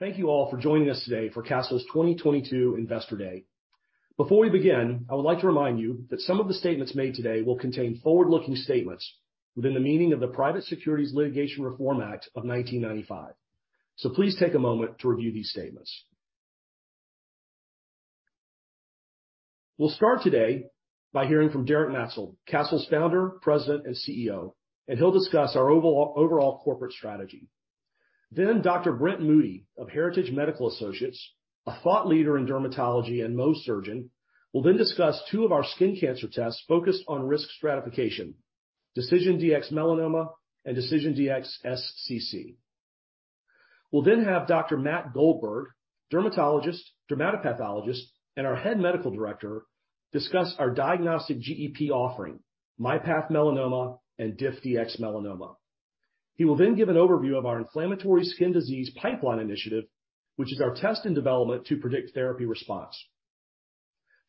Thank you all for joining us today for Castle's 2022 Investor Day. Before we begin, I would like to remind you that some of the statements made today will contain forward-looking statements within the meaning of the Private Securities Litigation Reform Act of 1995. Please take a moment to review these statements. We'll start today by hearing from Derek Maetzold, Castle's Founder, President, and CEO, and he'll discuss our overall corporate strategy. Dr. Brent Moody of Heritage Medical Associates, a thought leader in dermatology and Mohs surgeon, will then discuss two of our skin cancer tests focused on risk stratification, DecisionDx-Melanoma and DecisionDx-SCC. We'll then have Dr. Matt Goldberg, dermatologist, dermatopathologist, and our head medical director, discuss our diagnostic GEP offering, MyPath Melanoma and DiffDx-Melanoma. He will then give an overview of our inflammatory skin disease pipeline initiative, which is our test in development to predict therapy response.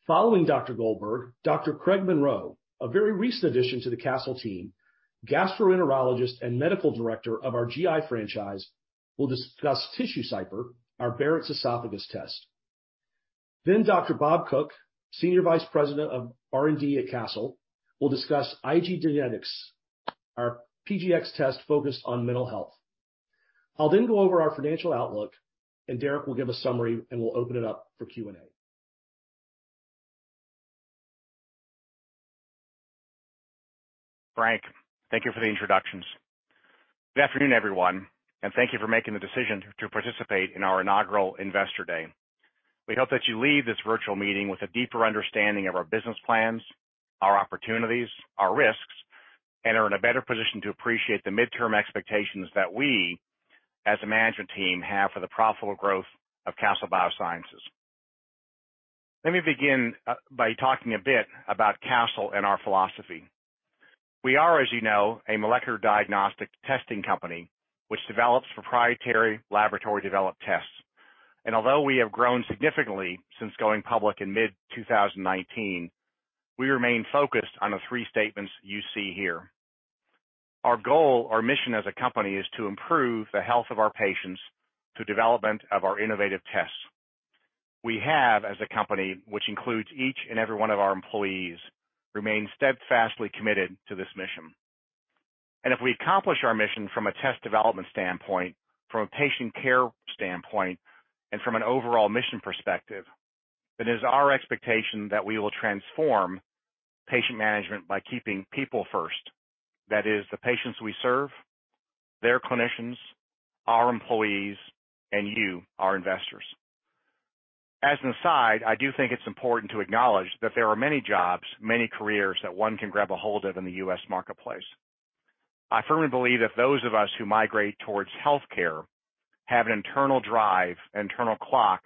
Following Dr. Goldberg, Dr. Craig Monroe, a very recent addition to the Castle team, gastroenterologist and medical director of our GI franchise, will discuss TissueCypher, our Barrett's esophagus test. Dr. Bob Cook, Senior Vice President of R&D at Castle, will discuss IDgenetix, our PGX test focused on mental health. I'll then go over our financial outlook, and Derek will give a summary, and we'll open it up for Q&A. Frank, thank you for the introductions. Good Afternoon, everyone, and thank you for making the decision to participate in our inaugural Investor Day. We hope that you leave this virtual meeting with a deeper understanding of our business plans, our opportunities, our risks, and are in a better position to appreciate the midterm expectations that we, as a management team, have for the profitable growth of Castle Biosciences. Let me begin by talking a bit about Castle and our philosophy. We are, as you know, a molecular diagnostic testing company which develops proprietary laboratory-developed tests. Although we have grown significantly since going public in mid-2019, we remain focused on the three statements you see here. Our goal, our mission as a company is to improve the health of our patients through development of our innovative tests. We have, as a company, which includes each and every one of our employees, remain steadfastly committed to this mission. If we accomplish our mission from a test development standpoint, from a patient care standpoint, and from an overall mission perspective, it is our expectation that we will transform patient management by keeping people first. That is, the patients we serve, their clinicians, our employees, and you, our investors. As an aside, I do think it's important to acknowledge that there are many jobs, many careers that one can grab a hold of in the U.S. marketplace. I firmly believe that those of us who migrate towards healthcare have an internal drive, internal clock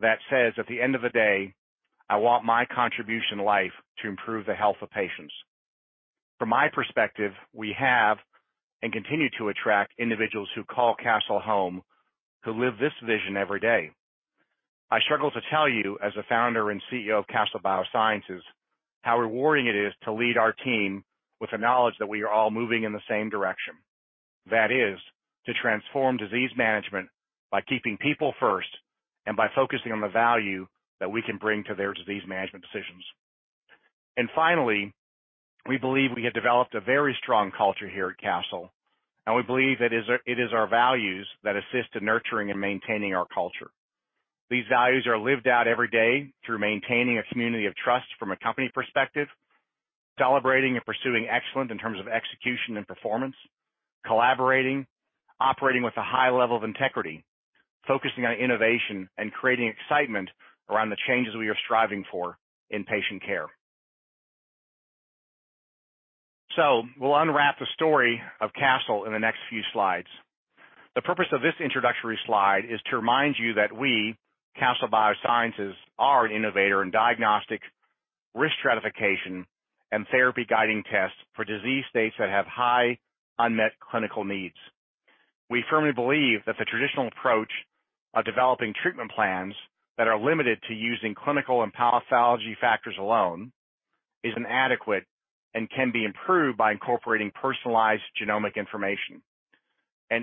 that says, "At the end of the day, I want my contribution to life to improve the health of patients." From my perspective, we have and continue to attract individuals who call Castle home, who live this vision every day. I struggle to tell you, as a founder and CEO of Castle Biosciences, how rewarding it is to lead our team with the knowledge that we are all moving in the same direction. That is, to transform disease management by keeping people first and by focusing on the value that we can bring to their disease management decisions. Finally, we believe we have developed a very strong culture here at Castle, and we believe that is our values that assist in nurturing and maintaining our culture. These values are lived out every day through maintaining a community of trust from a company perspective, celebrating and pursuing excellence in terms of execution and performance, collaborating, operating with a high level of integrity, focusing on innovation, and creating excitement around the changes we are striving for in patient care. We'll unwrap the story of Castle in the next few slides. The purpose of this introductory slide is to remind you that we, Castle Biosciences, are an innovator in diagnostic risk stratification and therapy-guiding tests for disease states that have high unmet clinical needs. We firmly believe that the traditional approach of developing treatment plans that are limited to using clinical and pathology factors alone is inadequate and can be improved by incorporating personalized genomic information.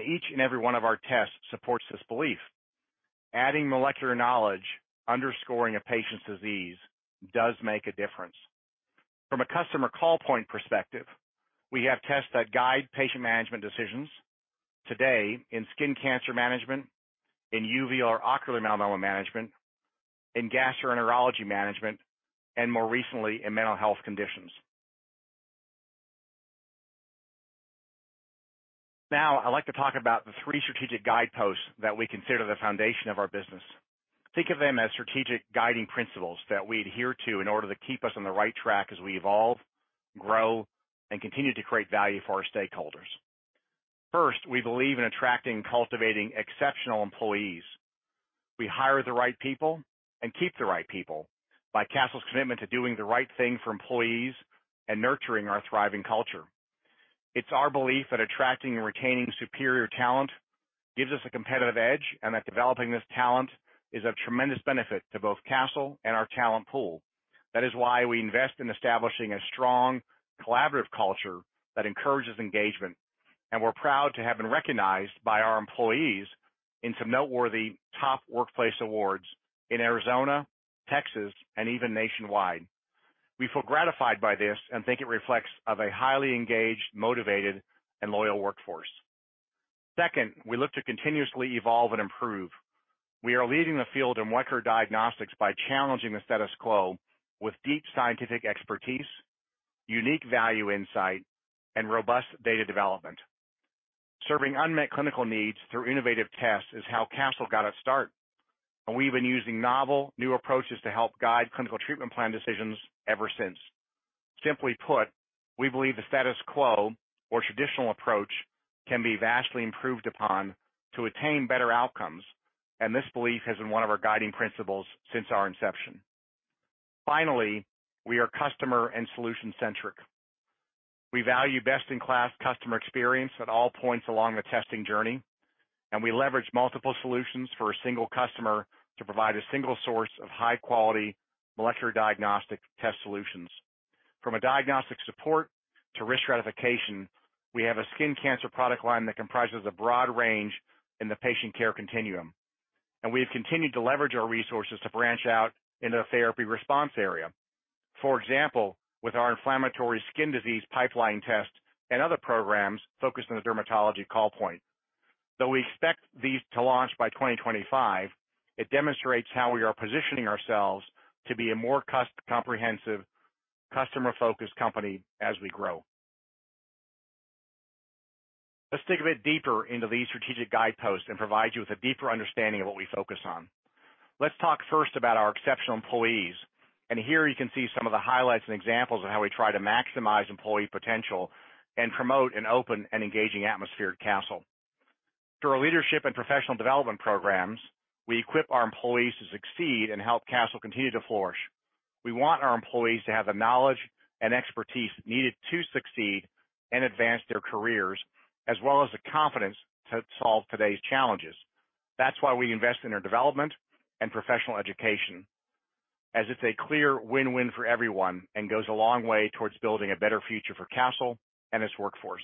Each and every one of our tests supports this belief. Adding molecular knowledge underscoring a patient's disease does make a difference. From a customer call point perspective, we have tests that guide patient management decisions today in skin cancer management, in uveal or ocular melanoma management, in gastroenterology management, and more recently, in mental health conditions. Now, I'd like to talk about the three strategic guideposts that we consider the foundation of our business. Think of them as strategic guiding principles that we adhere to in order to keep us on the right track as we evolve, grow, and continue to create value for our stakeholders. First, we believe in attracting and cultivating exceptional employees. We hire the right people and keep the right people by Castle's commitment to doing the right thing for employees and nurturing our thriving culture. It's our belief that attracting and retaining superior talent gives us a competitive edge and that developing this talent is of tremendous benefit to both Castle and our talent pool. That is why we invest in establishing a strong collaborative culture that encourages engagement, and we're proud to have been recognized by our employees in some noteworthy top workplace awards in Arizona, Texas, and even nationwide. We feel gratified by this and think it is reflective of a highly engaged, motivated, and loyal workforce. Second, we look to continuously evolve and improve. We are leading the field in molecular diagnostics by challenging the status quo with deep scientific expertise, unique value insight, and robust data development. Serving unmet clinical needs through innovative tests is how Castle got its start, and we've been using novel new approaches to help guide clinical treatment plan decisions ever since. Simply put, we believe the status quo or traditional approach can be vastly improved upon to attain better outcomes, and this belief has been one of our guiding principles since our inception. Finally, we are customer and solution-centric. We value best-in-class customer experience at all points along the testing journey, and we leverage multiple solutions for a single customer to provide a single source of high-quality molecular diagnostic test solutions. From a diagnostic support to risk stratification, we have a skin cancer product line that comprises a broad range in the patient care continuum, and we have continued to leverage our resources to branch out into the therapy response area. For example, with our inflammatory skin disease pipeline test and other programs focused on the dermatology call point. Though we expect these to launch by 2025, it demonstrates how we are positioning ourselves to be a more cust... Comprehensive customer-focused company as we grow. Let's dig a bit deeper into these strategic guideposts and provide you with a deeper understanding of what we focus on. Let's talk first about our exceptional employees, and here you can see some of the highlights and examples of how we try to maximize employee potential and promote an open and engaging atmosphere at Castle. Through our leadership and professional development programs, we equip our employees to succeed and help Castle continue to flourish. We want our employees to have the knowledge and expertise needed to succeed and advance their careers, as well as the confidence to solve today's challenges. That's why we invest in their development and professional education, as it's a clear win-win for everyone and goes a long way towards building a better future for Castle and its workforce.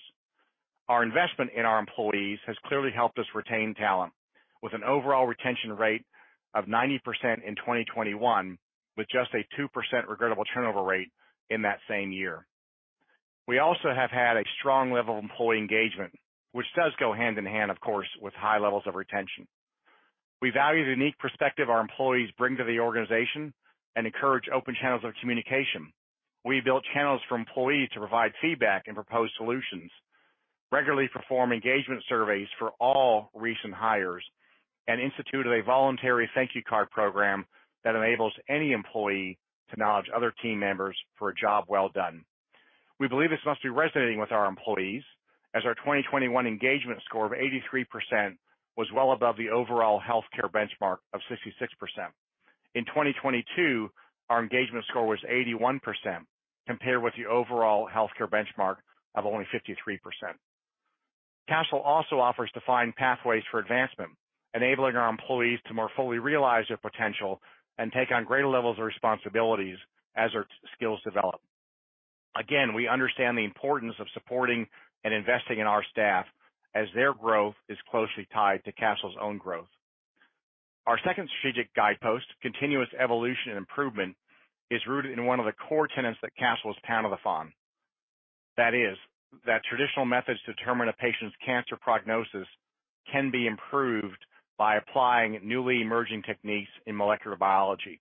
Our investment in our employees has clearly helped us retain talent, with an overall retention rate of 90% in 2021, with just a 2% regrettable turnover rate in that same year. We also have had a strong level of employee engagement, which does go hand in hand, of course, with high levels of retention. We value the unique perspective our employees bring to the organization and encourage open channels of communication. We build channels for employees to provide feedback and propose solutions, regularly perform engagement surveys for all recent hires, and instituted a voluntary thank you card program that enables any employee to acknowledge other team members for a job well done. We believe this must be resonating with our employees as our 2021 engagement score of 83% was well above the overall healthcare benchmark of 66%. In 2022, our engagement score was 81% compared with the overall healthcare benchmark of only 53%. Castle also offers defined pathways for advancement, enabling our employees to more fully realize their potential and take on greater levels of responsibilities as their skills develop. Again, we understand the importance of supporting and investing in our staff as their growth is closely tied to Castle's own growth. Our second strategic guidepost, continuous evolution and improvement, is rooted in one of the core tenets that Castle was founded upon. That is that traditional methods to determine a patient's cancer prognosis can be improved by applying newly emerging techniques in molecular biology.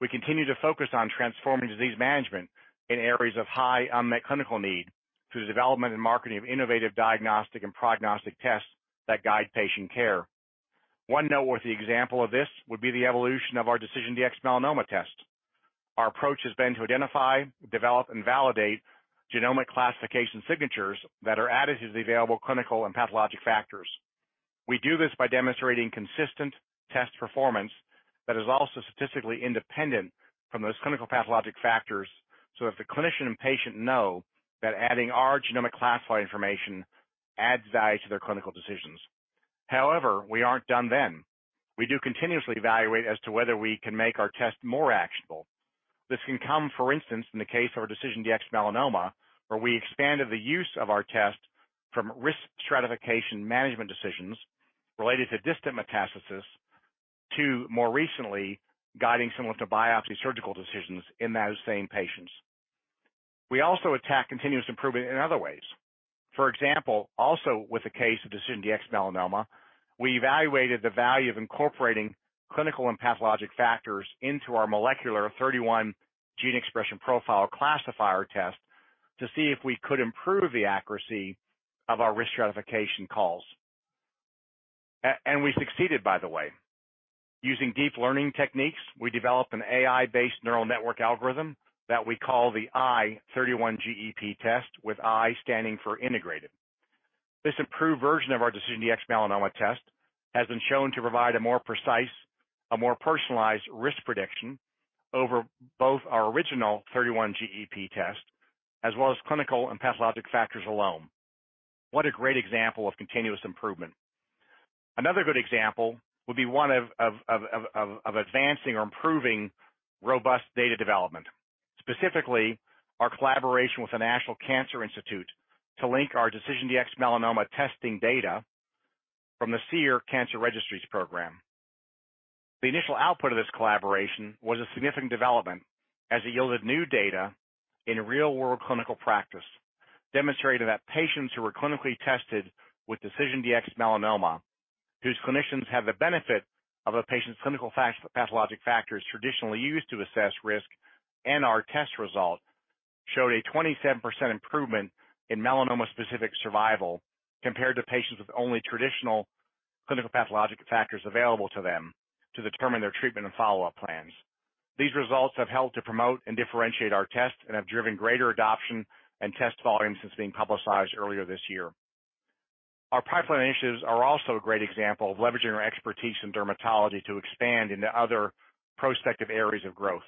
We continue to focus on transforming disease management in areas of high unmet clinical need through the development and marketing of innovative diagnostic and prognostic tests that guide patient care. One noteworthy example of this would be the evolution of our DecisionDx-Melanoma test. Our approach has been to identify, develop, and validate genomic classification signatures that are added to the available clinical and pathologic factors. We do this by demonstrating consistent test performance that is also statistically independent from those clinical pathologic factors, so if the clinician and patient know that adding our genomic classifier information adds value to their clinical decisions. However, we aren't done then. We do continuously evaluate as to whether we can make our test more actionable. This can come, for instance, in the case of our DecisionDx-Melanoma, where we expanded the use of our test from risk stratification management decisions related to distant metastasis to more recently guiding some of the biopsy surgical decisions in those same patients. We also attack continuous improvement in other ways. For example, also with the case of DecisionDx-Melanoma, we evaluated the value of incorporating clinical and pathologic factors into our molecular 31-gene expression profile classifier test to see if we could improve the accuracy of our risk stratification calls. And we succeeded by the way. Using deep learning techniques, we developed an AI-based neural network algorithm that we call the i31-GEP test, with i standing for integrated. This improved version of our DecisionDx-Melanoma test has been shown to provide a more precise, a more personalized risk prediction over both our original 31-GEP test as well as clinical and pathologic factors alone. What a great example of continuous improvement. Another good example would be one of advancing or improving robust data development. Specifically, our collaboration with the National Cancer Institute to link our DecisionDx-Melanoma testing data from the SEER Cancer Registries Program. The initial output of this collaboration was a significant development as it yielded new data in real-world clinical practice, demonstrating that patients who were clinically tested with DecisionDx-Melanoma, whose clinicians have the benefit of a patient's clinical and pathologic factors traditionally used to assess risk, and our test result showed a 27% improvement in melanoma-specific survival compared to patients with only traditional clinical pathologic factors available to them to determine their treatment and follow-up plans. These results have helped to promote and differentiate our tests and have driven greater adoption and test volume since being publicized earlier this year. Our pipeline initiatives are also a great example of leveraging our expertise in dermatology to expand into other prospective areas of growth.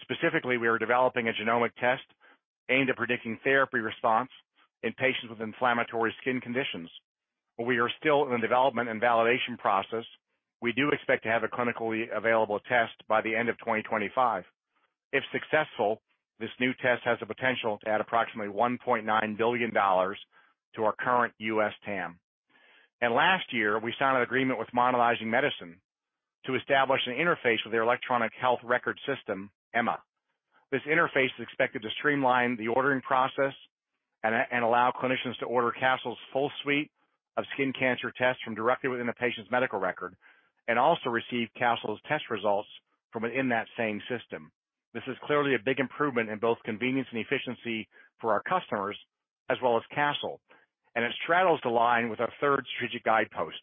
Specifically, we are developing a genomic test aimed at predicting therapy response in patients with inflammatory skin conditions. While we are still in the development and validation process, we do expect to have a clinically available test by the end of 2025. If successful, this new test has the potential to add approximately $1.9 billion to our current US TAM. Last year, we signed an agreement with Modernizing Medicine to establish an interface with their electronic health record system, EMA. This interface is expected to streamline the ordering process and allow clinicians to order Castle's full suite of skin cancer tests from directly within the patient's medical record and also receive Castle's test results from within that same system. This is clearly a big improvement in both convenience and efficiency for our customers as well as Castle, and it straddles the line with our third strategic guidepost.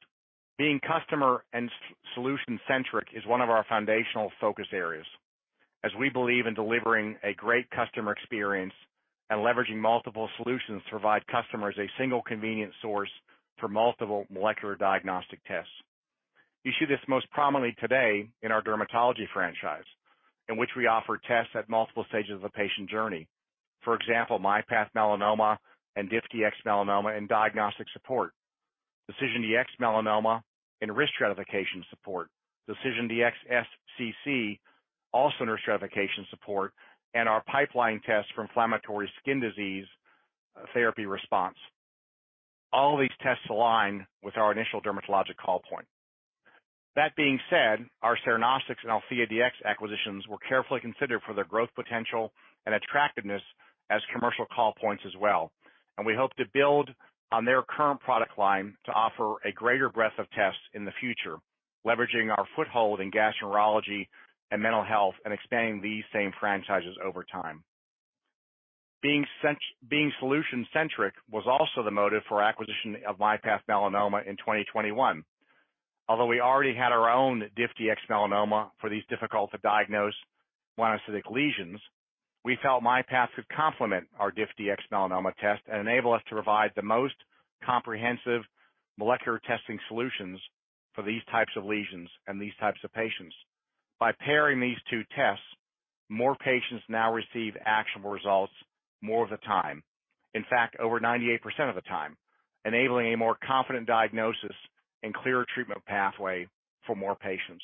Being customer and solution centric is one of our foundational focus areas as we believe in delivering a great customer experience and leveraging multiple solutions to provide customers a single convenient source for multiple molecular diagnostic tests. You see this most prominently today in our dermatology franchise, in which we offer tests at multiple stages of a patient journey. For example, MyPath Melanoma and DiffDx-Melanoma in diagnostic support, DecisionDx-Melanoma in risk stratification support, DecisionDx-SCC, also in risk stratification support, and our pipeline test for inflammatory skin disease therapy response. All of these tests align with our initial dermatologic call point. That being said, our Cernostics and AltheaDx acquisitions were carefully considered for their growth potential and attractiveness as commercial call points as well, and we hope to build on their current product line to offer a greater breadth of tests in the future, leveraging our foothold in gastroenterology and mental health and expanding these same franchises over time. Being solution-centric was also the motive for acquisition of MyPath Melanoma in 2021. Although we already had our own DiffDx-Melanoma for these difficult to diagnose melanocytic lesions, we felt MyPath could complement our DiffDx-Melanoma test and enable us to provide the most comprehensive molecular testing solutions for these types of lesions and these types of patients. By pairing these two tests, more patients now receive actionable results more of the time. In fact, over 98% of the time, enabling a more confident diagnosis and clearer treatment pathway for more patients.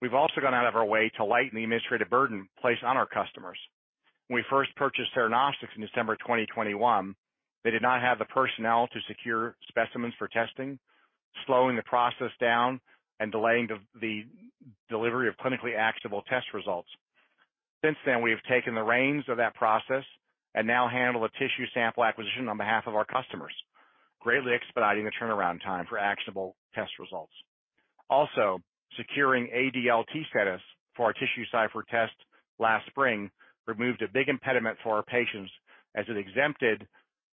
We've also gone out of our way to lighten the administrative burden placed on our customers. When we first purchased Cernostics in December 2021, they did not have the personnel to secure specimens for testing, slowing the process down and delaying the delivery of clinically actionable test results. Since then, we have taken the reins of that process and now handle the tissue sample acquisition on behalf of our customers, greatly expediting the turnaround time for actionable test results. Also, securing ADLT status for our TissueCypher test last spring removed a big impediment for our patients as it exempted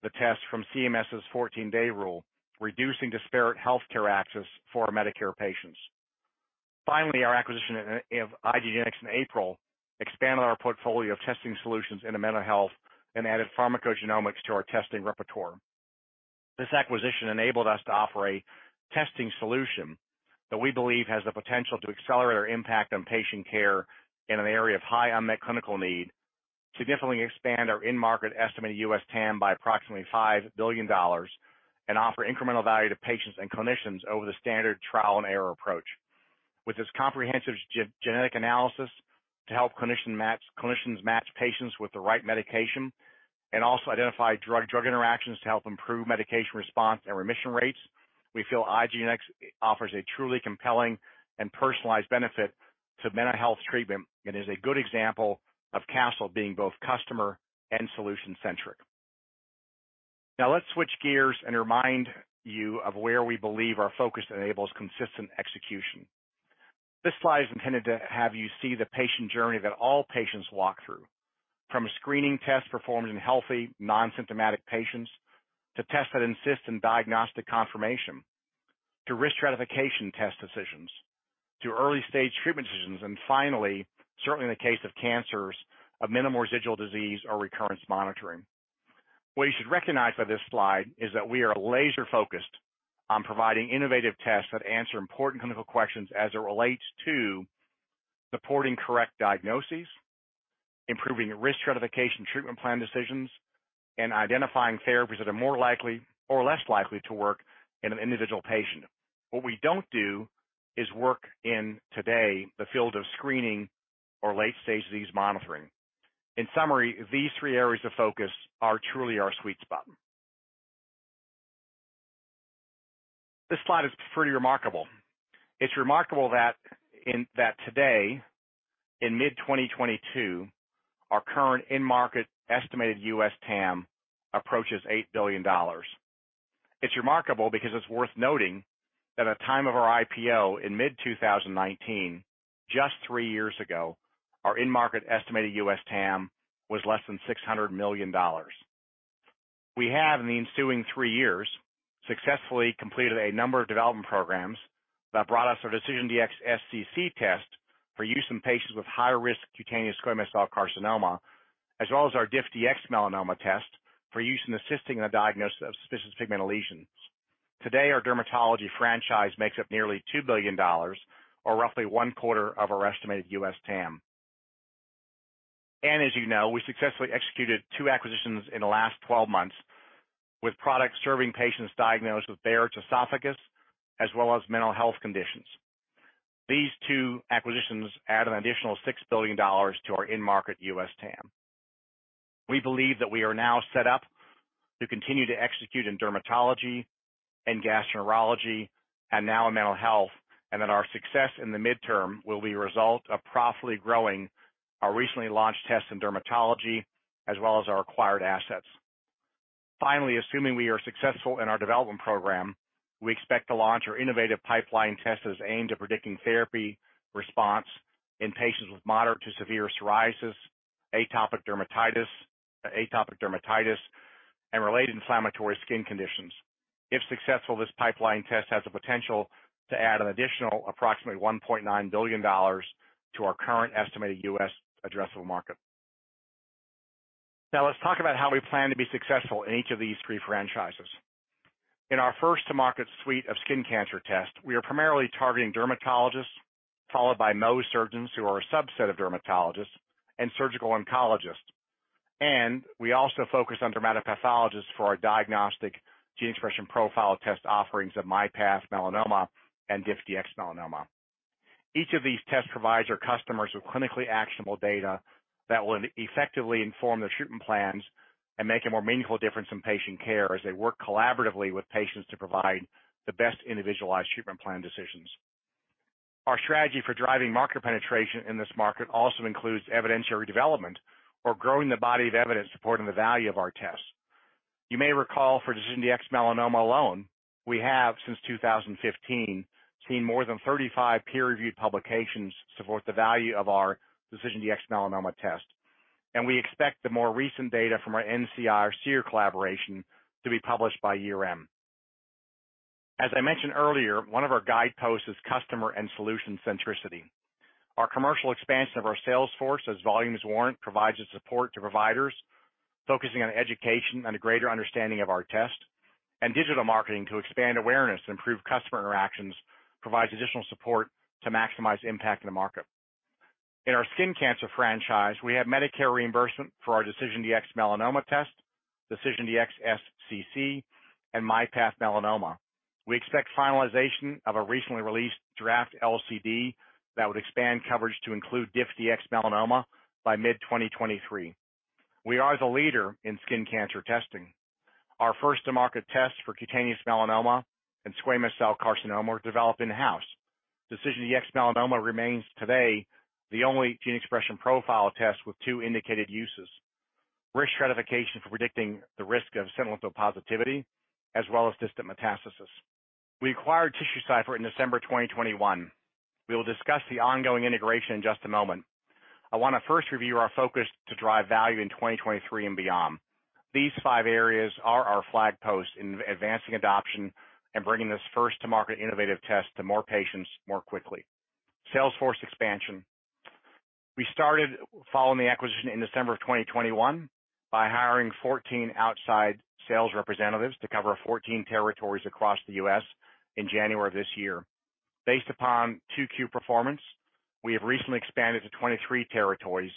the test from CMS's fourteen-day rule, reducing disparate healthcare access for our Medicare patients. Finally, our acquisition of IDgenetix in April expanded our portfolio of testing solutions into mental health and added pharmacogenomics to our testing repertoire. This acquisition enabled us to offer a testing solution that we believe has the potential to accelerate our impact on patient care in an area of high unmet clinical need, significantly expand our in-market estimated US TAM by approximately $5 billion, and offer incremental value to patients and clinicians over the standard trial and error approach. With this comprehensive genetic analysis to help clinicians match patients with the right medication and also identify drug-drug interactions to help improve medication response and remission rates, we feel IDgenetix offers a truly compelling and personalized benefit to mental health treatment and is a good example of Castle being both customer and solution-centric. Now, let's switch gears and remind you of where we believe our focus enables consistent execution. This slide is intended to have you see the patient journey that all patients walk through, from a screening test performed in healthy non-symptomatic patients to tests that assist in diagnostic confirmation, to risk stratification test decisions, to early-stage treatment decisions, and finally, certainly in the case of cancers, of minimal residual disease or recurrence monitoring. What you should recognize by this slide is that we are laser-focused on providing innovative tests that answer important clinical questions as it relates to supporting correct diagnoses. Improving risk stratification treatment plan decisions and identifying therapies that are more likely or less likely to work in an individual patient. What we don't do is work in, today, the field of screening or late-stage disease monitoring. In summary, these three areas of focus are truly our sweet spot. This slide is pretty remarkable. It's remarkable that today in mid-2022, our current in-market estimated US TAM approaches $8 billion. It's remarkable because it's worth noting that at the time of our IPO in mid-2019, just three years ago, our in-market estimated US TAM was less than $600 million. We have, in the ensuing three years, successfully completed a number of development programs that brought us our DecisionDx-SCC test for use in patients with high-risk cutaneous squamous cell carcinoma, as well as our DiffDx-Melanoma test for use in assisting in the diagnosis of suspicious pigmented lesions. Today, our dermatology franchise makes up nearly $2 billion or roughly one quarter of our estimated US TAM. As you know, we successfully executed 2 acquisitions in the last 12 months with products serving patients diagnosed with Barrett's esophagus as well as mental health conditions. These 2 acquisitions add an additional $6 billion to our in-market US TAM. We believe that we are now set up to continue to execute in dermatology and gastroenterology and now in mental health, and that our success in the midterm will be a result of profitably growing our recently launched tests in dermatology as well as our acquired assets. Finally, assuming we are successful in our development program, we expect to launch our innovative pipeline tests aimed at predicting therapy response in patients with moderate to severe psoriasis, atopic dermatitis, and related inflammatory skin conditions. If successful, this pipeline test has the potential to add an additional approximately $1.9 billion to our current estimated U.S. addressable market. Now let's talk about how we plan to be successful in each of these three franchises. In our first-to-market suite of skin cancer tests, we are primarily targeting dermatologists, followed by Mohs surgeons who are a subset of dermatologists and surgical oncologists. We also focus on dermatopathologists for our diagnostic gene expression profile test offerings of MyPath Melanoma and DiffDx-Melanoma. Each of these tests provides our customers with clinically actionable data that will effectively inform their treatment plans and make a more meaningful difference in patient care as they work collaboratively with patients to provide the best individualized treatment plan decisions. Our strategy for driving market penetration in this market also includes evidentiary development or growing the body of evidence supporting the value of our tests. You may recall for DecisionDx-Melanoma alone, we have, since 2015, seen more than 35 peer-reviewed publications support the value of our DecisionDx-Melanoma test, and we expect the more recent data from our NCI-SEER collaboration to be published by year-end. As I mentioned earlier, one of our guideposts is customer and solution centricity. Our commercial expansion of our sales force as volumes warrant provides the support to providers focusing on education and a greater understanding of our test. Digital marketing to expand awareness and improve customer interactions provides additional support to maximize impact in the market. In our skin cancer franchise, we have Medicare reimbursement for our DecisionDx-Melanoma test, DecisionDx-SCC, and MyPath Melanoma. We expect finalization of a recently released draft LCD that would expand coverage to include DiffDx-Melanoma by mid-2023. We are the leader in skin cancer testing. Our first-to-market test for cutaneous melanoma and squamous cell carcinoma were developed in-house. DecisionDx-Melanoma remains today the only gene expression profile test with two indicated uses: risk stratification for predicting the risk of sentinel positivity as well as distant metastasis. We acquired TissueCypher in December 2021. We will discuss the ongoing integration in just a moment. I want to first review our focus to drive value in 2023 and beyond. These five areas are our flag posts in advancing adoption and bringing this first-to-market innovative test to more patients more quickly. Sales force expansion. We started following the acquisition in December of 2021 by hiring 14 outside sales representatives to cover 14 territories across the U.S. in January of this year. Based upon 2Q performance, we have recently expanded to 23 territories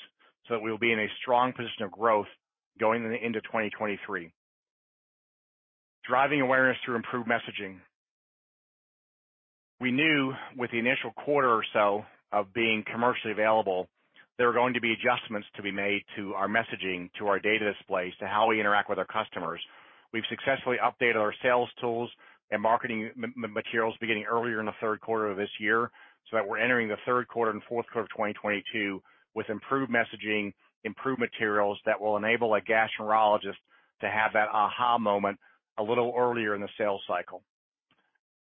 so that we will be in a strong position of growth going into 2023. Driving awareness through improved messaging. We knew with the initial quarter or so of being commercially available, there were going to be adjustments to be made to our messaging, to our data displays, to how we interact with our customers. We've successfully updated our sales tools and marketing materials beginning earlier in the third quarter of this year so that we're entering the third quarter and fourth quarter of 2022 with improved messaging, improved materials that will enable a gastroenterologist to have that aha moment a little earlier in the sales cycle.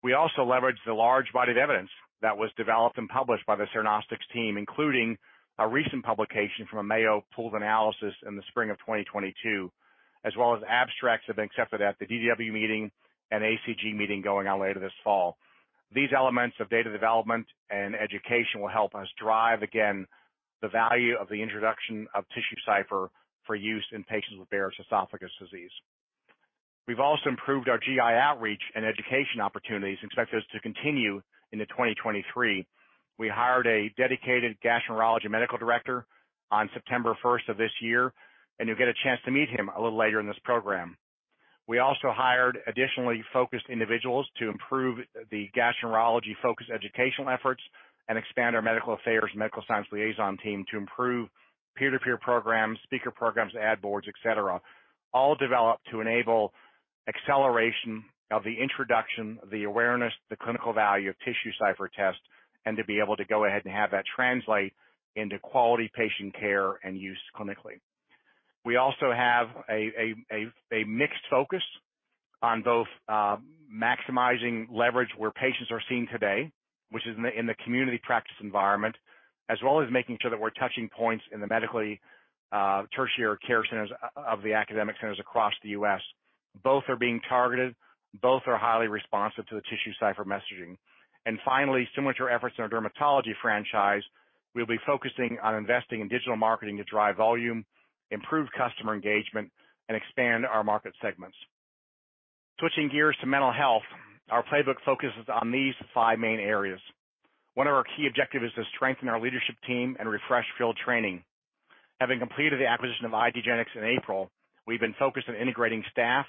We also leveraged the large body of evidence that was developed and published by the Cernostics team, including a recent publication from a Mayo Clinic pooled analysis in the spring of 2022, as well as abstracts that have been accepted at the DDW meeting and ACG meeting going on later this fall. These elements of data development and education will help us drive again the value of the introduction of TissueCypher for use in patients with Barrett's esophagus disease. We've also improved our GI outreach and education opportunities and expect those to continue into 2023. We hired a dedicated gastroenterology medical director on September 1 of this year, and you'll get a chance to meet him a little later in this program. We also hired additionally focused individuals to improve the gastroenterology-focused educational efforts and expand our medical affairs medical science liaison team to improve peer-to-peer programs, speaker programs, ad boards, et cetera, all developed to enable acceleration of the introduction, the awareness, the clinical value of TissueCypher test, and to be able to go ahead and have that translate into quality patient care and use clinically. We also have a mixed focus on both, maximizing leverage where patients are seen today, which is in the community practice environment, as well as making sure that we're touching points in the medically tertiary care centers of the academic centers across the U.S. Both are being targeted. Both are highly responsive to the TissueCypher messaging. Finally, similar to our efforts in our dermatology franchise, we'll be focusing on investing in digital marketing to drive volume, improve customer engagement, and expand our market segments. Switching gears to mental health, our playbook focuses on these five main areas. One of our key objectives is to strengthen our leadership team and refresh field training. Having completed the acquisition of IDgenetix in April, we've been focused on integrating staff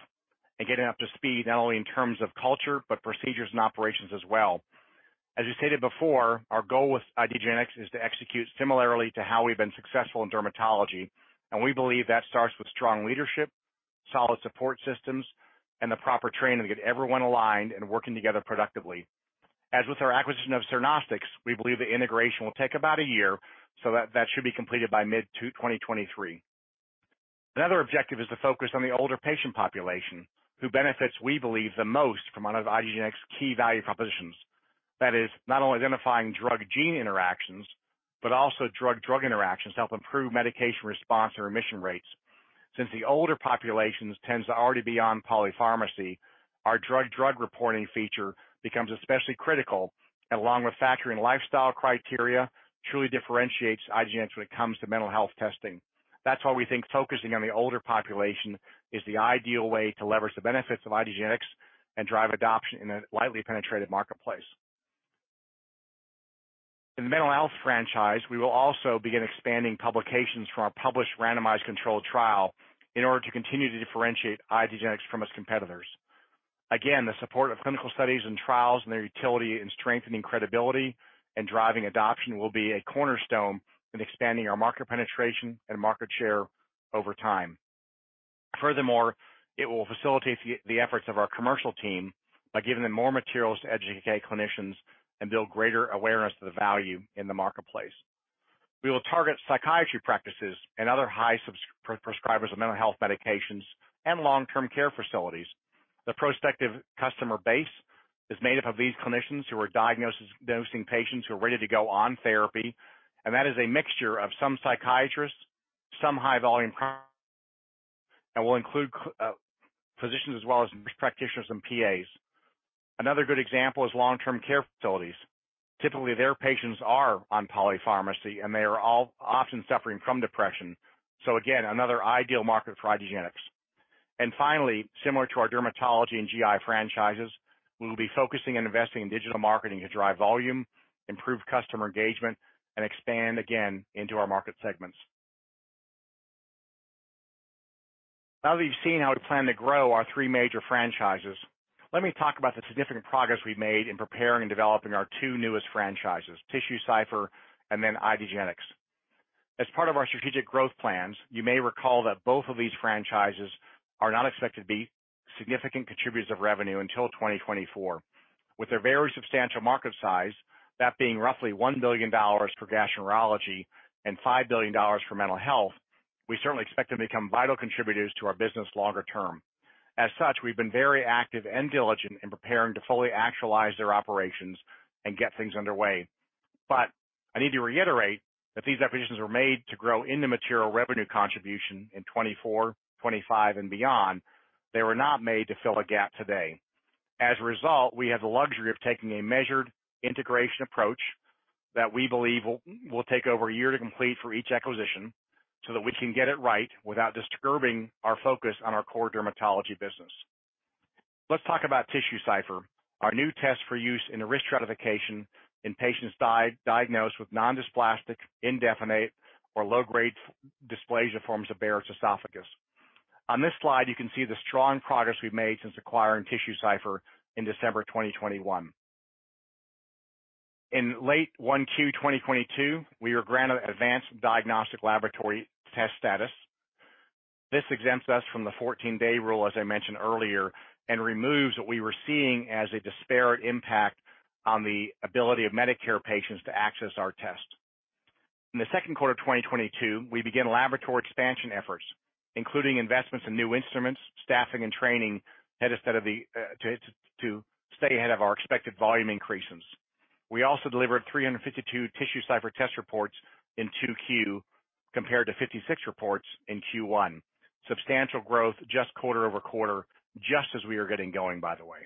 and getting up to speed, not only in terms of culture, but procedures and operations as well. As we stated before, our goal with IDgenetix is to execute similarly to how we've been successful in dermatology, and we believe that starts with strong leadership, solid support systems, and the proper training to get everyone aligned and working together productively. As with our acquisition of Cernostics, we believe the integration will take about a year, so that should be completed by mid-2023. Another objective is to focus on the older patient population who benefits, we believe, the most from one of IDgenetix's key value propositions. That is, not only identifying drug-gene interactions, but also drug-drug interactions to help improve medication response or remission rates. Since the older populations tends to already be on polypharmacy, our drug-drug reporting feature becomes especially critical, and along with factoring lifestyle criteria, truly differentiates IDgenetix when it comes to mental health testing. That's why we think focusing on the older population is the ideal way to leverage the benefits of IDgenetix and drive adoption in a lightly penetrated marketplace. In the mental health franchise, we will also begin expanding publications from our published randomized controlled trial in order to continue to differentiate IDgenetix from its competitors. Again, the support of clinical studies and trials and their utility in strengthening credibility and driving adoption will be a cornerstone in expanding our market penetration and market share over time. Furthermore, it will facilitate the efforts of our commercial team by giving them more materials to educate clinicians and build greater awareness of the value in the marketplace. We will target psychiatry practices and other high prescribers of mental health medications and long-term care facilities. The prospective customer base is made up of these clinicians who are diagnosing patients who are ready to go on therapy, and that is a mixture of some psychiatrists, some high-volume and will include physicians as well as nurse practitioners and PAs. Another good example is long-term care facilities. Typically, their patients are on polypharmacy, and they are all often suffering from depression. Again, another ideal market for IDgenetix. Finally, similar to our dermatology and GI franchises, we will be focusing and investing in digital marketing to drive volume, improve customer engagement, and expand again into our market segments. Now that you've seen how we plan to grow our three major franchises, let me talk about the significant progress we've made in preparing and developing our two newest franchises, TissueCypher and then IDgenetix. As part of our strategic growth plans, you may recall that both of these franchises are not expected to be significant contributors of revenue until 2024. With their very substantial market size, that being roughly $1 billion for gastroenterology and $5 billion for mental health, we certainly expect them to become vital contributors to our business longer term. As such, we've been very active and diligent in preparing to fully actualize their operations and get things underway. I need to reiterate that these acquisitions were made to grow into material revenue contribution in 2024, 2025, and beyond. They were not made to fill a gap today. As a result, we have the luxury of taking a measured integration approach that we believe will take over a year to complete for each acquisition so that we can get it right without disturbing our focus on our core dermatology business. Let's talk about TissueCypher, our new test for use in risk stratification in patients diagnosed with non-dysplastic, indefinite, or low-grade dysplasia forms of Barrett's esophagus. On this slide, you can see the strong progress we've made since acquiring TissueCypher in December 2021. In late 1Q 2022, we were granted advanced diagnostic laboratory test status. This exempts us from the 14-day rule, as I mentioned earlier, and removes what we were seeing as a disparate impact on the ability of Medicare patients to access our tests. In the second quarter of 2022, we began laboratory expansion efforts, including investments in new instruments, staffing, and training ahead instead of the to stay ahead of our expected volume increases. We also delivered 352 TissueCypher test reports in 2Q, compared to 56 reports in Q1. Substantial growth just quarter-over-quarter, just as we are getting going, by the way.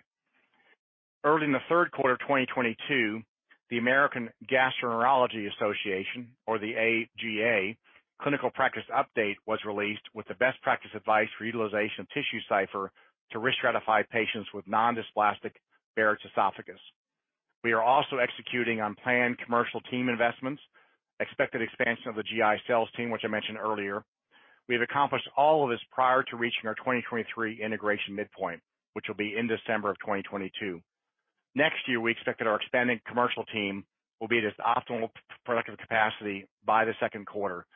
Early in the third quarter of 2022, the American Gastroenterological Association, or the AGA, clinical practice update was released with the best practice advice for utilization of TissueCypher to risk stratify patients with non-dysplastic Barrett's esophagus. We are also executing on planned commercial team investments, expected expansion of the GI sales team, which I mentioned earlier. We have accomplished all of this prior to reaching our 2023 integration midpoint, which will be in December of 2022. Next year, we expect that our expanding commercial team will be at its optimal productive capacity by the second quarter.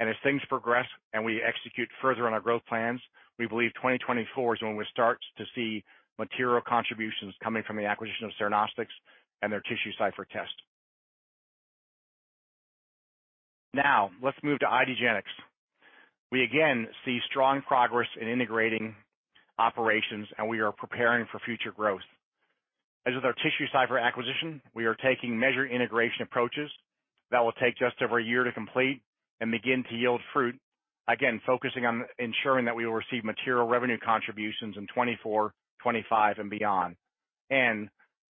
As things progress and we execute further on our growth plans, we believe 2024 is when we start to see material contributions coming from the acquisition of Cernostics and their TissueCypher test. Now, let's move to IDgenetix. We again see strong progress in integrating operations, and we are preparing for future growth. As with our TissueCypher acquisition, we are taking measured integration approaches that will take just over a year to complete and begin to yield fruit. Again, focusing on ensuring that we will receive material revenue contributions in 2024, 2025 and beyond.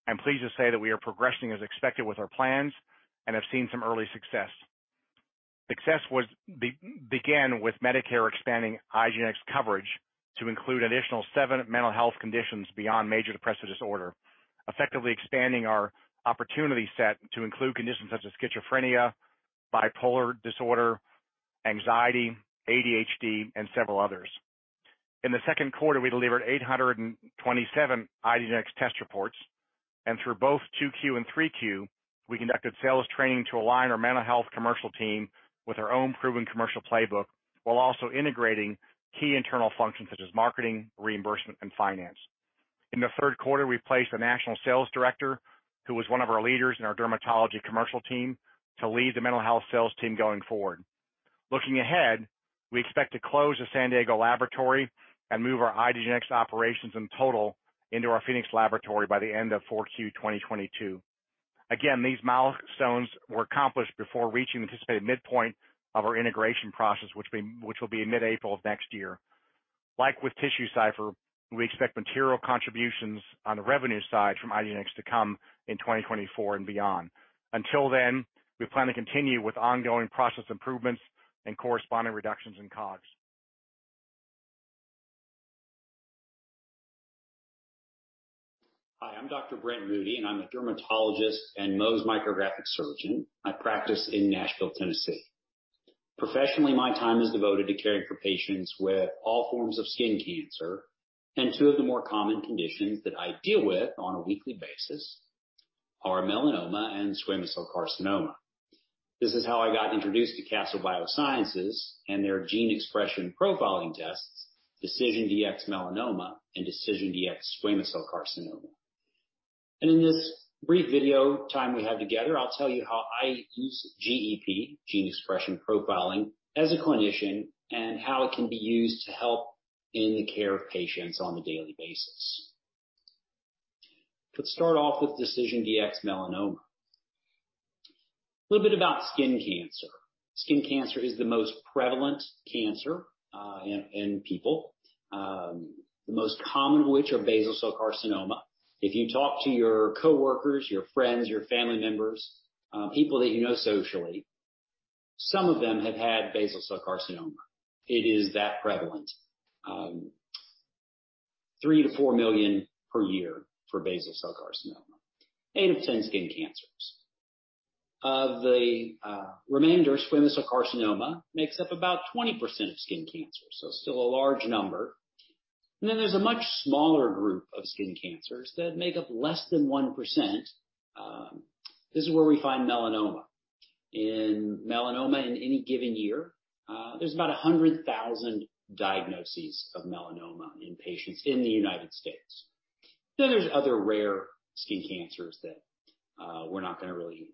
I'm pleased to say that we are progressing as expected with our plans and have seen some early success. Success began with Medicare expanding IDgenetix coverage to include additional seven mental health conditions beyond major depressive disorder, effectively expanding our opportunity set to include conditions such as schizophrenia, bipolar disorder, anxiety, ADHD and several others. In the second quarter, we delivered 827 IDgenetix test reports. Through both 2Q and 3Q, we conducted sales training to align our mental health commercial team with our own proven commercial playbook, while also integrating key internal functions such as marketing, reimbursement and finance. In the third quarter, we placed a national sales director, who was one of our leaders in our dermatology commercial team, to lead the mental health sales team going forward. Looking ahead, we expect to close the San Diego laboratory and move our IDgenetix operations in total into our Phoenix laboratory by the end of 4Q 2022. Again, these milestones were accomplished before reaching the anticipated midpoint of our integration process, which will be in mid-April of next year. Like with TissueCypher, we expect material contributions on the revenue side from IDgenetix to come in 2024 and beyond. Until then, we plan to continue with ongoing process improvements and corresponding reductions in COGS. Hi, I'm Dr. Brent Moody, and I'm a dermatologist and Mohs micrographic surgeon. I practice in Nashville, Tennessee. Professionally, my time is devoted to caring for patients with all forms of skin cancer, and two of the more common conditions that I deal with on a weekly basis are melanoma and squamous cell carcinoma. This is how I got introduced to Castle Biosciences and their gene expression profiling tests, DecisionDx-Melanoma and DecisionDx-SCC. In this brief video time we have together, I'll tell you how I use GEP, gene expression profiling, as a clinician and how it can be used to help in the care of patients on a daily basis. Let's start off with DecisionDx-Melanoma. A little bit about skin cancer. Skin cancer is the most prevalent cancer in people, the most common of which are basal cell carcinoma. If you talk to your coworkers, your friends, your family members, people that you know socially, some of them have had basal cell carcinoma. It is that prevalent. 3-4 million per year for basal cell carcinoma. 8 of 10 skin cancers. Of the remainder, squamous cell carcinoma makes up about 20% of skin cancer, so still a large number. There's a much smaller group of skin cancers that make up less than 1%, this is where we find melanoma. In melanoma in any given year, there's about 100,000 diagnoses of melanoma in patients in the United States. There's other rare skin cancers that we're not going to really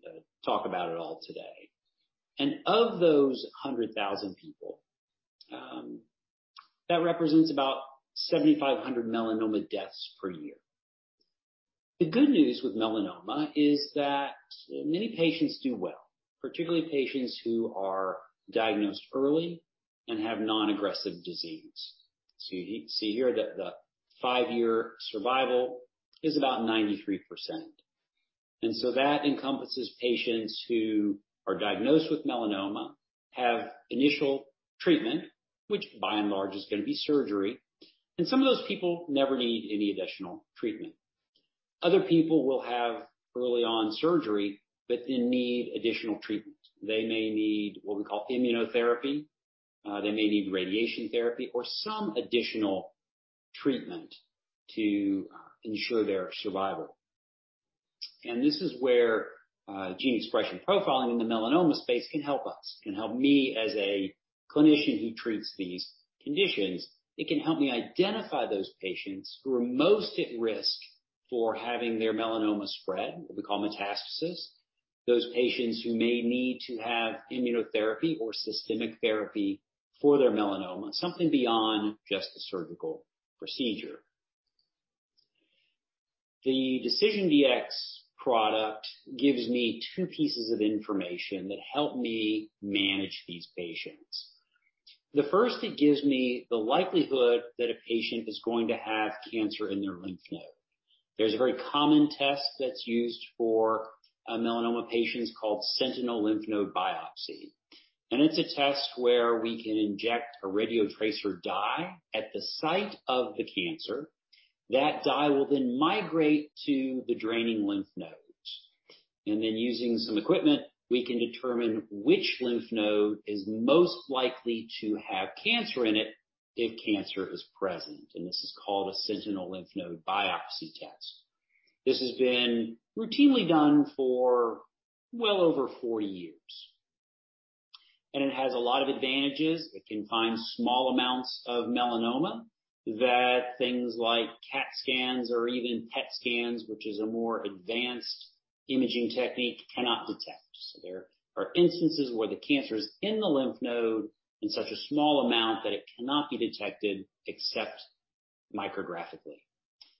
talk about at all today. Of those 100,000 people, that represents about 7,500 melanoma deaths per year. The good news with melanoma is that many patients do well, particularly patients who are diagnosed early and have non-aggressive disease. You see here that the five-year survival is about 93%. That encompasses patients who are diagnosed with melanoma, have initial treatment, which by and large is going to be surgery. Some of those people never need any additional treatment. Other people will have early on surgery, but then need additional treatment. They may need what we call immunotherapy, they may need radiation therapy or some additional treatment to ensure their survival. This is where gene expression profiling in the melanoma space can help us, can help me as a clinician who treats these conditions. It can help me identify those patients who are most at risk for having their melanoma spread, what we call metastasis. Those patients who may need to have immunotherapy or systemic therapy for their melanoma, something beyond just the surgical procedure. The DecisionDx product gives me two pieces of information that help me manage these patients. The first, it gives me the likelihood that a patient is going to have cancer in their lymph node. There's a very common test that's used for melanoma patients called sentinel lymph node biopsy. It's a test where we can inject a radiotracer dye at the site of the cancer. That dye will then migrate to the draining lymph nodes. Using some equipment, we can determine which lymph node is most likely to have cancer in it if cancer is present. This is called a sentinel lymph node biopsy test. This has been routinely done for well over 40 years. It has a lot of advantages. It can find small amounts of melanoma that things like CT scans or even PET scans, which is a more advanced imaging technique, cannot detect. There are instances where the cancer is in the lymph node in such a small amount that it cannot be detected except microscopically.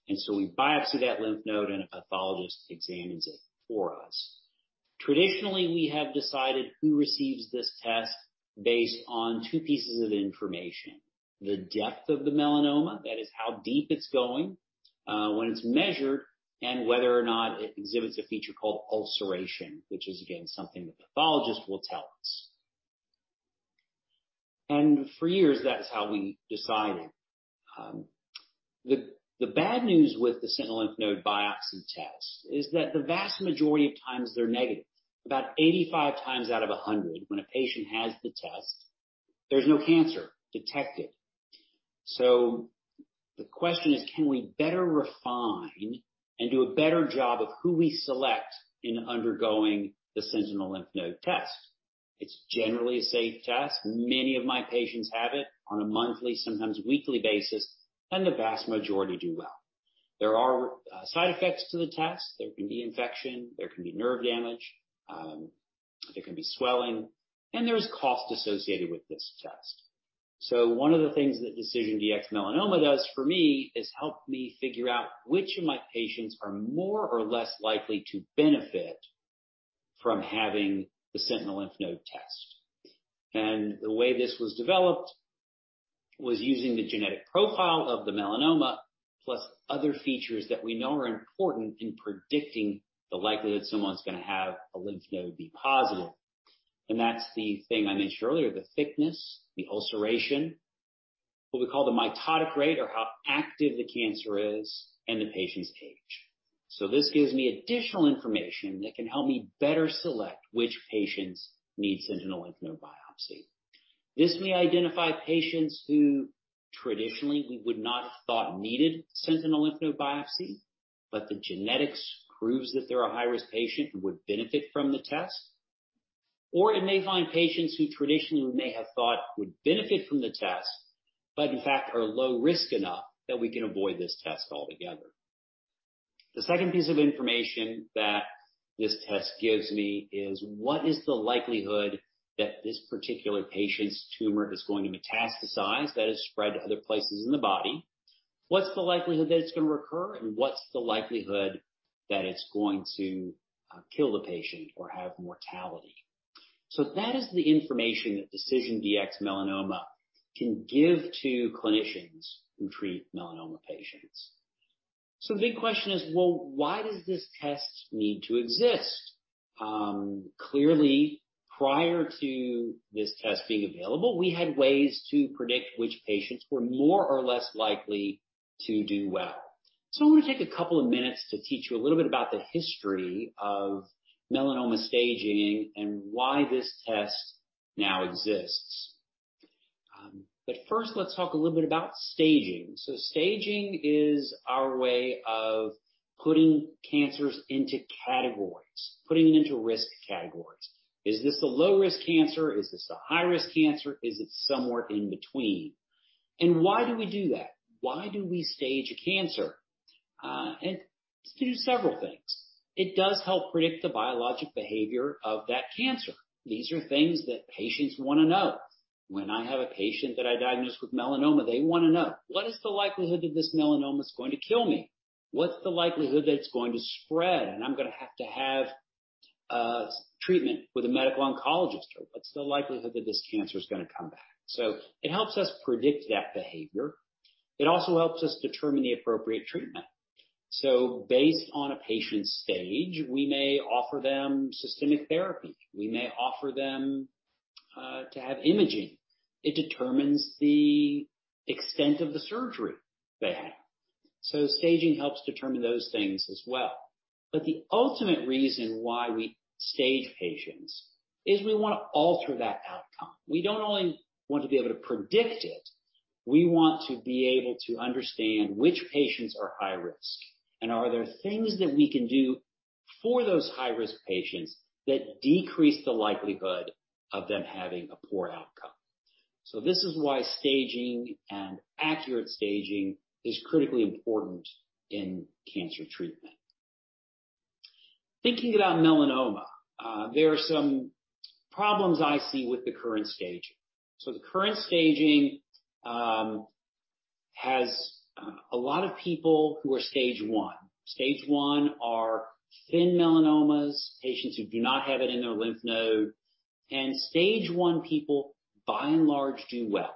We biopsy that lymph node, and a pathologist examines it for us. Traditionally, we have decided who receives this test based on 2 pieces of information, the depth of the melanoma, that is how deep it's going, when it's measured, and whether or not it exhibits a feature called ulceration, which is, again, something the pathologist will tell us. For years, that is how we decided. The bad news with the sentinel lymph node biopsy test is that the vast majority of times they're negative. About 85 times out of 100, when a patient has the test, there's no cancer detected. The question is, can we better refine and do a better job of who we select in undergoing the sentinel lymph node test? It's generally a safe test. Many of my patients have it on a monthly, sometimes weekly basis, and the vast majority do well. There are side effects to the test. There can be infection, there can be nerve damage, there can be swelling, and there is cost associated with this test. One of the things that DecisionDx-Melanoma does for me is help me figure out which of my patients are more or less likely to benefit from having the sentinel lymph node test. The way this was developed was using the genetic profile of the melanoma, plus other features that we know are important in predicting the likelihood someone's gonna have a lymph node be positive. That's the thing I mentioned earlier, the thickness, the ulceration, what we call the mitotic rate, or how active the cancer is, and the patient's age. This gives me additional information that can help me better select which patients need sentinel lymph node biopsy. This may identify patients who traditionally we would not have thought needed sentinel lymph node biopsy, but the genetics proves that they're a high-risk patient who would benefit from the test. Or it may find patients who traditionally we may have thought would benefit from the test, but in fact, are low risk enough that we can avoid this test altogether. The second piece of information that this test gives me is what is the likelihood that this particular patient's tumor is going to metastasize, that is spread to other places in the body? What's the likelihood that it's gonna recur, and what's the likelihood that it's going to kill the patient or have mortality? That is the information that DecisionDx-Melanoma can give to clinicians who treat melanoma patients. The big question is, well, why does this test need to exist? Clearly, prior to this test being available, we had ways to predict which patients were more or less likely to do well. I wanna take a couple of minutes to teach you a little bit about the history of melanoma staging and why this test now exists. First, let's talk a little bit about staging. Staging is our way of putting cancers into categories, putting it into risk categories. Is this a low-risk cancer? Is this a high-risk cancer? Is it somewhere in between? Why do we do that? Why do we stage a cancer? It's to do several things. It does help predict the biologic behavior of that cancer. These are things that patients wanna know. When I have a patient that I diagnose with melanoma, they wanna know, what is the likelihood that this melanoma is going to kill me? What's the likelihood that it's going to spread, and I'm gonna have to have a treatment with a medical oncologist? Or what's the likelihood that this cancer is gonna come back? It helps us predict that behavior. It also helps us determine the appropriate treatment. Based on a patient's stage, we may offer them systemic therapy. We may offer them to have imaging. It determines the extent of the surgery they have. Staging helps determine those things as well. The ultimate reason why we stage patients is we wanna alter that outcome. We don't only want to be able to predict it, we want to be able to understand which patients are high risk, and are there things that we can do for those high-risk patients that decrease the likelihood of them having a poor outcome. This is why staging and accurate staging is critically important in cancer treatment. Thinking about melanoma, there are some problems I see with the current staging. The current staging. A lot of people who are Stage One. Stage One are thin melanomas, patients who do not have it in their lymph node. Stage One people, by and large, do well.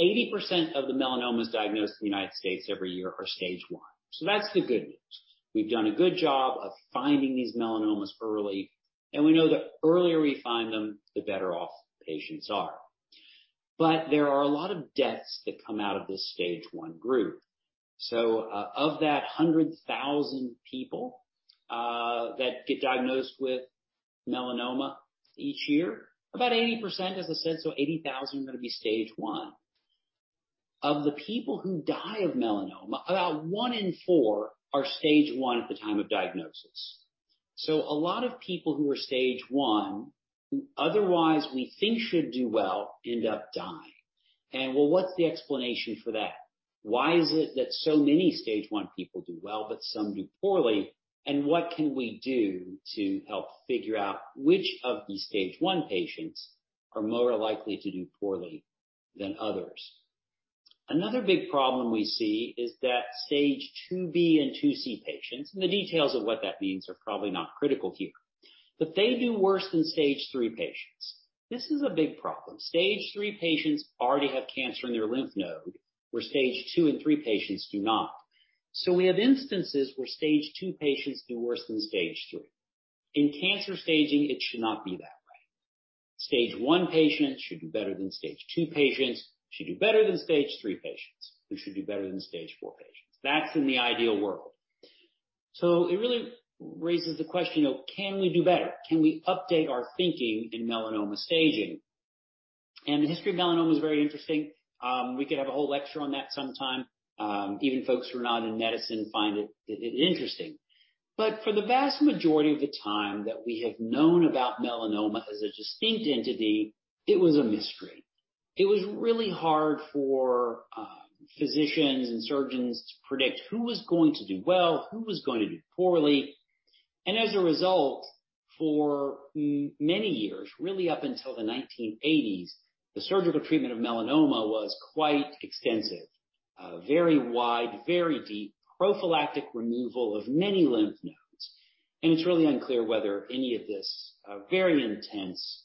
80% of the melanomas diagnosed in the United States every year are Stage One. That's the good news. We've done a good job of finding these melanomas early, and we know the earlier we find them, the better off patients are. There are a lot of deaths that come out of this Stage One group. Of that 100,000 people that get diagnosed with melanoma each year, about 80%, as I said, so 80,000 are gonna be Stage One. Of the people who die of melanoma, about one in four are Stage One at the time of diagnosis. A lot of people who are Stage One, who otherwise we think should do well end up dying. Well, what's the explanation for that? Why is it that so many Stage One people do well, but some do poorly? What can we do to help figure out which of these Stage One patients are more likely to do poorly than others? Another big problem we see is that Stage Two B and Two C patients, and the details of what that means are probably not critical here, but they do worse than Stage Three patients. This is a big problem. Stage Three patients already have cancer in their lymph node, where Stage Two and Three patients do not. We have instances where Stage Two patients do worse than Stage Three. In cancer staging, it should not be that way. Stage One patients should do better than Stage Two patients should do better than Stage Three patients, who should do better than Stage Four patients. That's in the ideal world. It really raises the question of can we do better? Can we update our thinking in melanoma staging? The history of melanoma is very interesting. We could have a whole lecture on that sometime. Even folks who are not in medicine find it interesting. For the vast majority of the time that we have known about melanoma as a distinct entity, it was a mystery. It was really hard for physicians and surgeons to predict who was going to do well, who was going to do poorly. As a result, for many years, really up until the 1980s, the surgical treatment of melanoma was quite extensive. Very wide, very deep, prophylactic removal of many lymph nodes. It's really unclear whether any of this very intense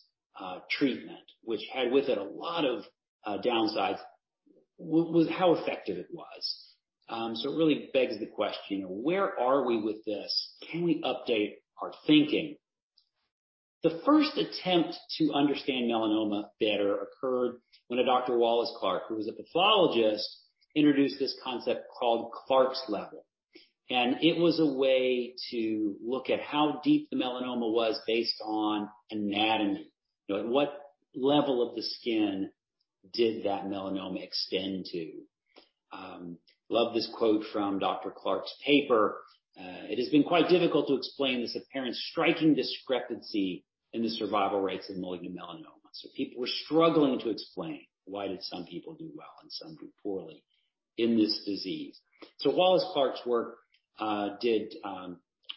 treatment, which had with it a lot of downsides, was how effective it was. It really begs the question of where are we with this? Can we update our thinking? The first attempt to understand melanoma better occurred when Dr. Wallace Clark, who was a pathologist, introduced this concept called Clark's Level. It was a way to look at how deep the melanoma was based on anatomy. You know, at what level of the skin did that melanoma extend to? Love this quote from Dr. Clark's paper. "It has been quite difficult to explain this apparent striking discrepancy in the survival rates of malignant melanoma." People were struggling to explain why did some people do well and some do poorly in this disease. Wallace Clark's work did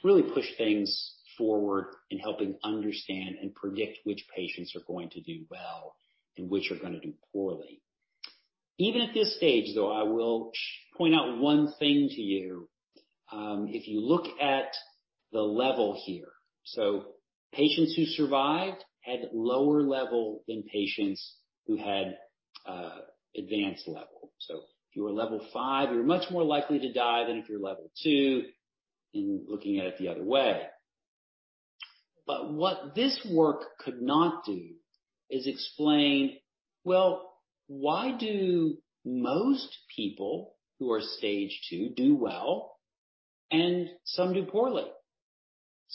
really push things forward in helping understand and predict which patients are going to do well and which are gonna do poorly. Even at this stage, though, I will point out one thing to you. If you look at the level here. Patients who survived had lower level than patients who had advanced level. If you were level five, you're much more likely to die than if you're level two in looking at it the other way. What this work could not do is explain, well, why do most people who are Stage Two do well and some do poorly?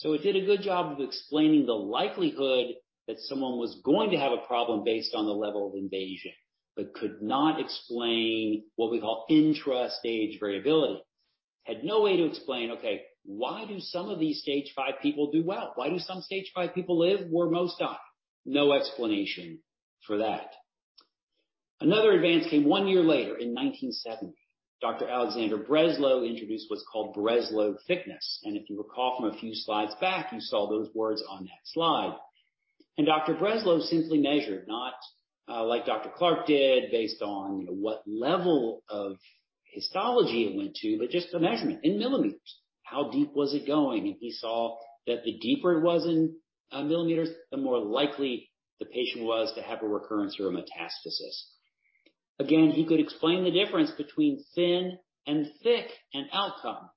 It did a good job of explaining the likelihood that someone was going to have a problem based on the level of invasion, but could not explain what we call intra-stage variability. Had no way to explain, okay, why do some of these Stage Five people do well? Why do some Stage Five people live where most die? No explanation for that. Another advance came one year later in 1970. Dr. Alexander Breslow introduced what's called Breslow Thickness. If you recall from a few slides back, you saw those words on that slide. Dr. Breslow simply measured, not like Dr. Clark did based on, you know, what level of histology it went to, but just the measurement in millimeters. How deep was it going? He saw that the deeper it was in millimeters, the more likely the patient was to have a recurrence or a metastasis. Again, he could explain the difference between thin and thick in outcome,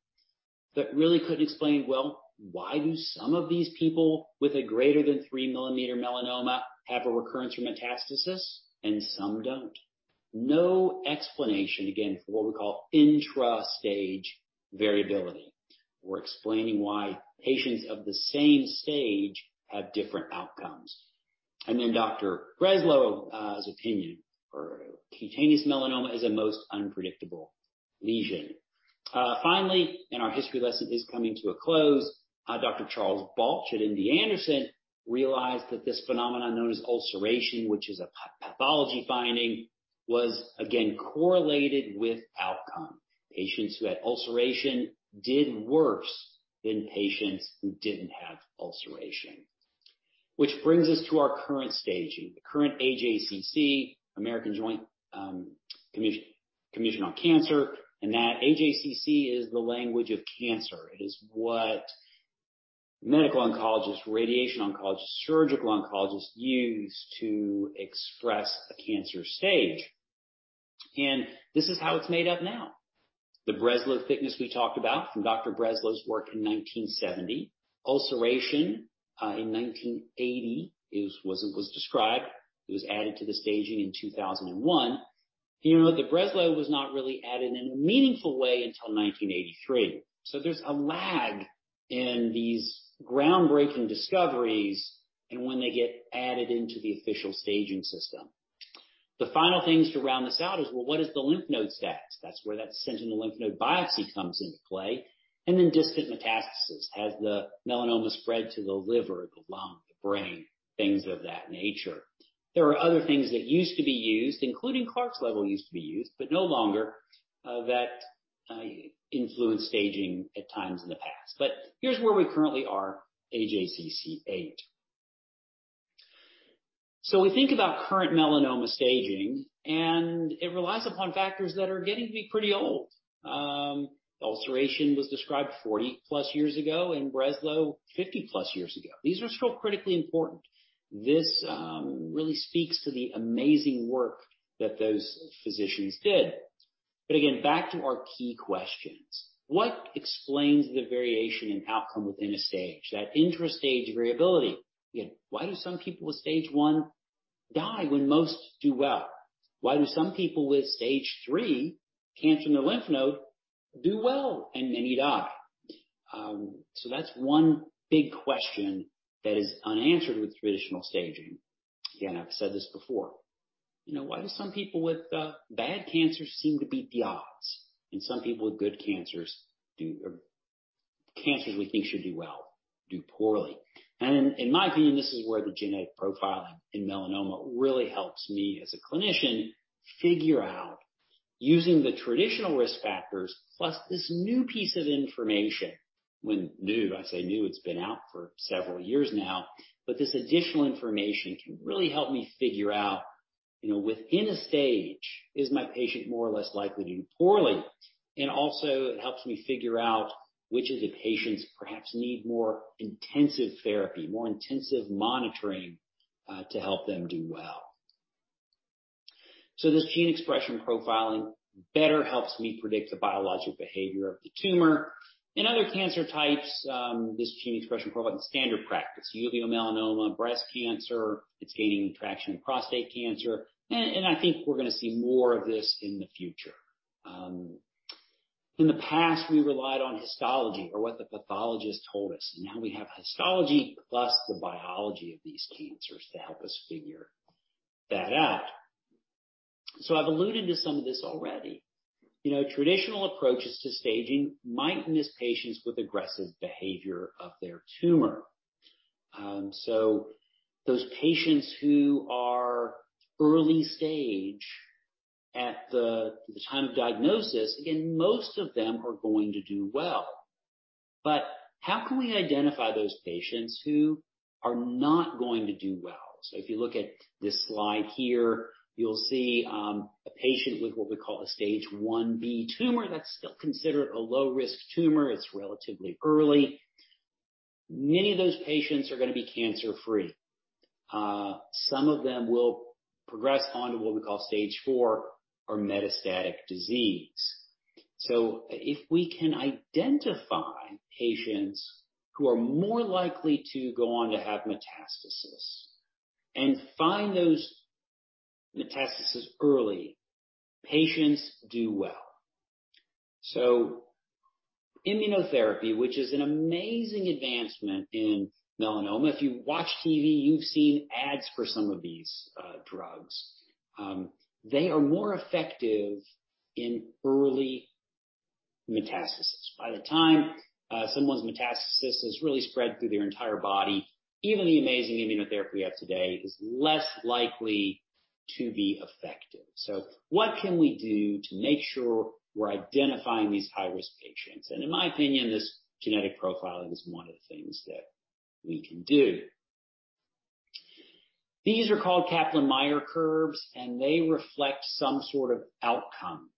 but really couldn't explain, well, why do some of these people with a greater than 3-millimeter melanoma have a recurrence or metastasis and some don't? No explanation, again, for what we call intra-stage variability. We're explaining why patients of the same stage have different outcomes. Then Dr. Breslow opinion for cutaneous melanoma is a most unpredictable lesion. Finally, our history lesson is coming to a close, Dr. Charles Balch at MD Anderson realized that this phenomenon known as ulceration, which is a pathology finding, was again correlated with outcome. Patients who had ulceration did worse than patients who didn't have ulceration. Which brings us to our current staging, the current AJCC, American Joint Committee on Cancer, and that AJCC is the language of cancer. It is what medical oncologists, radiation oncologists, surgical oncologists use to express a cancer stage. This is how it's made up now. The Breslow thickness we talked about from Dr. Breslow's work in 1970. Ulceration in 1980 was described. It was added to the staging in 2001. You know, the Breslow was not really added in a meaningful way until 1983. There's a lag in these groundbreaking discoveries and when they get added into the official staging system. The final things to round this out is, well, what is the lymph node status? That's where that sentinel lymph node biopsy comes into play. Then distant metastasis. Has the melanoma spread to the liver, the lung, the brain, things of that nature. There are other things that used to be used, including Clark's Level, but no longer that influenced staging at times in the past. Here's where we currently are, AJCC 8. We think about current melanoma staging, and it relies upon factors that are getting to be pretty old. Ulceration was described 40+ years ago and Breslow 50+ years ago. These are still critically important. This really speaks to the amazing work that those physicians did. But again, back to our key questions. What explains the variation in outcome within a stage? That intra-stage variability? Again, why do some people with stage one die when most do well? Why do some people with stage three cancer in their lymph node do well and many die? So that's one big question that is unanswered with traditional staging. Again, I've said this before. You know, why do some people with bad cancer seem to beat the odds and some people with good cancers or cancers we think should do well do poorly? In my view, and this is where the genetic profiling in melanoma really helps me as a clinician figure out using the traditional risk factors plus this new piece of information. When new, I say new, it's been out for several years now, but this additional information can really help me figure out, you know, within a stage is my patient more or less likely to do poorly? It helps me figure out which of the patients perhaps need more intensive therapy, more intensive monitoring, to help them do well. This gene expression profiling better helps me predict the biologic behavior of the tumor. In other cancer types, this gene expression profiling is standard practice. Uveal melanoma, breast cancer. It's gaining traction in prostate cancer. I think we're gonna see more of this in the future. In the past, we relied on histology or what the pathologist told us. Now we have histology plus the biology of these cancers to help us figure that out. I've alluded to some of this already. You know, traditional approaches to staging might miss patients with aggressive behavior of their tumor. Those patients who are early stage at the time of diagnosis, again, most of them are going to do well. How can we identify those patients who are not going to do well? If you look at this slide here, you'll see a patient with what we call a stage 1B tumor that's still considered a low-risk tumor. It's relatively early. Many of those patients are gonna be cancer-free. Some of them will progress on to what we call stage 4 or metastatic disease. If we can identify patients who are more likely to go on to have metastasis and find those metastasis early, patients do well. Immunotherapy, which is an amazing advancement in melanoma. If you watch TV, you've seen ads for some of these drugs. They are more effective in early metastasis. By the time someone's metastasis has really spread through their entire body, even the amazing immunotherapy we have today is less likely to be effective. What can we do to make sure we're identifying these high-risk patients? In my opinion, this genetic profiling is one of the things that we can do. These are called Kaplan-Meier curves, and they reflect some sort of outcome.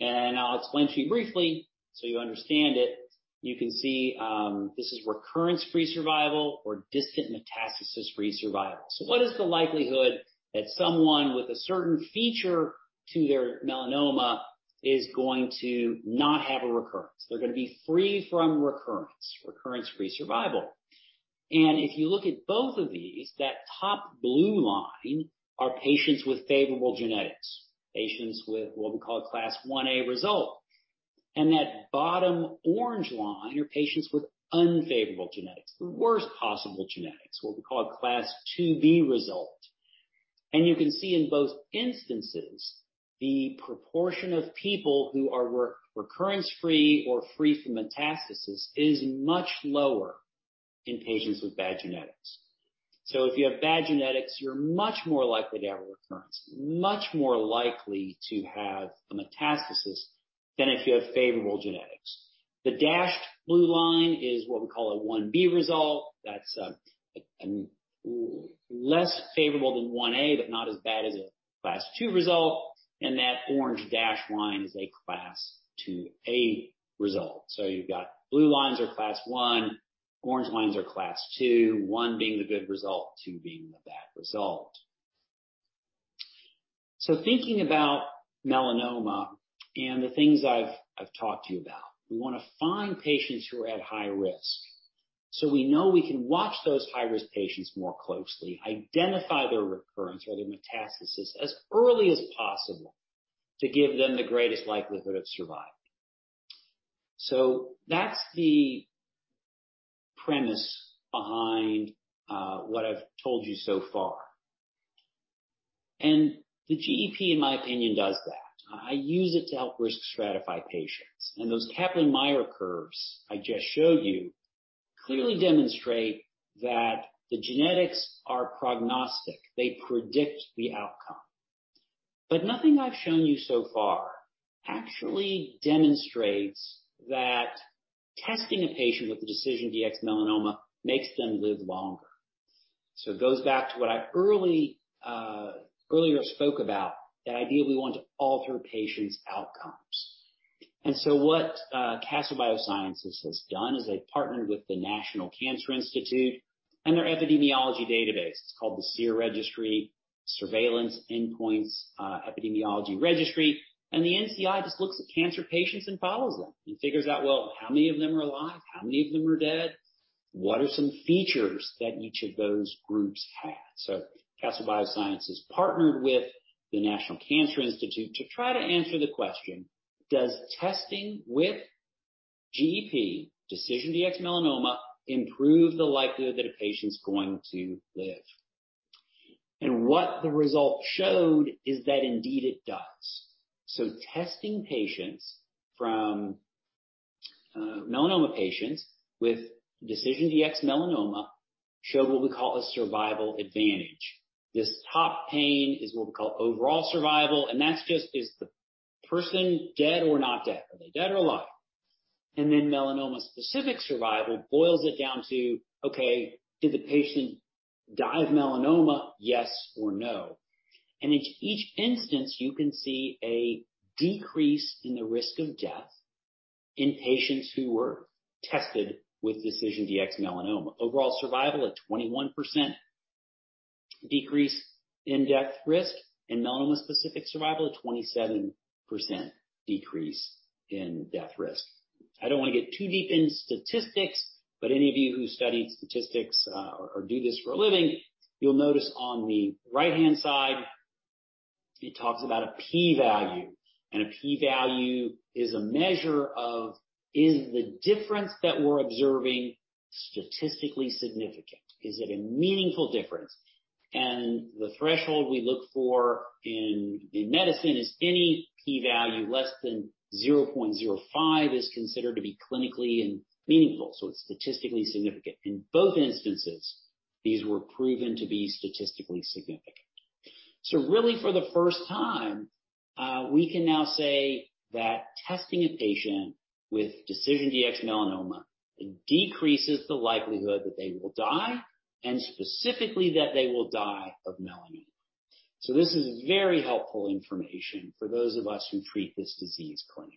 I'll explain to you briefly so you understand it. You can see this is recurrence-free survival or distant metastasis-free survival. What is the likelihood that someone with a certain feature to their melanoma is going to not have a recurrence? They're gonna be free from recurrence. Recurrence-free survival. If you look at both of these, that top blue line are patients with favorable genetics. Patients with what we call a Class 1-A result. That bottom orange line are patients with unfavorable genetics. The worst possible genetics, what we call a Class 2-B result. You can see in both instances, the proportion of people who are recurrence-free or free from metastasis is much lower in patients with bad genetics. If you have bad genetics, you're much more likely to have a recurrence, much more likely to have a metastasis than if you have favorable genetics. The dashed blue line is what we call a 1-B result. That's less favorable than 1-A, but not as bad as a class 2 result. That orange dashed line is a class 2-A result. You've got blue lines are class one, orange lines are class two. One being the good result, two being the bad result. Thinking about melanoma and the things I've talked to you about, we wanna find patients who are at high risk, so we know we can watch those high-risk patients more closely, identify their recurrence or their metastasis as early as possible to give them the greatest likelihood of surviving. That's the premise behind what I've told you so far. The GEP, in my opinion, does that. I use it to help risk stratify patients. Those Kaplan-Meier curves I just showed you clearly demonstrate that the genetics are prognostic. They predict the outcome. Nothing I've shown you so far actually demonstrates that testing a patient with the DecisionDx-Melanoma makes them live longer. It goes back to what I earlier spoke about, that ideally we want to alter patients' outcomes. What Castle Biosciences has done is they partnered with the National Cancer Institute and their epidemiology database. It's called the SEER Registry, Surveillance, Endpoints, Epidemiology Registry. The NCI just looks at cancer patients and follows them and figures out, well, how many of them are alive, how many of them are dead? What are some features that each of those groups had? Castle Biosciences partnered with the National Cancer Institute to try to answer the question, does testing with GEP DecisionDx-Melanoma improve the likelihood that a patient's going to live? What the result showed is that indeed it does. Testing melanoma patients with DecisionDx-Melanoma showed what we call a survival advantage. This top pane is what we call overall survival, and that's just is the person dead or not dead? Are they dead or alive? Then melanoma-specific survival boils it down to, okay, did the patient die of melanoma, yes or no? In each instance, you can see a decrease in the risk of death in patients who were tested with DecisionDx-Melanoma. Overall survival at 21% decrease in death risk. In melanoma-specific survival, a 27% decrease in death risk. I don't wanna get too deep into statistics, but any of you who studied statistics, or do this for a living, you'll notice on the right-hand side it talks about a P-value. A P-value is a measure of is the difference that we're observing statistically significant? Is it a meaningful difference? The threshold we look for in medicine is any P-value less than 0.05 is considered to be clinically meaningful, so it's statistically significant. In both instances, these were proven to be statistically significant. Really for the first time, we can now say that testing a patient with DecisionDx-Melanoma decreases the likelihood that they will die, and specifically that they will die of melanoma. This is very helpful information for those of us who treat this disease clinically.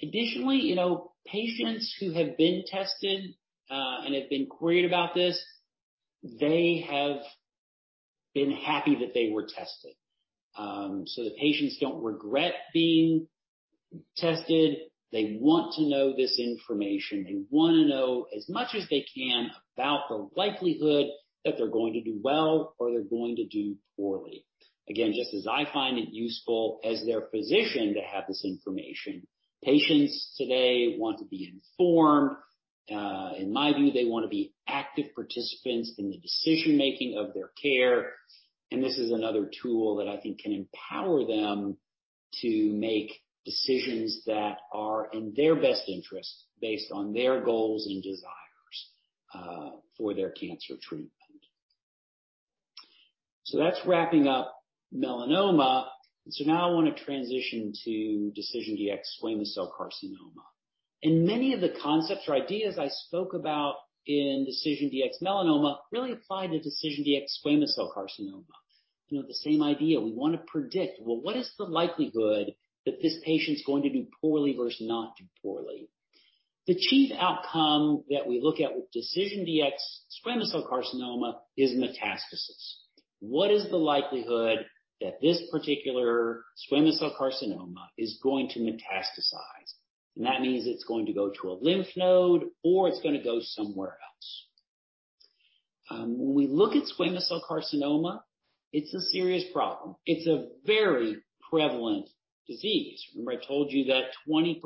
Additionally, you know, patients who have been tested and have been queried about this, they have been happy that they were tested. The patients don't regret being tested. They want to know this information. They wanna know as much as they can about the likelihood that they're going to do well or they're going to do poorly. Again, just as I find it useful as their physician to have this information, patients today want to be informed. In my view, they wanna be active participants in the decision-making of their care, and this is another tool that I think can empower them to make decisions that are in their best interest based on their goals and desires, for their cancer treatment. That's wrapping up melanoma. Now I wanna transition to DecisionDx-SCC. Many of the concepts or ideas I spoke about in DecisionDx-Melanoma really apply to DecisionDx-SCC. You know, the same idea, we want to predict, well, what is the likelihood that this patient's going to do poorly versus not do poorly? The chief outcome that we look at with DecisionDx-SCC is metastasis. What is the likelihood that this particular squamous cell carcinoma is going to metastasize? That means it's going to go to a lymph node or it's gonna go somewhere else. When we look at squamous cell carcinoma, it's a serious problem. It's a very prevalent disease. Remember I told you that 20%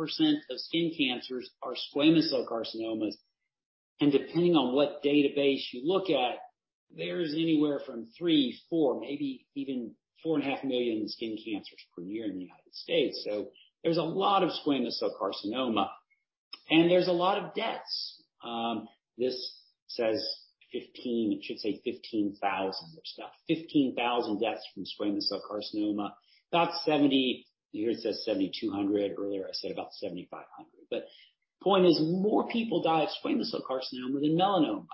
of skin cancers are squamous cell carcinomas, and depending on what database you look at, there's anywhere from 3, 4, maybe even 4.5 million skin cancers per year in the United States. There's a lot of squamous cell carcinoma. There's a lot of deaths. This says 15. It should say 15,000. There's about 15,000 deaths from squamous cell carcinoma, about 7,200. Here it says 7,200. Earlier, I said about 7,500. The point is, more people die of squamous cell carcinoma than melanoma.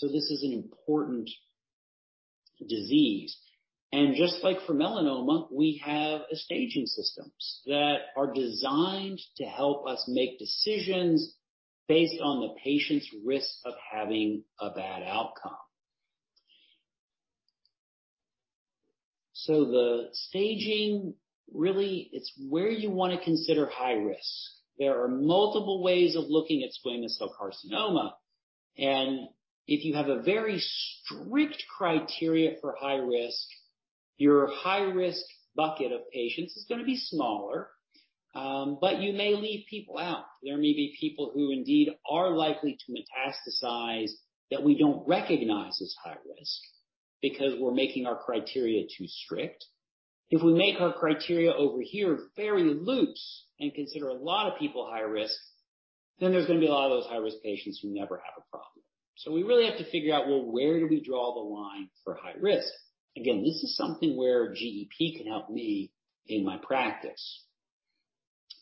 This is an important disease. Just like for melanoma, we have staging systems that are designed to help us make decisions based on the patient's risk of having a bad outcome. The staging really, it's where you want to consider high risk. There are multiple ways of looking at squamous cell carcinoma. If you have a very strict criteria for high risk, your high-risk bucket of patients is going to be smaller, but you may leave people out. There may be people who indeed are likely to metastasize that we don't recognize as high risk because we're making our criteria too strict. If we make our criteria over here very loose and consider a lot of people high risk, then there's going to be a lot of those high-risk patients who never have a problem. We really have to figure out, well, where do we draw the line for high risk? Again, this is something where GEP can help me in my practice.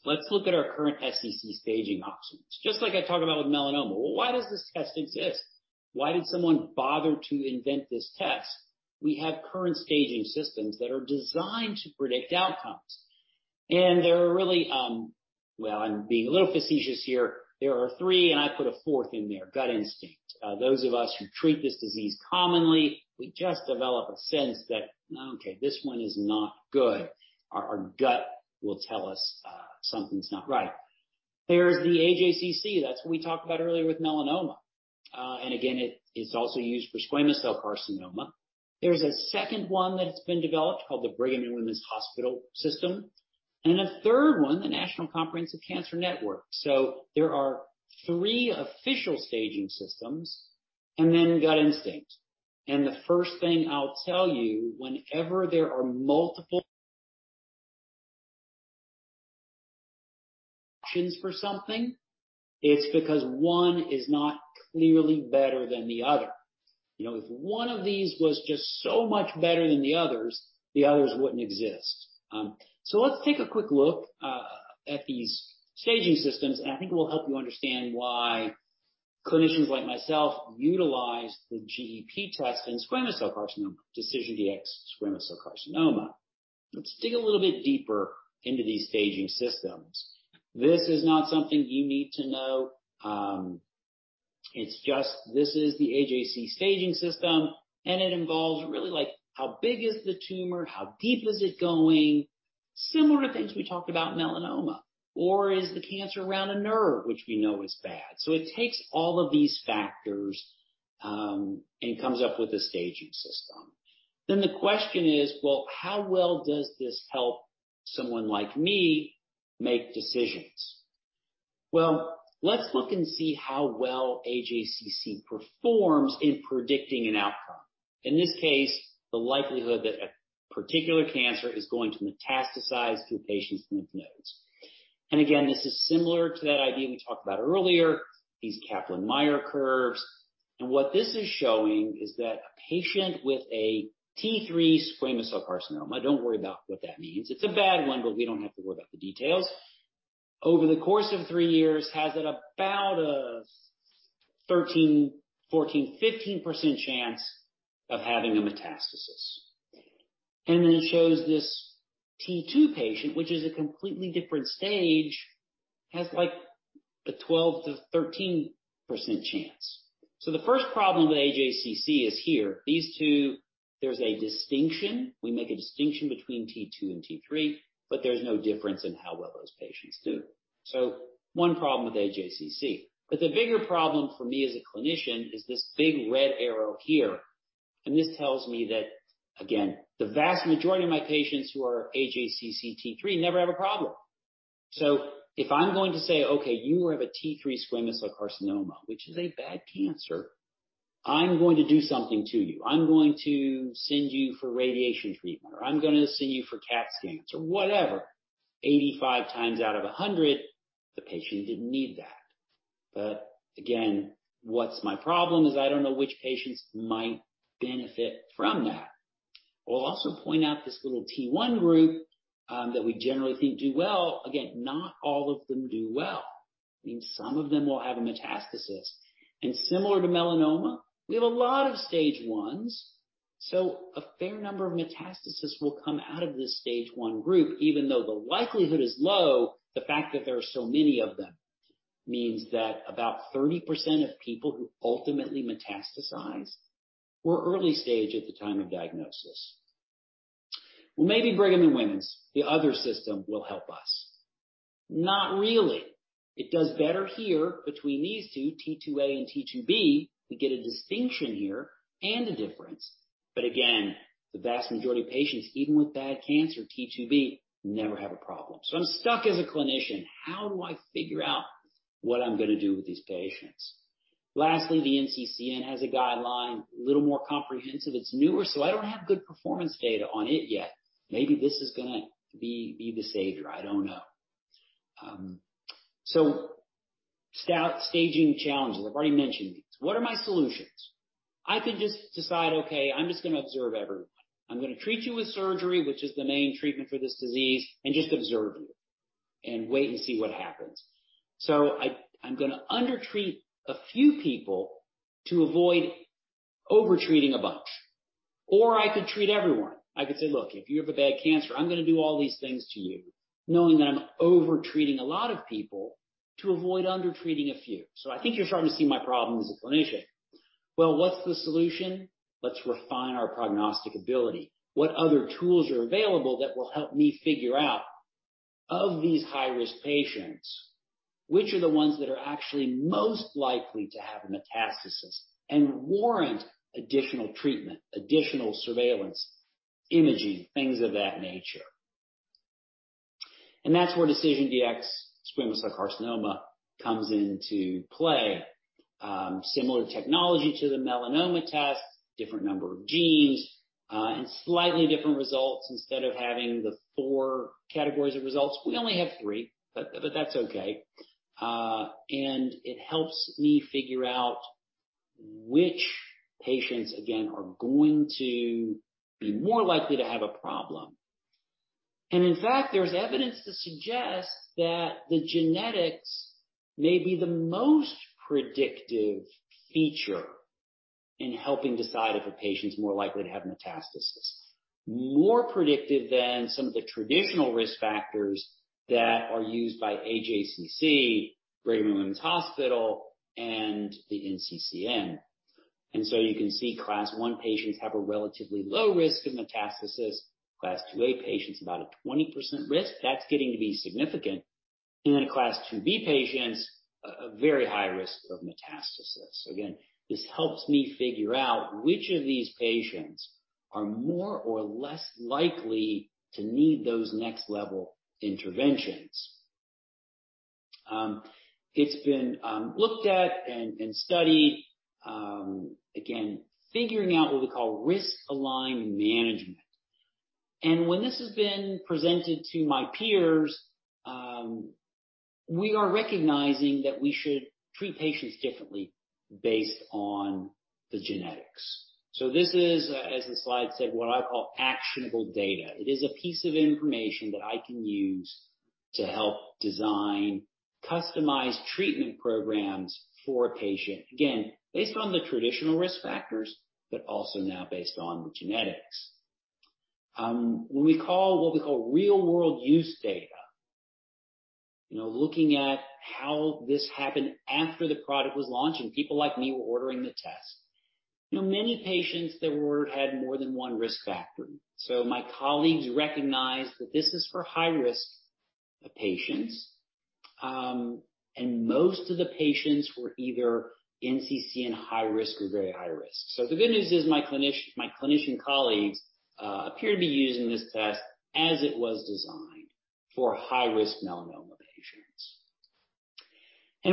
Let's look at our current SCC staging options. Just like I talked about with melanoma. Well, why does this test exist? Why did someone bother to invent this test? We have current staging systems that are designed to predict outcomes, and there are really. Well, I'm being a little facetious here. There are three, and I put a fourth in there, gut instinct. Those of us who treat this disease commonly, we just develop a sense that, okay, this one is not good. Our gut will tell us, something's not right. There's the AJCC. That's what we talked about earlier with melanoma. And again, it is also used for squamous cell carcinoma. There's a second one that's been developed called the Brigham and Women's Hospital system, and a third one, the National Comprehensive Cancer Network. There are three official staging systems, and then gut instinct. The first thing I'll tell you, whenever there are multiple options for something, it's because one is not clearly better than the other. You know, if one of these was just so much better than the others, the others wouldn't exist. Let's take a quick look at these staging systems, and I think it will help you understand why clinicians like myself utilize the GEP test in squamous cell carcinoma, DecisionDx-SCC. Let's dig a little bit deeper into these staging systems. This is not something you need to know. It's just this is the AJCC staging system, and it involves really like how big is the tumor, how deep is it going? Similar things we talked about in melanoma. Is the cancer around a nerve, which we know is bad. It takes all of these factors, and comes up with a staging system. The question is, well, how well does this help someone like me make decisions? Well, let's look and see how well AJCC performs in predicting an outcome. In this case, the likelihood that a particular cancer is going to metastasize to a patient's lymph nodes. Again, this is similar to that idea we talked about earlier, these Kaplan-Meier curves. What this is showing is that a patient with a T3 squamous cell carcinoma. Don't worry about what that means. It's a bad one, but we don't have to worry about the details. Over the course of three years, has it about a 13, 14, 15% chance of having a metastasis. Then it shows this T2 patient, which is a completely different stage, has like a 12%-13% chance. The first problem with AJCC is here. These two, there's a distinction. We make a distinction between T2 and T3, but there's no difference in how well those patients do. One problem with AJCC. The bigger problem for me as a clinician is this big red arrow here, and this tells me that, again, the vast majority of my patients who are AJCC T3 never have a problem. If I'm going to say, "Okay, you have a T3 squamous cell carcinoma, which is a bad cancer, I'm going to do something to you. I'm going to send you for radiation treatment, or I'm gonna send you for CT scans or whatever." 85 times out of 100, the patient didn't need that. Again, what's my problem is I don't know which patients might benefit from that. I'll also point out this little T1 group that we generally think do well. Again, not all of them do well, and some of them will have a metastasis. Similar to melanoma, we have a lot of stage 1s. A fair number of metastasis will come out of this stage 1 group. Even though the likelihood is low, the fact that there are so many of them means that about 30% of people who ultimately metastasize were early-stage at the time of diagnosis. Well, maybe Brigham and Women's, the other system will help us. Not really. It does better here between these two, T2A and T2B. We get a distinction here and a difference. Again, the vast majority of patients, even with bad cancer, T2B, never have a problem. I'm stuck as a clinician. How do I figure out what I'm gonna do with these patients? Lastly, the NCCN has a guideline, a little more comprehensive. It's newer, so I don't have good performance data on it yet. Maybe this is gonna be the savior. I don't know. Staging challenges. I've already mentioned these. What are my solutions? I could just decide, okay, I'm just gonna observe everyone. I'm gonna treat you with surgery, which is the main treatment for this disease, and just observe you and wait and see what happens. I'm gonna under-treat a few people to avoid over-treating a bunch. I could treat everyone. I could say, "Look, if you have a bad cancer, I'm gonna do all these things to you," knowing that I'm over-treating a lot of people to avoid under-treating a few. I think you're starting to see my problem as a clinician. Well, what's the solution? Let's refine our prognostic ability. What other tools are available that will help me figure out, of these high-risk patients, which are the ones that are actually most likely to have metastasis and warrant additional treatment, additional surveillance, imaging, things of that nature? That's where DecisionDx-SCC comes into play. Similar technology to the melanoma test, different number of genes, and slightly different results. Instead of having the four categories of results, we only have three, but that's okay. It helps me figure out which patients, again, are going to be more likely to have a problem. In fact, there's evidence to suggest that the genetics may be the most predictive feature in helping decide if a patient's more likely to have metastasis. More predictive than some of the traditional risk factors that are used by AJCC, Brigham and Women's Hospital, and the NCCN. You can see Class 1 patients have a relatively low risk of metastasis. Class 2A patients, about a 20% risk. That's getting to be significant. Class 2B patients, a very high risk of metastasis. Again, this helps me figure out which of these patients are more or less likely to need those next level interventions. It's been looked at and studied. Again, figuring out what we call risk-aligned management. When this has been presented to my peers, we are recognizing that we should treat patients differently based on the genetics. This is, as the slide said, what I call actionable data. It is a piece of information that I can use to help design customized treatment programs for a patient, again, based on the traditional risk factors, but also now based on the genetics. When we call what we call real-world use data, you know, looking at how this happened after the product was launched and people like me were ordering the test. You know, many patients that were ordered had more than one risk factor. My colleagues recognized that this is for high-risk patients, and most of the patients were either NCCN high risk or very high risk. The good news is my clinician colleagues appear to be using this test as it was designed, for high-risk melanoma patients.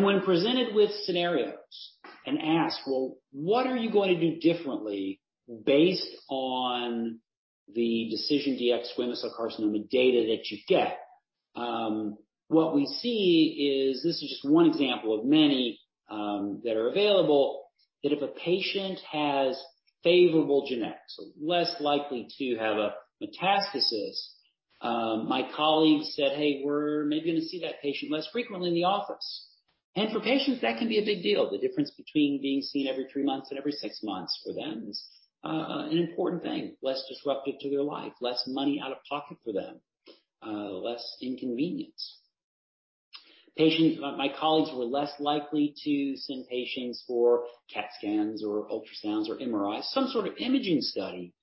When presented with scenarios and asked, "Well, what are you going to do differently based on the DecisionDx-SCC data that you get?" what we see is this is just one example of many that are available, that if a patient has favorable genetics, so less likely to have a metastasis, my colleagues said, "Hey, we're maybe gonna see that patient less frequently in the office." For patients, that can be a big deal. The difference between being seen every three months and every six months for them is an important thing, less disruptive to their life, less money out of pocket for them, less inconvenience. My colleagues were less likely to send patients for CT scans or ultrasounds or MRIs, some sort of imaging study,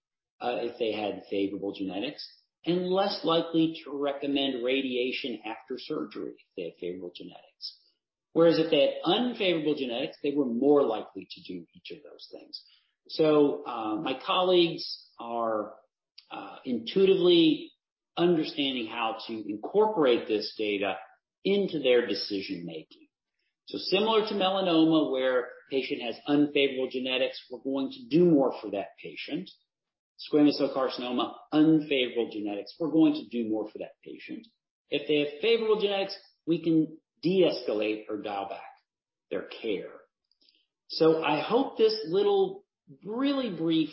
if they had favorable genetics. Less likely to recommend radiation after surgery if they had favorable genetics. Whereas if they had unfavorable genetics, they were more likely to do each of those things. My colleagues are intuitively understanding how to incorporate this data into their decision making. Similar to melanoma, where a patient has unfavorable genetics, we're going to do more for that patient. Squamous cell carcinoma, unfavorable genetics, we're going to do more for that patient. If they have favorable genetics, we can de-escalate or dial back their care. I hope this little really brief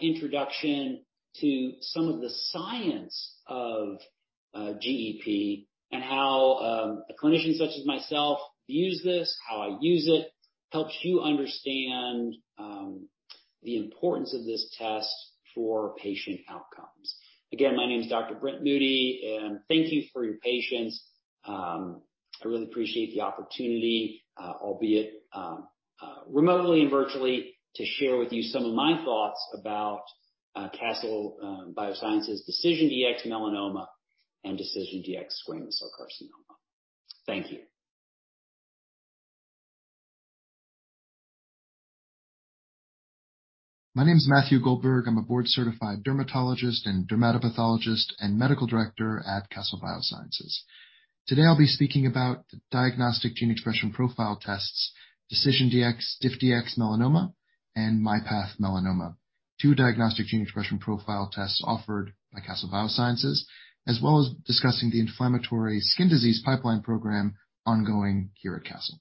introduction to some of the science of GEP and how a clinician such as myself views this, how I use it, helps you understand the importance of this test for patient outcomes. Again, my name is Dr. Brent Moody, and thank you for your patience. I really appreciate the opportunity, albeit remotely and virtually, to share with you some of my thoughts about Castle Biosciences' DecisionDx-Melanoma and DecisionDx-SCC. Thank you. My name is Matthew Goldberg. I'm a board-certified dermatologist and dermatopathologist and medical director at Castle Biosciences. Today, I'll be speaking about the diagnostic gene expression profile tests, DecisionDx-DiffDx-Melanoma, and MyPath Melanoma. Two diagnostic gene expression profile tests offered by Castle Biosciences, as well as discussing the inflammatory skin disease pipeline program ongoing here at Castle.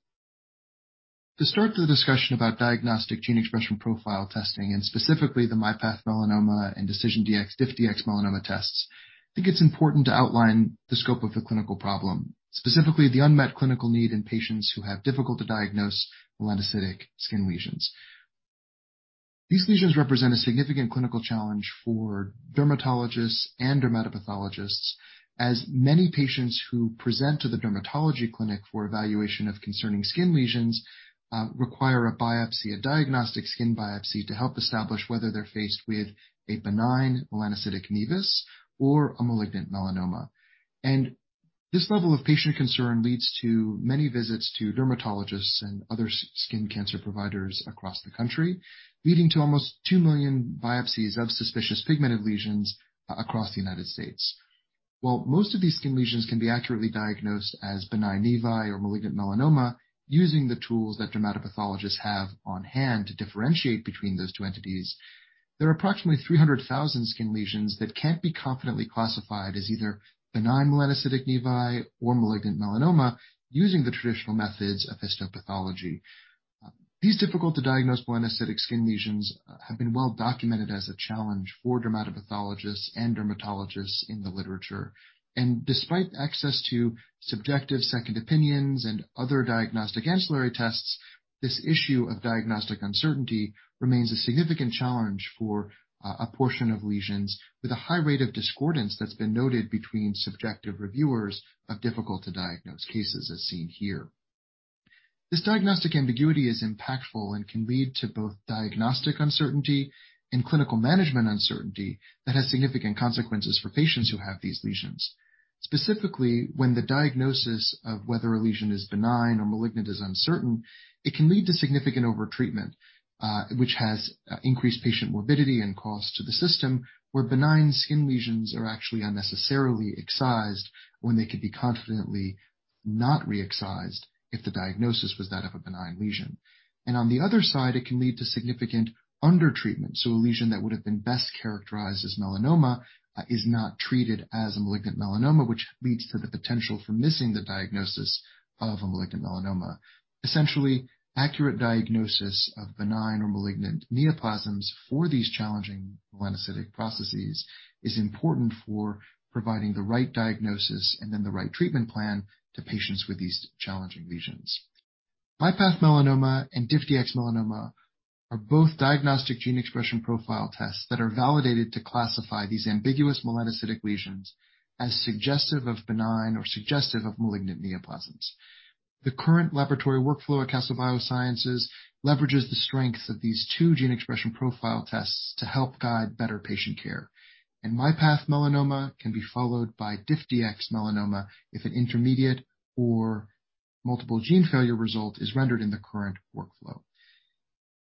To start the discussion about diagnostic gene expression profile testing, and specifically the MyPath Melanoma and DecisionDx-DiffDx-Melanoma tests, I think it's important to outline the scope of the clinical problem, specifically the unmet clinical need in patients who have difficult to diagnose melanocytic skin lesions. These lesions represent a significant clinical challenge for dermatologists and dermatopathologists, as many patients who present to the dermatology clinic for evaluation of concerning skin lesions require a biopsy, a diagnostic skin biopsy, to help establish whether they're faced with a benign melanocytic nevus or a malignant melanoma. This level of patient concern leads to many visits to dermatologists and other skin cancer providers across the country, leading to almost 2 million biopsies of suspicious pigmented lesions across the United States. While most of these skin lesions can be accurately diagnosed as benign nevi or malignant melanoma using the tools that dermatopathologists have on-hand to differentiate between those two entities, there are approximately 300,000 skin lesions that can't be confidently classified as either benign melanocytic nevi or malignant melanoma using the traditional methods of histopathology. These difficult to diagnose melanocytic skin lesions have been well documented as a challenge for dermatopathologists and dermatologists in the literature. Despite access to subjective second opinions and other diagnostic ancillary tests, this issue of diagnostic uncertainty remains a significant challenge for a portion of lesions with a high rate of discordance that's been noted between subjective reviewers of difficult to diagnose cases as seen here. This diagnostic ambiguity is impactful and can lead to both diagnostic uncertainty and clinical management uncertainty that has significant consequences for patients who have these lesions. Specifically, when the diagnosis of whether a lesion is benign or malignant is uncertain, it can lead to significant over-treatment, which has increased patient morbidity and cost to the system where benign skin lesions are actually unnecessarily excised when they could be confidently not re-excised if the diagnosis was that of a benign lesion. On the other side, it can lead to significant under-treatment. A lesion that would have been best characterized as melanoma is not treated as a malignant melanoma, which leads to the potential for missing the diagnosis of a malignant melanoma. Essentially, accurate diagnosis of benign or malignant neoplasms for these challenging melanocytic processes is important for providing the right diagnosis and then the right treatment plan to patients with these challenging lesions. MyPath Melanoma and DiffDx-Melanoma are both diagnostic gene expression profile tests that are validated to classify these ambiguous melanocytic lesions as suggestive of benign or suggestive of malignant neoplasms. The current laboratory workflow at Castle Biosciences leverages the strengths of these two gene expression profile tests to help guide better patient care. MyPath Melanoma can be followed by DiffDx-Melanoma if an intermediate or multiple gene failure result is rendered in the current workflow.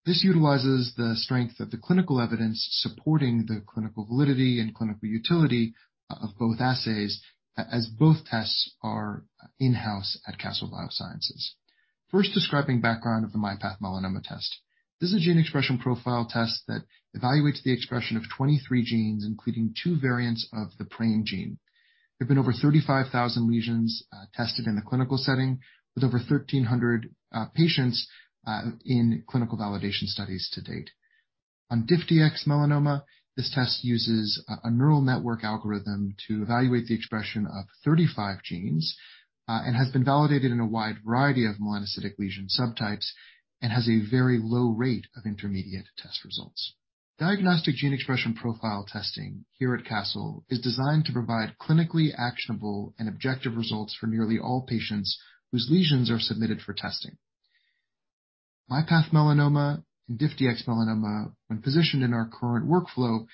This utilizes the strength of the clinical evidence supporting the clinical validity and clinical utility of both assays as both tests are in-house at Castle Biosciences. First describing background of the MyPath Melanoma test. This is a gene expression profile test that evaluates the expression of 23 genes, including two variants of the PRAME gene. There have been over 35,000 lesions tested in a clinical setting with over 1,300 patients in clinical validation studies to date. On DiffDx-Melanoma, this test uses a neural network algorithm to evaluate the expression of 35 genes and has been validated in a wide variety of melanocytic lesion subtypes and has a very low rate of intermediate test results. Diagnostic gene expression profile testing here at Castle is designed to provide clinically actionable and objective results for nearly all patients whose lesions are submitted for testing. MyPath Melanoma and DiffDx-Melanoma, when positioned in our current workflow,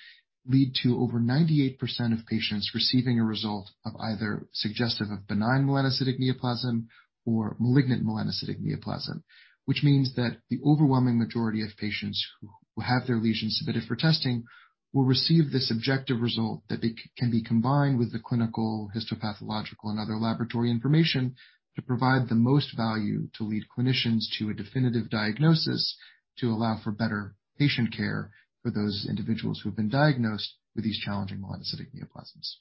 lead to over 98% of patients receiving a result of either suggestive of benign melanocytic neoplasm or malignant melanocytic neoplasm. Which means that the overwhelming majority of patients who have their lesions submitted for testing will receive this objective result that it can be combined with the clinical, histopathological, and other laboratory information to provide the most value to lead clinicians to a definitive diagnosis to allow for better patient care for those individuals who have been diagnosed with these challenging melanocytic neoplasms.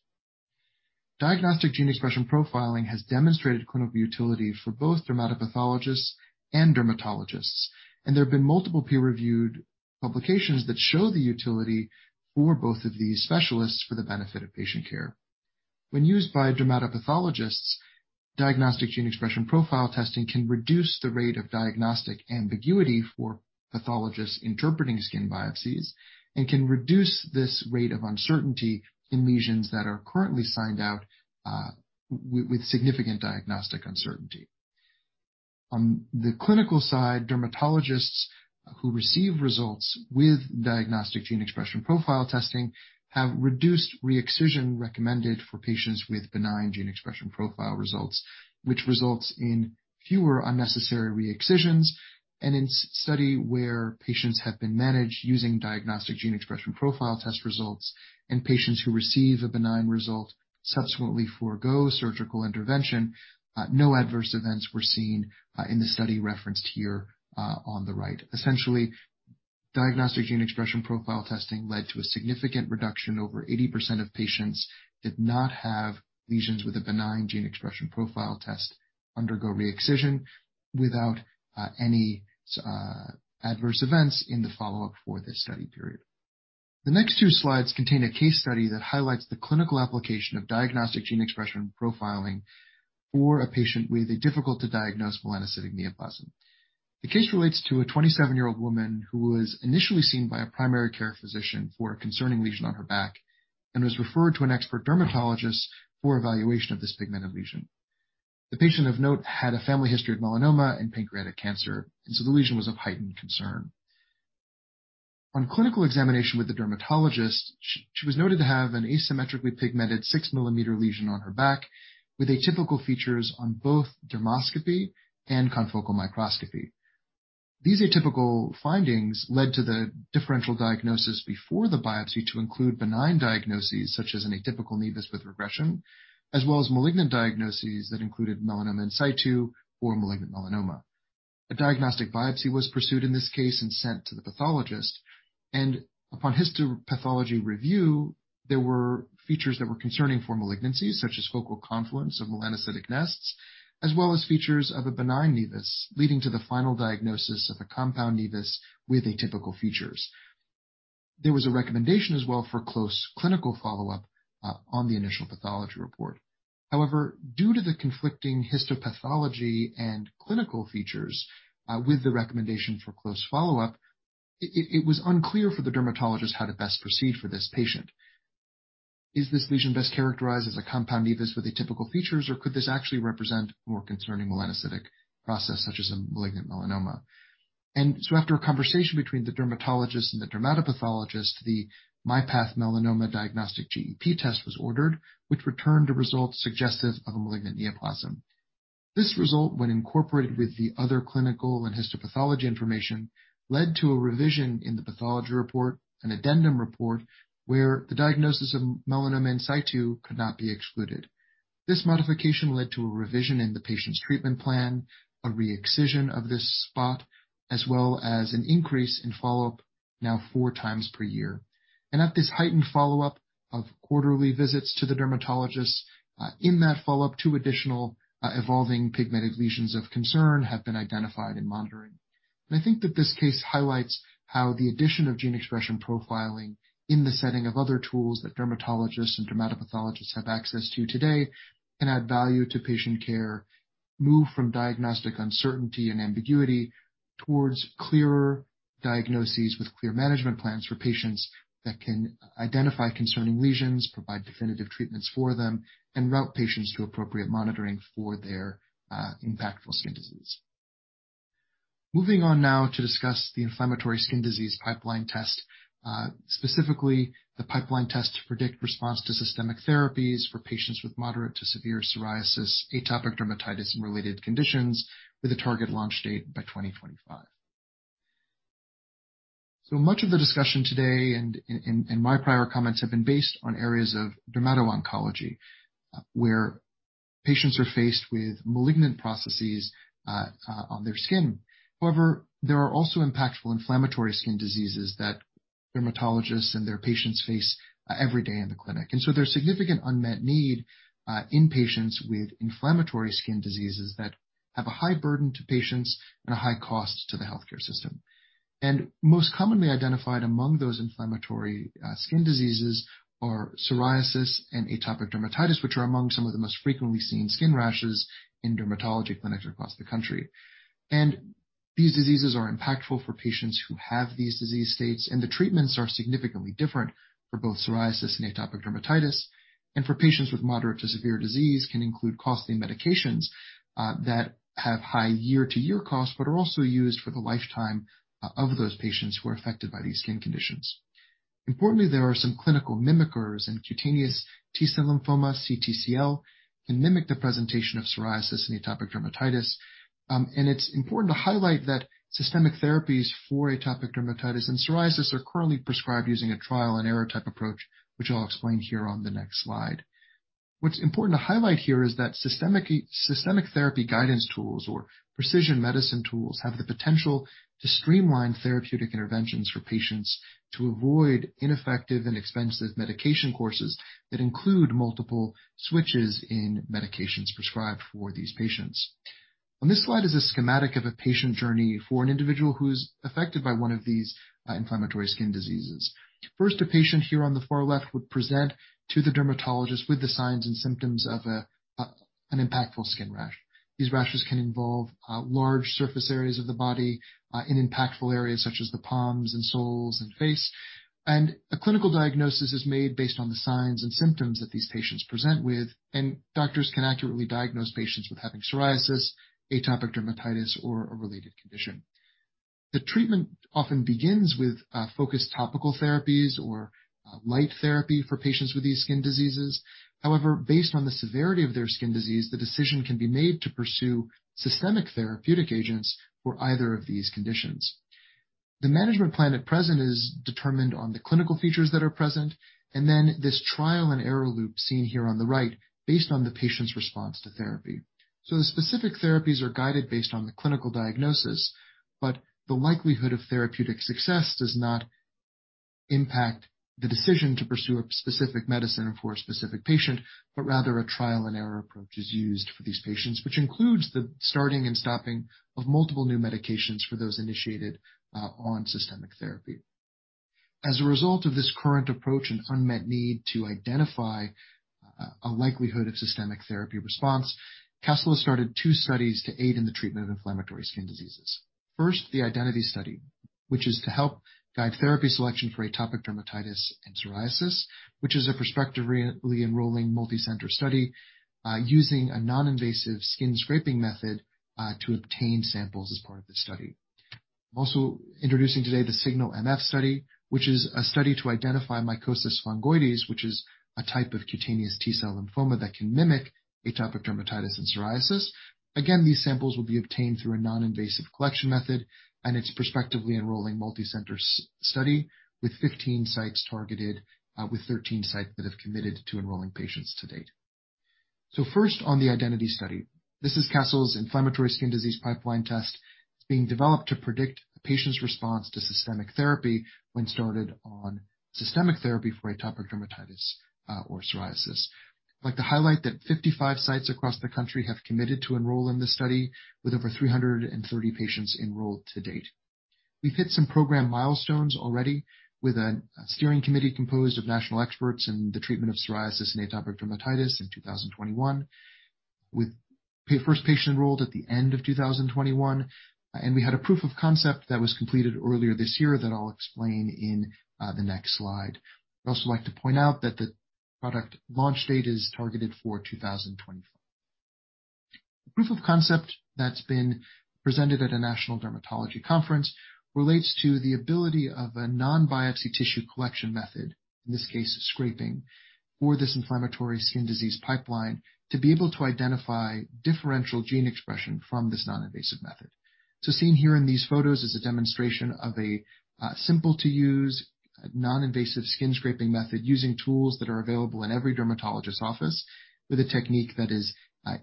Diagnostic gene expression profiling has demonstrated clinical utility for both dermatopathologists and dermatologists, and there have been multiple peer-reviewed publications that show the utility for both of these specialists for the benefit of patient care. When used by dermatopathologists, diagnostic gene expression profile testing can reduce the rate of diagnostic ambiguity for pathologists interpreting skin biopsies and can reduce this rate of uncertainty in lesions that are currently signed out with significant diagnostic uncertainty. On the clinical side, dermatologists who receive results with diagnostic gene expression profile testing have reduced re-excision recommended for patients with benign gene expression profile results, which results in fewer unnecessary re-excisions. In a study where patients have been managed using diagnostic gene expression profile test results and patients who receive a benign result subsequently forego surgical intervention, no adverse events were seen in the study referenced here on the right. Essentially, diagnostic gene expression profile testing led to a significant reduction. Over 80% of patients did not have lesions with a benign gene expression profile test undergo re-excision without any adverse events in the follow-up for this study period. The next two slides contain a case study that highlights the clinical application of diagnostic gene expression profiling for a patient with a difficult to diagnose melanocytic neoplasm. The case relates to a 27-year-old woman who was initially seen by a primary care physician for a concerning lesion on her back and was referred to an expert dermatologist for evaluation of this pigmented lesion. The patient of note had a family history of melanoma and pancreatic cancer, and so the lesion was of heightened concern. On clinical examination with the dermatologist, she was noted to have an asymmetrically pigmented 6 mm lesion on her back with atypical features on both dermoscopy and confocal microscopy. These atypical findings led to the differential diagnosis before the biopsy to include benign diagnoses such as an atypical nevus with regression, as well as malignant diagnoses that included melanoma in situ or malignant melanoma. A diagnostic biopsy was pursued in this case and sent to the pathologist. Upon histopathology review, there were features that were concerning for malignancy, such as focal confluence of melanocytic nests, as well as features of a benign nevus, leading to the final diagnosis of a compound nevus with atypical features. There was a recommendation as well for close clinical follow-up on the initial pathology report. However, due to the conflicting histopathology and clinical features, with the recommendation for close follow-up, it was unclear for the dermatologist how to best proceed for this patient. Is this lesion best characterized as a compound nevus with atypical features, or could this actually represent more concerning melanocytic process such as a malignant melanoma? After a conversation between the dermatologist and the dermatopathologist, the MyPath Melanoma diagnostic GEP test was ordered, which returned a result suggestive of a malignant neoplasm. This result, when incorporated with the other clinical and histopathology information, led to a revision in the pathology report, an addendum report, where the diagnosis of melanoma in situ could not be excluded. This modification led to a revision in the patient's treatment plan, a re-excision of this spot, as well as an increase in follow-up now four times per year. At this heightened follow-up of quarterly visits to the dermatologist, in that follow-up, two additional, evolving pigmented lesions of concern have been identified in monitoring. I think that this case highlights how the addition of gene expression profiling in the setting of other tools that dermatologists and dermatopathologists have access to today can add value to patient care, move from diagnostic uncertainty and ambiguity towards clearer diagnoses with clear management plans for patients that can identify concerning lesions, provide definitive treatments for them, and route patients to appropriate monitoring for their impactful skin disease. Moving on now to discuss the inflammatory skin disease pipeline test, specifically the pipeline test to predict response to systemic therapies for patients with moderate to severe psoriasis, atopic dermatitis, and related conditions with a target launch date by 2025. Much of the discussion today and my prior comments have been based on areas of dermato-oncology, where patients are faced with malignant processes on their skin. However, there are also impactful inflammatory skin diseases that dermatologists and their patients face, every day in the clinic. There's significant unmet need in patients with inflammatory skin diseases that have a high burden to patients and a high cost to the healthcare system. Most commonly identified among those inflammatory skin diseases are psoriasis and atopic dermatitis, which are among some of the most frequently seen skin rashes in dermatology clinics across the country. These diseases are impactful for patients who have these disease states, and the treatments are significantly different for both psoriasis and atopic dermatitis. For patients with moderate to severe disease can include costly medications that have high year-to-year costs, but are also used for the lifetime of those patients who are affected by these skin conditions. Importantly, there are some clinical mimickers and cutaneous T-cell lymphoma, CTCL, can mimic the presentation of psoriasis and atopic dermatitis. It's important to highlight that systemic therapies for atopic dermatitis and psoriasis are currently prescribed using a trial and error type approach, which I'll explain here on the next slide. What's important to highlight here is that systemic therapy guidance tools or precision medicine tools have the potential to streamline therapeutic interventions for patients to avoid ineffective and expensive medication courses that include multiple switches in medications prescribed for these patients. On this slide is a schematic of a patient journey for an individual who's affected by one of these, inflammatory skin diseases. First, a patient here on the far left would present to the dermatologist with the signs and symptoms of an impactful skin rash. These rashes can involve large surface areas of the body in impactful areas such as the palms and soles and face. A clinical diagnosis is made based on the signs and symptoms that these patients present with, and doctors can accurately diagnose patients with having psoriasis, atopic dermatitis, or a related condition. The treatment often begins with focused topical therapies or light therapy for patients with these skin diseases. However, based on the severity of their skin disease, the decision can be made to pursue systemic therapeutic agents for either of these conditions. The management plan at present is determined on the clinical features that are present, and then this trial-and-error loop seen here on the right based on the patient's response to therapy. The specific therapies are guided based on the clinical diagnosis, but the likelihood of therapeutic success does not impact the decision to pursue a specific medicine for a specific patient, but rather a trial-and-error approach is used for these patients, which includes the starting and stopping of multiple new medications for those initiated on systemic therapy. As a result of this current approach and unmet need to identify a likelihood of systemic therapy response, Castle has started two studies to aid in the treatment of inflammatory skin diseases. First, the IDENTITY study, which is to help guide therapy selection for atopic dermatitis and psoriasis, which is a prospective re-enrolling multicenter study using a non-invasive skin scraping method to obtain samples as part of the study. I'm also introducing today the SIGNAL-MF study, which is a study to identify mycosis fungoides, which is a type of cutaneous T-cell lymphoma that can mimic atopic dermatitis and psoriasis. Again, these samples will be obtained through a non-invasive collection method, and it's prospectively enrolling multicenter study with 15 sites targeted, with 13 sites that have committed to enrolling patients to date. First on the IDENTITY study. This is Castle's inflammatory skin disease pipeline test. It's being developed to predict a patient's response to systemic therapy when started on systemic therapy for atopic dermatitis, or psoriasis. I'd like to highlight that 55 sites across the country have committed to enroll in this study, with over 330 patients enrolled to date. We've hit some program milestones already with a steering committee composed of national experts in the treatment of psoriasis and atopic dermatitis in 2021, with first patient enrolled at the end of 2021, and we had a proof of concept that was completed earlier this year that I'll explain in the next slide. I'd also like to point out that the product launch date is targeted for 2024. The proof of concept that's been presented at a national dermatology conference relates to the ability of a non-biopsy tissue collection method, in this case scraping, for this inflammatory skin disease pipeline to be able to identify differential gene expression from this non-invasive method. Seen here in these photos is a demonstration of a simple-to-use, non-invasive skin scraping method using tools that are available in every dermatologist's office with a technique that is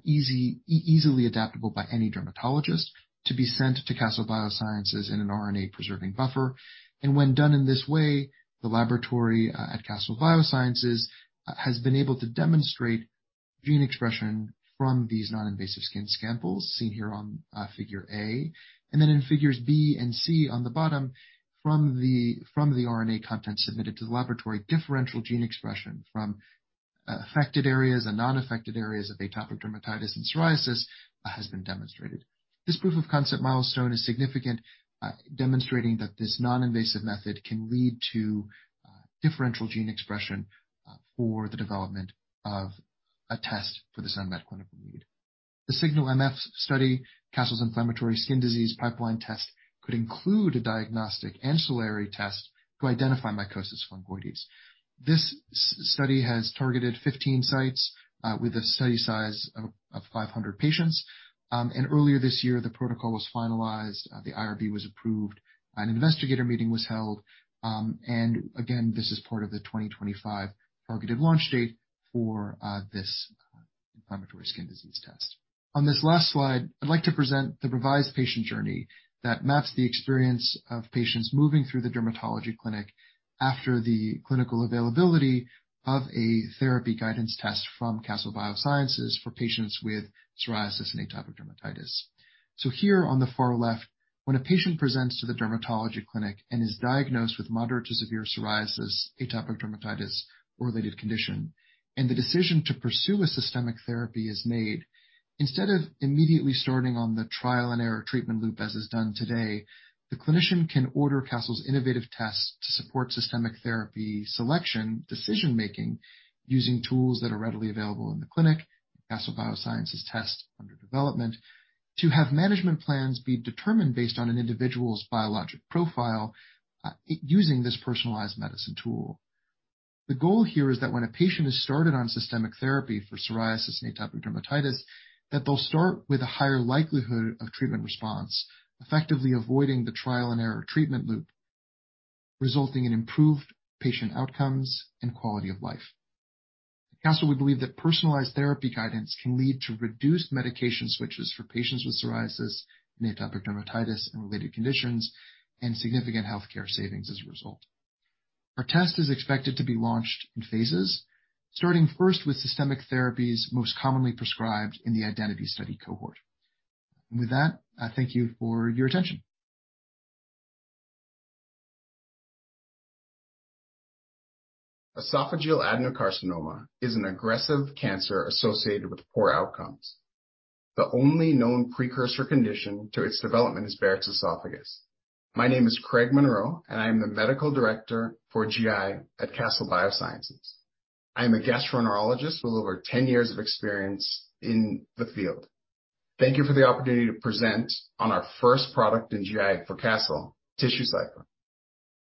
easy, easily adaptable by any dermatologist to be sent to Castle Biosciences in an RNA-preserving buffer. When done in this way, the laboratory at Castle Biosciences has been able to demonstrate gene expression from these non-invasive skin samples, seen here on Figure A. In Figures B and C on the bottom, from the RNA content submitted to the laboratory, differential gene expression from affected areas and non-affected areas of atopic dermatitis and psoriasis has been demonstrated. This proof of concept milestone is significant, demonstrating that this non-invasive method can lead to differential gene expression for the development of a test for this unmet clinical need. The SIGNAL-MF study, Castle's inflammatory skin disease pipeline test, could include a diagnostic ancillary test to identify mycosis fungoides. This study has targeted 15 sites with a study size of 500 patients. Earlier this year, the protocol was finalized, the IRB was approved, an investigator meeting was held, and again, this is part of the 2025 targeted launch date for this inflammatory skin disease test. On this last slide, I'd like to present the revised patient journey that maps the experience of patients moving through the dermatology clinic after the clinical availability of a therapy guidance test from Castle Biosciences for patients with psoriasis and atopic dermatitis. Here on the far left, when a patient presents to the dermatology clinic and is diagnosed with moderate to severe psoriasis, atopic dermatitis or related condition, and the decision to pursue a systemic therapy is made, instead of immediately starting on the trial-and-error treatment loop as is done today. The clinician can order Castle's innovative test to support systemic therapy selection decision-making using tools that are readily available in the clinic, Castle Biosciences test under development, to have management plans be determined based on an individual's biologic profile, using this personalized medicine tool. The goal here is that when a patient is started on systemic therapy for psoriasis and atopic dermatitis, that they'll start with a higher likelihood of treatment response, effectively avoiding the trial-and-error treatment loop, resulting in improved patient outcomes and quality of life. At Castle, we believe that personalized therapy guidance can lead to reduced medication switches for patients with psoriasis and atopic dermatitis and related conditions and significant healthcare savings as a result. Our test is expected to be launched in phases, starting first with systemic therapies most commonly prescribed in the IDENTITY study cohort. With that, I thank you for your attention. Esophageal adenocarcinoma is an aggressive cancer associated with poor outcomes. The only known precursor condition to its development is Barrett's esophagus. My name is Craig Munroe, and I am the Medical Director for GI at Castle Biosciences. I am a gastroenterologist with over 10 years of experience in the field. Thank you for the opportunity to present on our first product in GI for Castle, TissueCypher.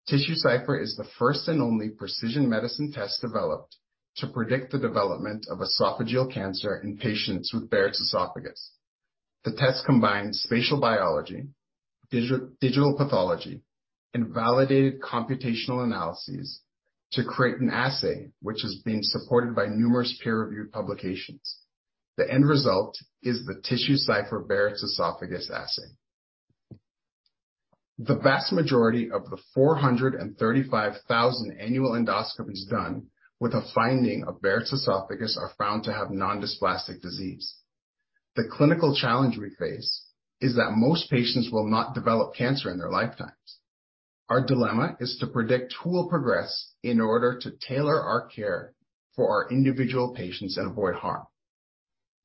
TissueCypher is the first and only precision medicine test developed to predict the development of esophageal cancer in patients with Barrett's esophagus. The test combines spatial biology, digital pathology, and validated computational analyses to create an assay which is being supported by numerous peer-reviewed publications. The end result is the TissueCypher Barrett's esophagus assay. The vast majority of the 435,000 annual endoscopies done with a finding of Barrett's esophagus are found to have non-dysplastic disease. The clinical challenge we face is that most patients will not develop cancer in their lifetimes. Our dilemma is to predict who will progress in order to tailor our care for our individual patients and avoid harm.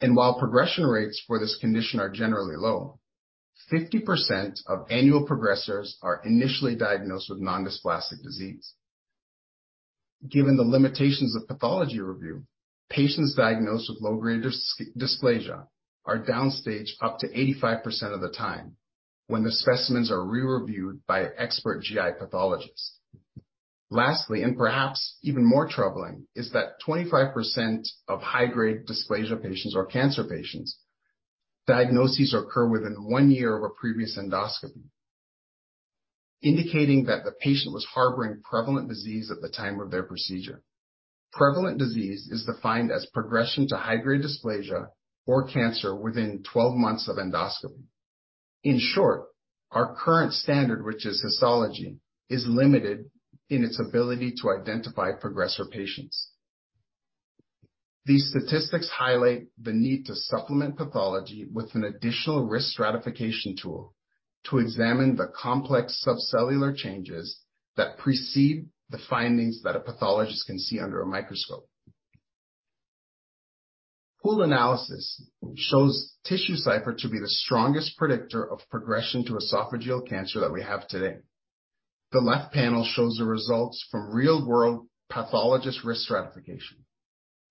While progression rates for this condition are generally low, 50% of annual progressors are initially diagnosed with non-dysplastic disease. Given the limitations of pathology review, patients diagnosed with low-grade dysplasia are down-staged up to 85% of the time when the specimens are re-reviewed by expert GI pathologists. Lastly, and perhaps even more troubling, is that 25% of high-grade dysplasia patients or cancer patients' diagnoses occur within 1 year of a previous endoscopy, indicating that the patient was harboring prevalent disease at the time of their procedure. Prevalent disease is defined as progression to high-grade dysplasia or cancer within 12 months of endoscopy. In short, our current standard, which is histology, is limited in its ability to identify progressor patients. These statistics highlight the need to supplement pathology with an additional risk stratification tool to examine the complex subcellular changes that precede the findings that a pathologist can see under a microscope. Pooled analysis shows TissueCypher to be the strongest predictor of progression to esophageal cancer that we have today. The left panel shows the results from real-world pathologist risk stratification,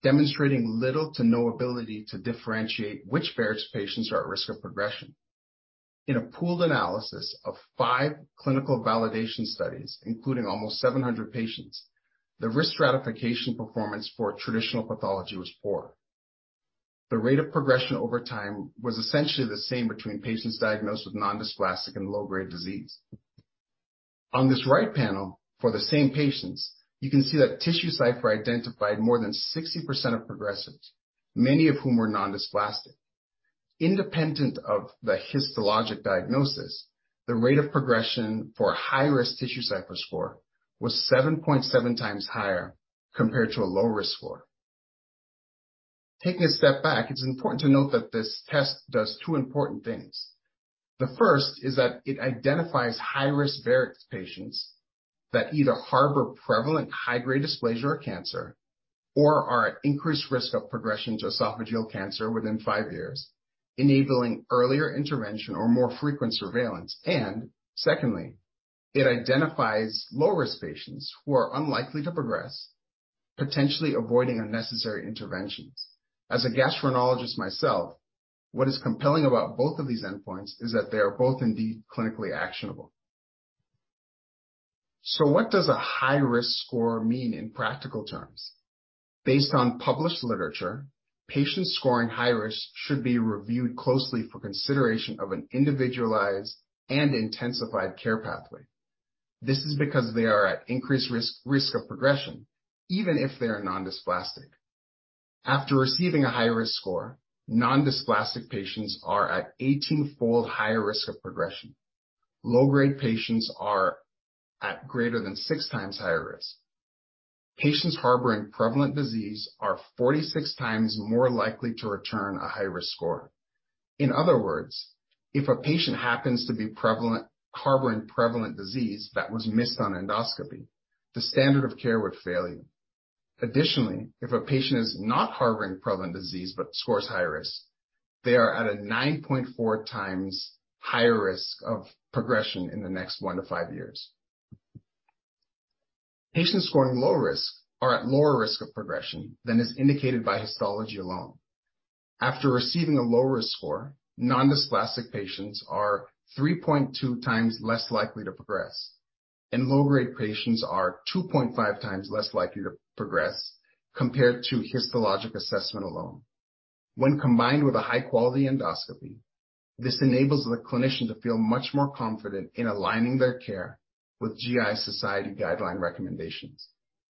demonstrating little to no ability to differentiate which Barrett's patients are at risk of progression. In a pooled analysis of 5 clinical validation studies, including almost 700 patients, the risk stratification performance for traditional pathology was poor. The rate of progression over time was essentially the same between patients diagnosed with non-dysplastic and low-grade disease. On this right panel, for the same patients, you can see that TissueCypher identified more than 60% of progressors, many of whom were non-dysplastic. Independent of the histologic diagnosis, the rate of progression for high-risk TissueCypher score was 7.7 times higher compared to a low risk score. Taking a step back, it's important to note that this test does two important things. The first is that it identifies high-risk Barrett's patients that either harbor prevalent high-grade dysplasia or cancer or are at increased risk of progression to esophageal cancer within 5 years, enabling earlier intervention or more frequent surveillance. Secondly, it identifies low-risk patients who are unlikely to progress, potentially avoiding unnecessary interventions. As a gastroenterologist myself, what is compelling about both of these endpoints is that they are both indeed clinically actionable. What does a high-risk score mean in practical terms? Based on published literature, patients scoring high risk should be reviewed closely for consideration of an individualized and intensified care pathway. This is because they are at increased risk of progression, even if they are non-dysplastic. After receiving a high-risk score, non-dysplastic patients are at 18-fold higher risk of progression. Low-grade patients are at greater than 6 times higher risk. Patients harboring prevalent disease are 46 times more likely to return a high-risk score. In other words, if a patient happens to be prevalent, harboring prevalent disease that was missed on endoscopy, the standard of care would fail you. Additionally, if a patient is not harboring prevalent disease but scores high risk, they are at a 9.4 times higher risk of progression in the next 1 to 5 years. Patients scoring low risk are at lower risk of progression than is indicated by histology alone. After receiving a low-risk score, non-dysplastic patients are 3.2 times less likely to progress, and low-grade patients are 2.5 times less likely to progress compared to histologic assessment alone. When combined with a high-quality endoscopy, this enables the clinician to feel much more confident in aligning their care with GI Society guideline recommendations.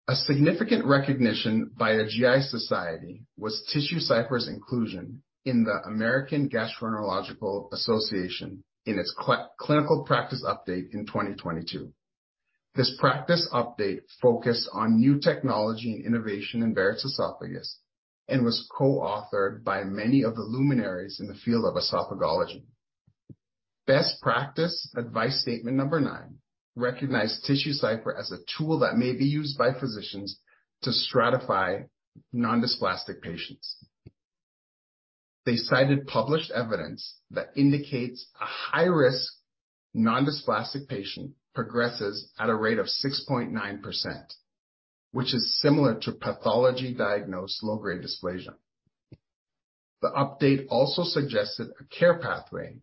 A significant recognition by a GI society was TissueCypher's inclusion in the American Gastroenterological Association in its clinical practice update in 2022. This practice update focused on new technology and innovation in Barrett's esophagus and was co-authored by many of the luminaries in the field of esophagology. Best practice advice statement number 9 recognized TissueCypher as a tool that may be used by physicians to stratify non-dysplastic patients. They cited published evidence that indicates a high-risk non-dysplastic patient progresses at a rate of 6.9%, which is similar to pathology-diagnosed low-grade dysplasia. The update also suggested a care pathway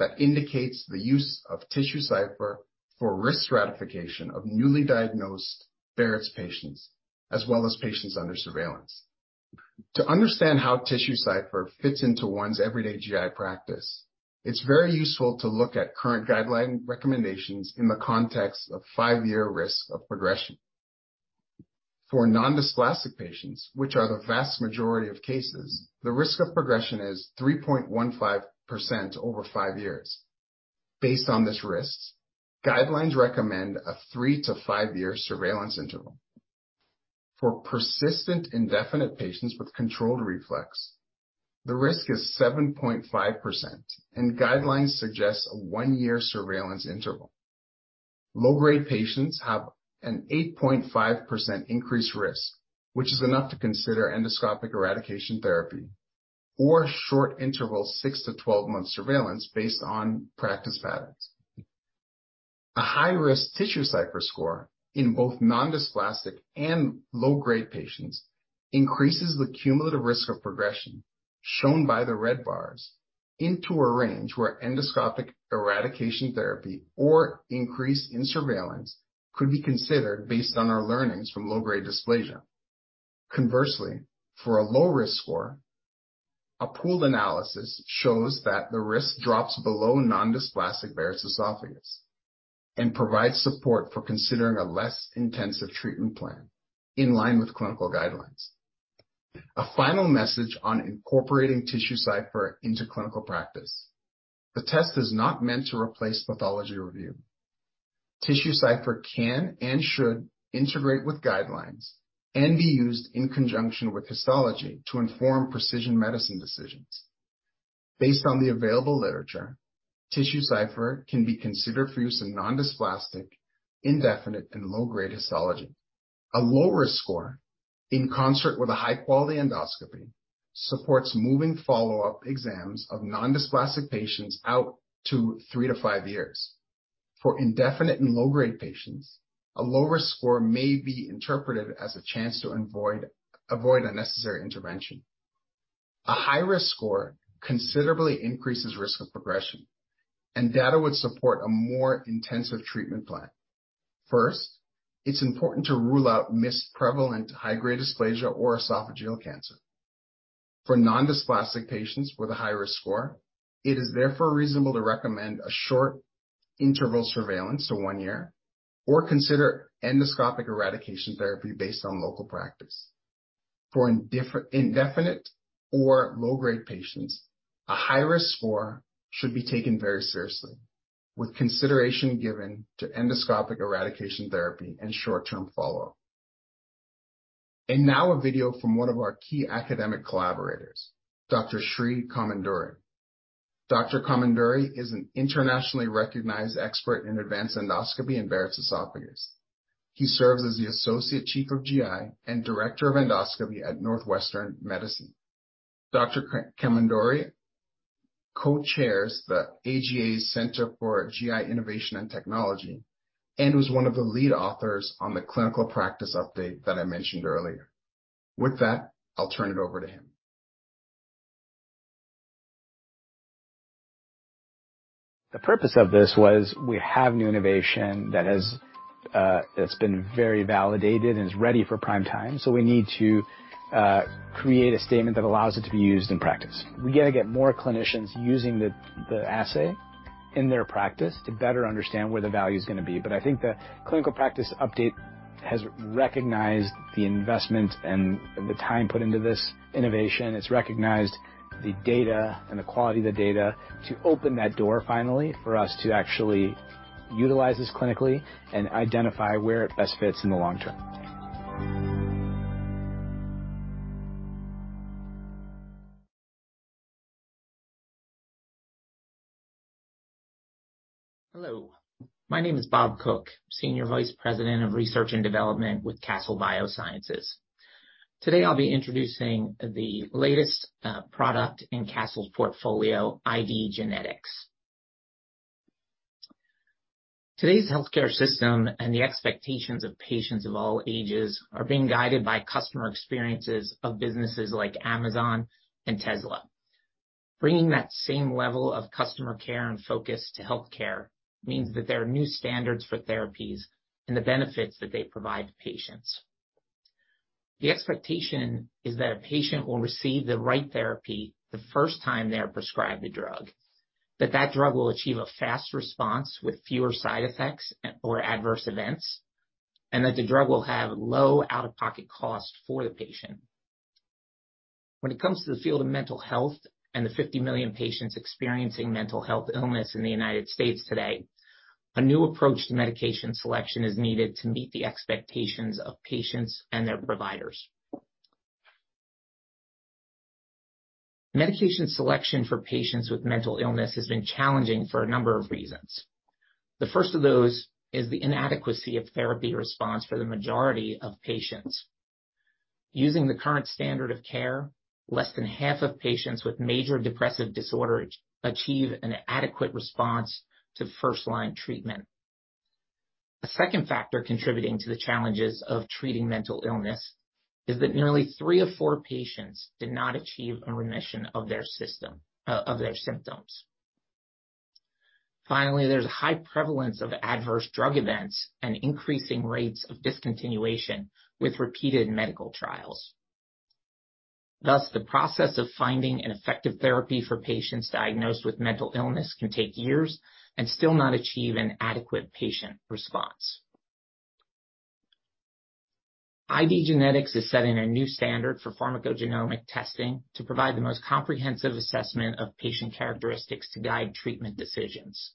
that indicates the use of TissueCypher for risk stratification of newly diagnosed Barrett's patients, as well as patients under surveillance. To understand how TissueCypher fits into one's everyday GI practice, it's very useful to look at current guideline recommendations in the context of 5-year risk of progression. For non-dysplastic patients, which are the vast majority of cases, the risk of progression is 3.15% over 5 years. Based on this risk, guidelines recommend a 3- to 5-year surveillance interval. For persistent indefinite patients with controlled reflux, the risk is 7.5%, and guidelines suggest a one-year surveillance interval. Low-grade patients have an 8.5% increased risk, which is enough to consider endoscopic eradication therapy or short-interval 6- to 12-month surveillance based on practice patterns. A high-risk TissueCypher score in both non-dysplastic and low-grade patients increases the cumulative risk of progression, shown by the red bars, into a range where endoscopic eradication therapy or increase in surveillance could be considered based on our learnings from low-grade dysplasia. Conversely, for a low-risk score, a pooled analysis shows that the risk drops below non-dysplastic Barrett's esophagus and provides support for considering a less intensive treatment plan in line with clinical guidelines. A final message on incorporating TissueCypher into clinical practice. The test is not meant to replace pathology review. TissueCypher can and should integrate with guidelines and be used in conjunction with histology to inform precision medicine decisions. Based on the available literature, TissueCypher can be considered for use in non-dysplastic, indefinite, and low-grade histology. A low-risk score in concert with a high-quality endoscopy supports moving follow-up exams of non-dysplastic patients out to 3-5 years. For indefinite and low-grade patients, a low-risk score may be interpreted as a chance to avoid unnecessary intervention. A high-risk score considerably increases risk of progression, and data would support a more intensive treatment plan. First, it's important to rule out missed prevalent high-grade dysplasia or esophageal cancer. For non-dysplastic patients with a high-risk score, it is therefore reasonable to recommend a short interval surveillance to 1 year or consider endoscopic eradication therapy based on local practice. For indefinite or low-grade patients, a high-risk score should be taken very seriously, with consideration given to endoscopic eradication therapy and short-term follow-up. Now a video from one of our key academic collaborators, Dr. Srinadh Komanduri. Dr. Komanduri is an internationally recognized expert in advanced endoscopy and Barrett's esophagus. He serves as the associate chief of GI and director of endoscopy at Northwestern Medicine. Dr. Komanduri co-chairs the AGA Center for GI Innovation and Technology and was one of the lead authors on the clinical practice update that I mentioned earlier. With that, I'll turn it over to him. The purpose of this was we have new innovation that's been very validated and is ready for prime time, so we need to create a statement that allows it to be used in practice. We gotta get more clinicians using the assay in their practice to better understand where the value is gonna be. I think the clinical practice update has recognized the investment and the time put into this innovation. It's recognized the data and the quality of the data to open that door finally for us to actually utilize this clinically and identify where it best fits in the long term. Hello. My name is Bob Cook, Senior Vice President of Research and Development with Castle Biosciences. Today, I'll be introducing the latest product in Castle's portfolio, IDgenetix. Today's healthcare system and the expectations of patients of all ages are being guided by customer experiences of businesses like Amazon and Tesla. Bringing that same level of customer care and focus to healthcare means that there are new standards for therapies and the benefits that they provide to patients. The expectation is that a patient will receive the right therapy the first time they're prescribed a drug, that that drug will achieve a fast response with fewer side effects and/or adverse events, and that the drug will have low out-of-pocket costs for the patient. When it comes to the field of mental health and the 50 million patients experiencing mental health illness in the United States today, a new approach to medication selection is needed to meet the expectations of patients and their providers. Medication selection for patients with mental illness has been challenging for a number of reasons. The first of those is the inadequacy of therapy response for the majority of patients. Using the current standard of care, less than half of patients with major depressive disorder achieve an adequate response to first-line treatment. A second factor contributing to the challenges of treating mental illness is that nearly three of four patients did not achieve a remission of their symptoms. Finally, there's a high prevalence of adverse drug events and increasing rates of discontinuation with repeated medical trials. Thus, the process of finding an effective therapy for patients diagnosed with mental illness can take years and still not achieve an adequate patient response. IDgenetix is setting a new standard for pharmacogenomic testing to provide the most comprehensive assessment of patient characteristics to guide treatment decisions.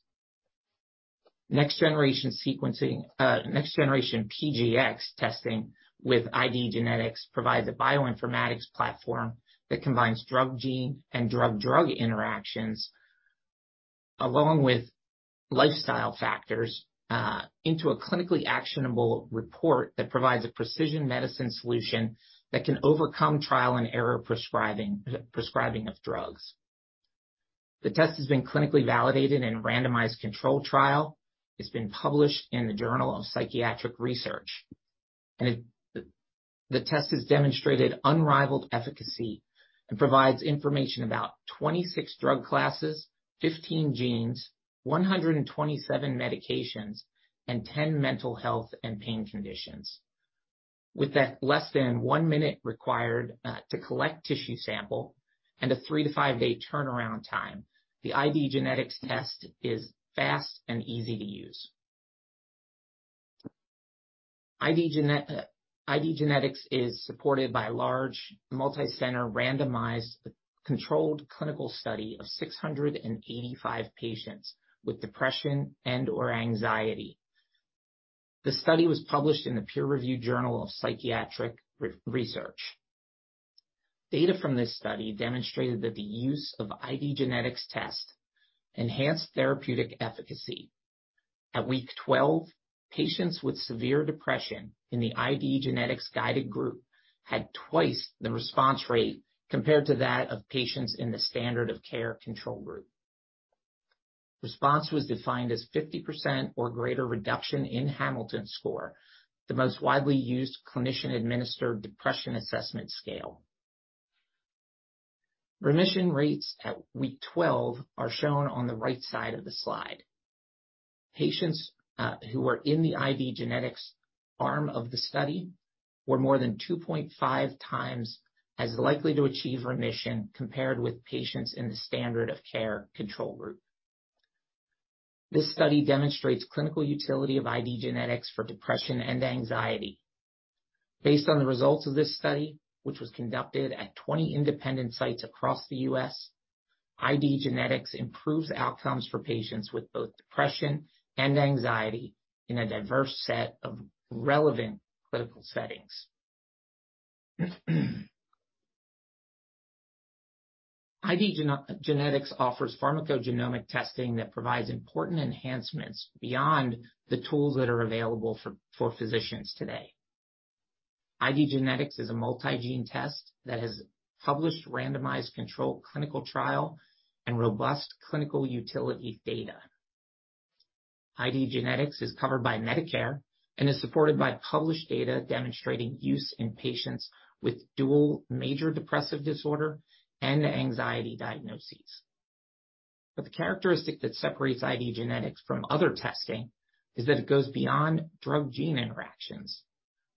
Next-generation sequencing, next-generation PGX testing with IDgenetix provides a bioinformatics platform that combines drug-gene and drug-drug interactions, along with lifestyle factors, into a clinically actionable report that provides a precision medicine solution that can overcome trial-and-error prescribing of drugs. The test has been clinically validated in a randomized controlled trial. It's been published in the Journal of Psychiatric Research, and the test has demonstrated unrivaled efficacy and provides information about 26 drug classes, 15 genes, 127 medications, and 10 mental health and pain conditions. With less than 1 minute required to collect tissue sample and a 3-5-day turnaround time, the IDgenetix test is fast and easy to use. IDgenetix is supported by a large multi-center randomized controlled clinical study of 685 patients with depression and/or anxiety. The study was published in the peer-reviewed Journal of Psychiatric Research. Data from this study demonstrated that the use of IDgenetix test enhanced therapeutic efficacy. At week 12, patients with severe depression in the IDgenetix guided group had twice the response rate compared to that of patients in the standard of care control group. Response was defined as 50% or greater reduction in Hamilton score, the most widely used clinician-administered depression assessment scale. Remission rates at week 12 are shown on the right side of the slide. Patients who were in the IDgenetix arm of the study were more than 2.5 times as likely to achieve remission compared with patients in the standard of care control group. This study demonstrates clinical utility of IDgenetix for depression and anxiety. Based on the results of this study, which was conducted at 20 independent sites across the US, IDgenetix improves outcomes for patients with both depression and anxiety in a diverse set of relevant clinical settings. IDgenetix offers pharmacogenomic testing that provides important enhancements beyond the tools that are available for physicians today. IDgenetix is a multi-gene test that has published randomized controlled clinical trial and robust clinical utility data. IDgenetix is covered by Medicare and is supported by published data demonstrating use in patients with dual major depressive disorder and anxiety diagnoses. The characteristic that separates IDgenetix from other testing is that it goes beyond drug-gene interactions.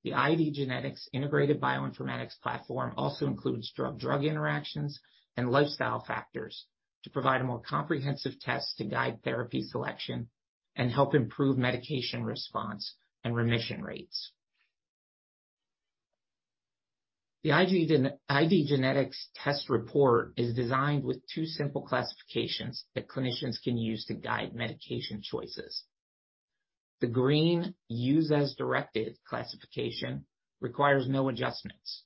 The IDgenetix integrated bioinformatics platform also includes drug-drug interactions and lifestyle factors to provide a more comprehensive test to guide therapy selection and help improve medication response and remission rates. The IDgenetix test report is designed with two simple classifications that clinicians can use to guide medication choices. The green use as directed classification requires no adjustments.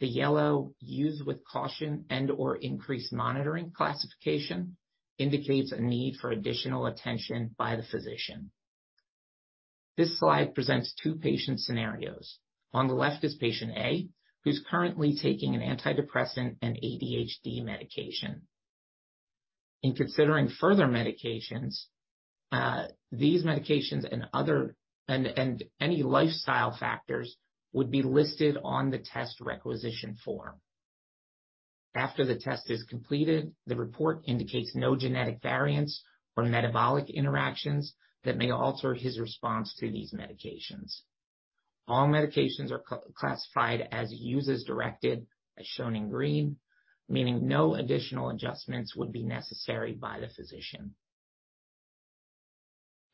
The yellow use with caution and/or increased monitoring classification indicates a need for additional attention by the physician. This slide presents two patient scenarios. On the left is patient A, who's currently taking an antidepressant and ADHD medication. In considering further medications, these medications and any lifestyle factors would be listed on the test requisition form. After the test is completed, the report indicates no genetic variants or metabolic interactions that may alter his response to these medications. All medications are classified as use as directed, as shown in green, meaning no additional adjustments would be necessary by the physician.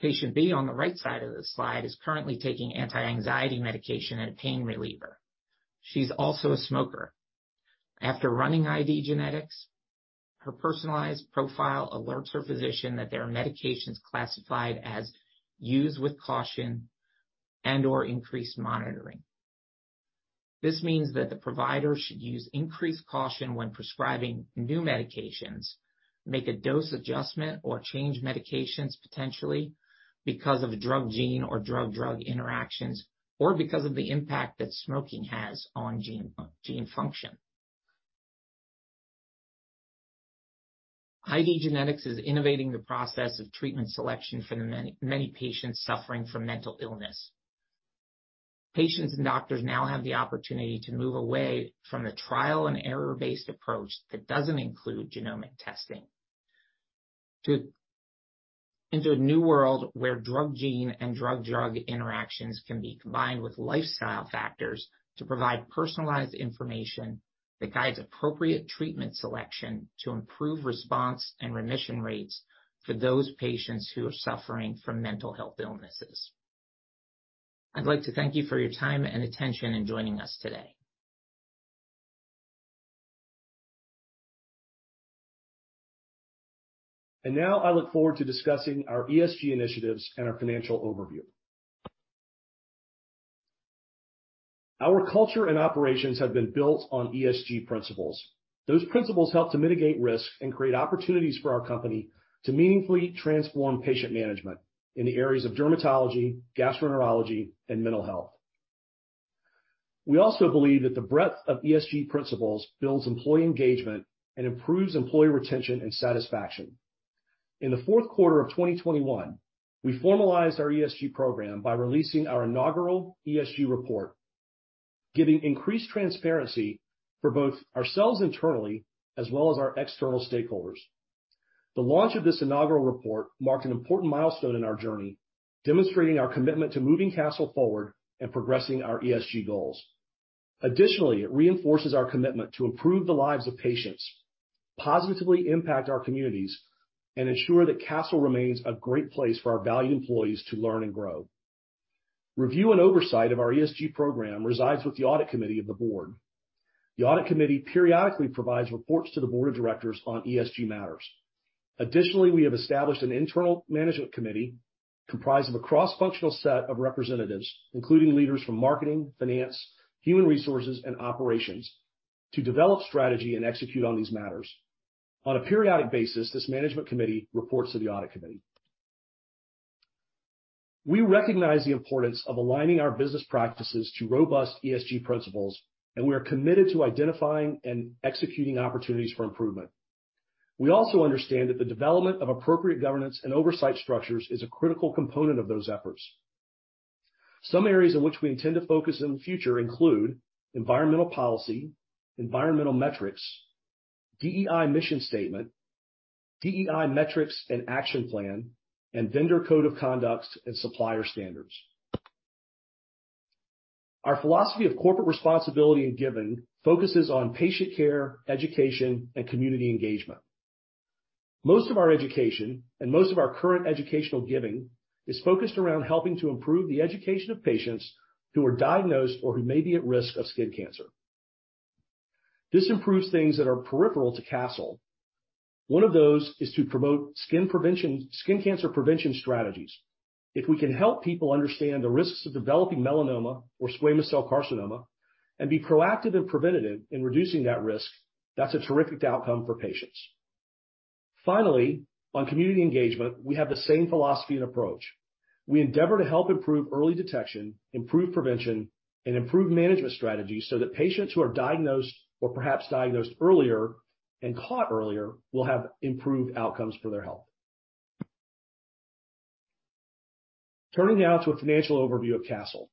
Patient B on the right side of this slide is currently taking anti-anxiety medication and a pain reliever. She's also a smoker. After running IDgenetix, her personalized profile alerts her physician that there are medications classified as use with caution and/or increased monitoring. This means that the provider should use increased caution when prescribing new medications, make a dose adjustment or change medications potentially because of drug-gene or drug-drug interactions, or because of the impact that smoking has on gene function. IDgenetix is innovating the process of treatment selection for the many, many patients suffering from mental illness. Patients and doctors now have the opportunity to move away from the trial-and-error based approach that doesn't include genomic testing. Into a new world where drug-gene and drug-drug interactions can be combined with lifestyle factors to provide personalized information that guides appropriate treatment selection to improve response and remission rates for those patients who are suffering from mental health illnesses. I'd like to thank you for your time and attention in joining us today. Now I look forward to discussing our ESG initiatives and our financial overview. Our culture and operations have been built on ESG principles. Those principles help to mitigate risk and create opportunities for our company to meaningfully transform patient management in the areas of dermatology, gastroenterology, and mental health. We also believe that the breadth of ESG principles builds employee engagement and improves employee retention and satisfaction. In the fourth quarter of 2021, we formalized our ESG program by releasing our inaugural ESG report, giving increased transparency for both ourselves internally as well as our external stakeholders. The launch of this inaugural report marked an important milestone in our journey, demonstrating our commitment to moving Castle forward and progressing our ESG goals. Additionally, it reinforces our commitment to improve the lives of patients, positively impact our communities, and ensure that Castle remains a great place for our valued employees to learn and grow. Review and oversight of our ESG program resides with the audit committee of the board. The audit committee periodically provides reports to the board of directors on ESG matters. Additionally, we have established an internal management committee comprised of a cross-functional set of representatives, including leaders from marketing, finance, human resources, and operations to develop strategy and execute on these matters. On a periodic basis, this management committee reports to the audit committee. We recognize the importance of aligning our business practices to robust ESG principles, and we are committed to identifying and executing opportunities for improvement. We also understand that the development of appropriate governance and oversight structures is a critical component of those efforts. Some areas in which we intend to focus in the future include environmental policy, environmental metrics, DEI mission statement, DEI metrics and action plan, and vendor code of conduct and supplier standards. Our philosophy of corporate responsibility and giving focuses on patient care, education, and community engagement. Most of our education and most of our current educational giving is focused around helping to improve the education of patients who are diagnosed or who may be at risk of skin cancer. This improves things that are peripheral to Castle. One of those is to promote skin prevention, skin cancer prevention strategies. If we can help people understand the risks of developing melanoma or squamous cell carcinoma and be proactive and preventative in reducing that risk, that's a terrific outcome for patients. Finally, on community engagement, we have the same philosophy and approach. We endeavor to help improve early detection, improve prevention, and improve management strategies so that patients who are diagnosed or perhaps diagnosed earlier and caught earlier will have improved outcomes for their health. Turning now to a financial overview of Castle.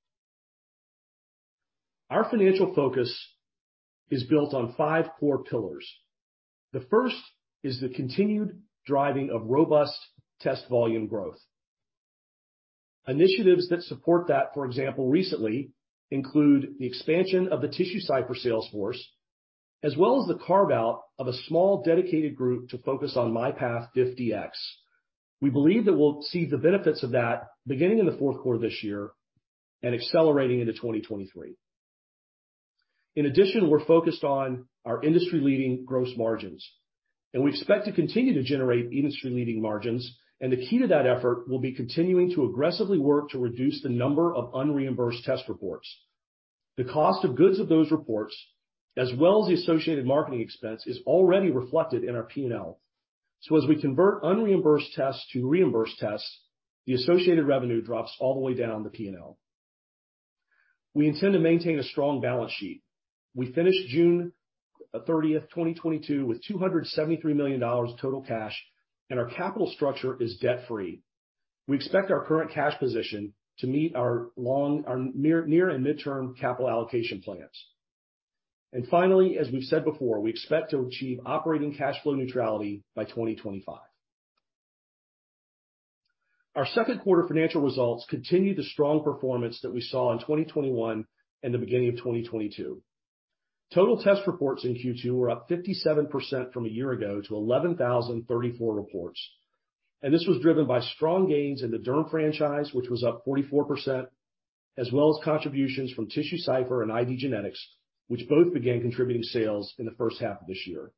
Our financial focus is built on five core pillars. The first is the continued driving of robust test volume growth. Initiatives that support that, for example, recently include the expansion of the TissueCypher sales force, as well as the carve-out of a small, dedicated group to focus on MyPath Melanoma and DiffDx-Melanoma. We believe that we'll see the benefits of that beginning in the fourth quarter this year and accelerating into 2023. In addition, we're focused on our industry-leading gross margins, and we expect to continue to generate industry-leading margins, and the key to that effort will be continuing to aggressively work to reduce the number of unreimbursed test reports. The cost of goods of those reports, as well as the associated marketing expense, is already reflected in our P&L. As we convert unreimbursed tests to reimbursed tests, the associated revenue drops all the way down the P&L. We intend to maintain a strong balance sheet. We finished June thirtieth, 2022 with $273 million total cash, and our capital structure is debt-free. We expect our current cash position to meet our long, our near and midterm capital allocation plans. Finally, as we've said before, we expect to achieve operating cash flow neutrality by 2025. Our second quarter financial results continue the strong performance that we saw in 2021 and the beginning of 2022. Total test reports in Q2 were up 57% from a year ago to 11,034 reports. This was driven by strong gains in the Derm franchise, which was up 44%, as well as contributions from TissueCypher and IDgenetix, which both began contributing sales in the first half of this year.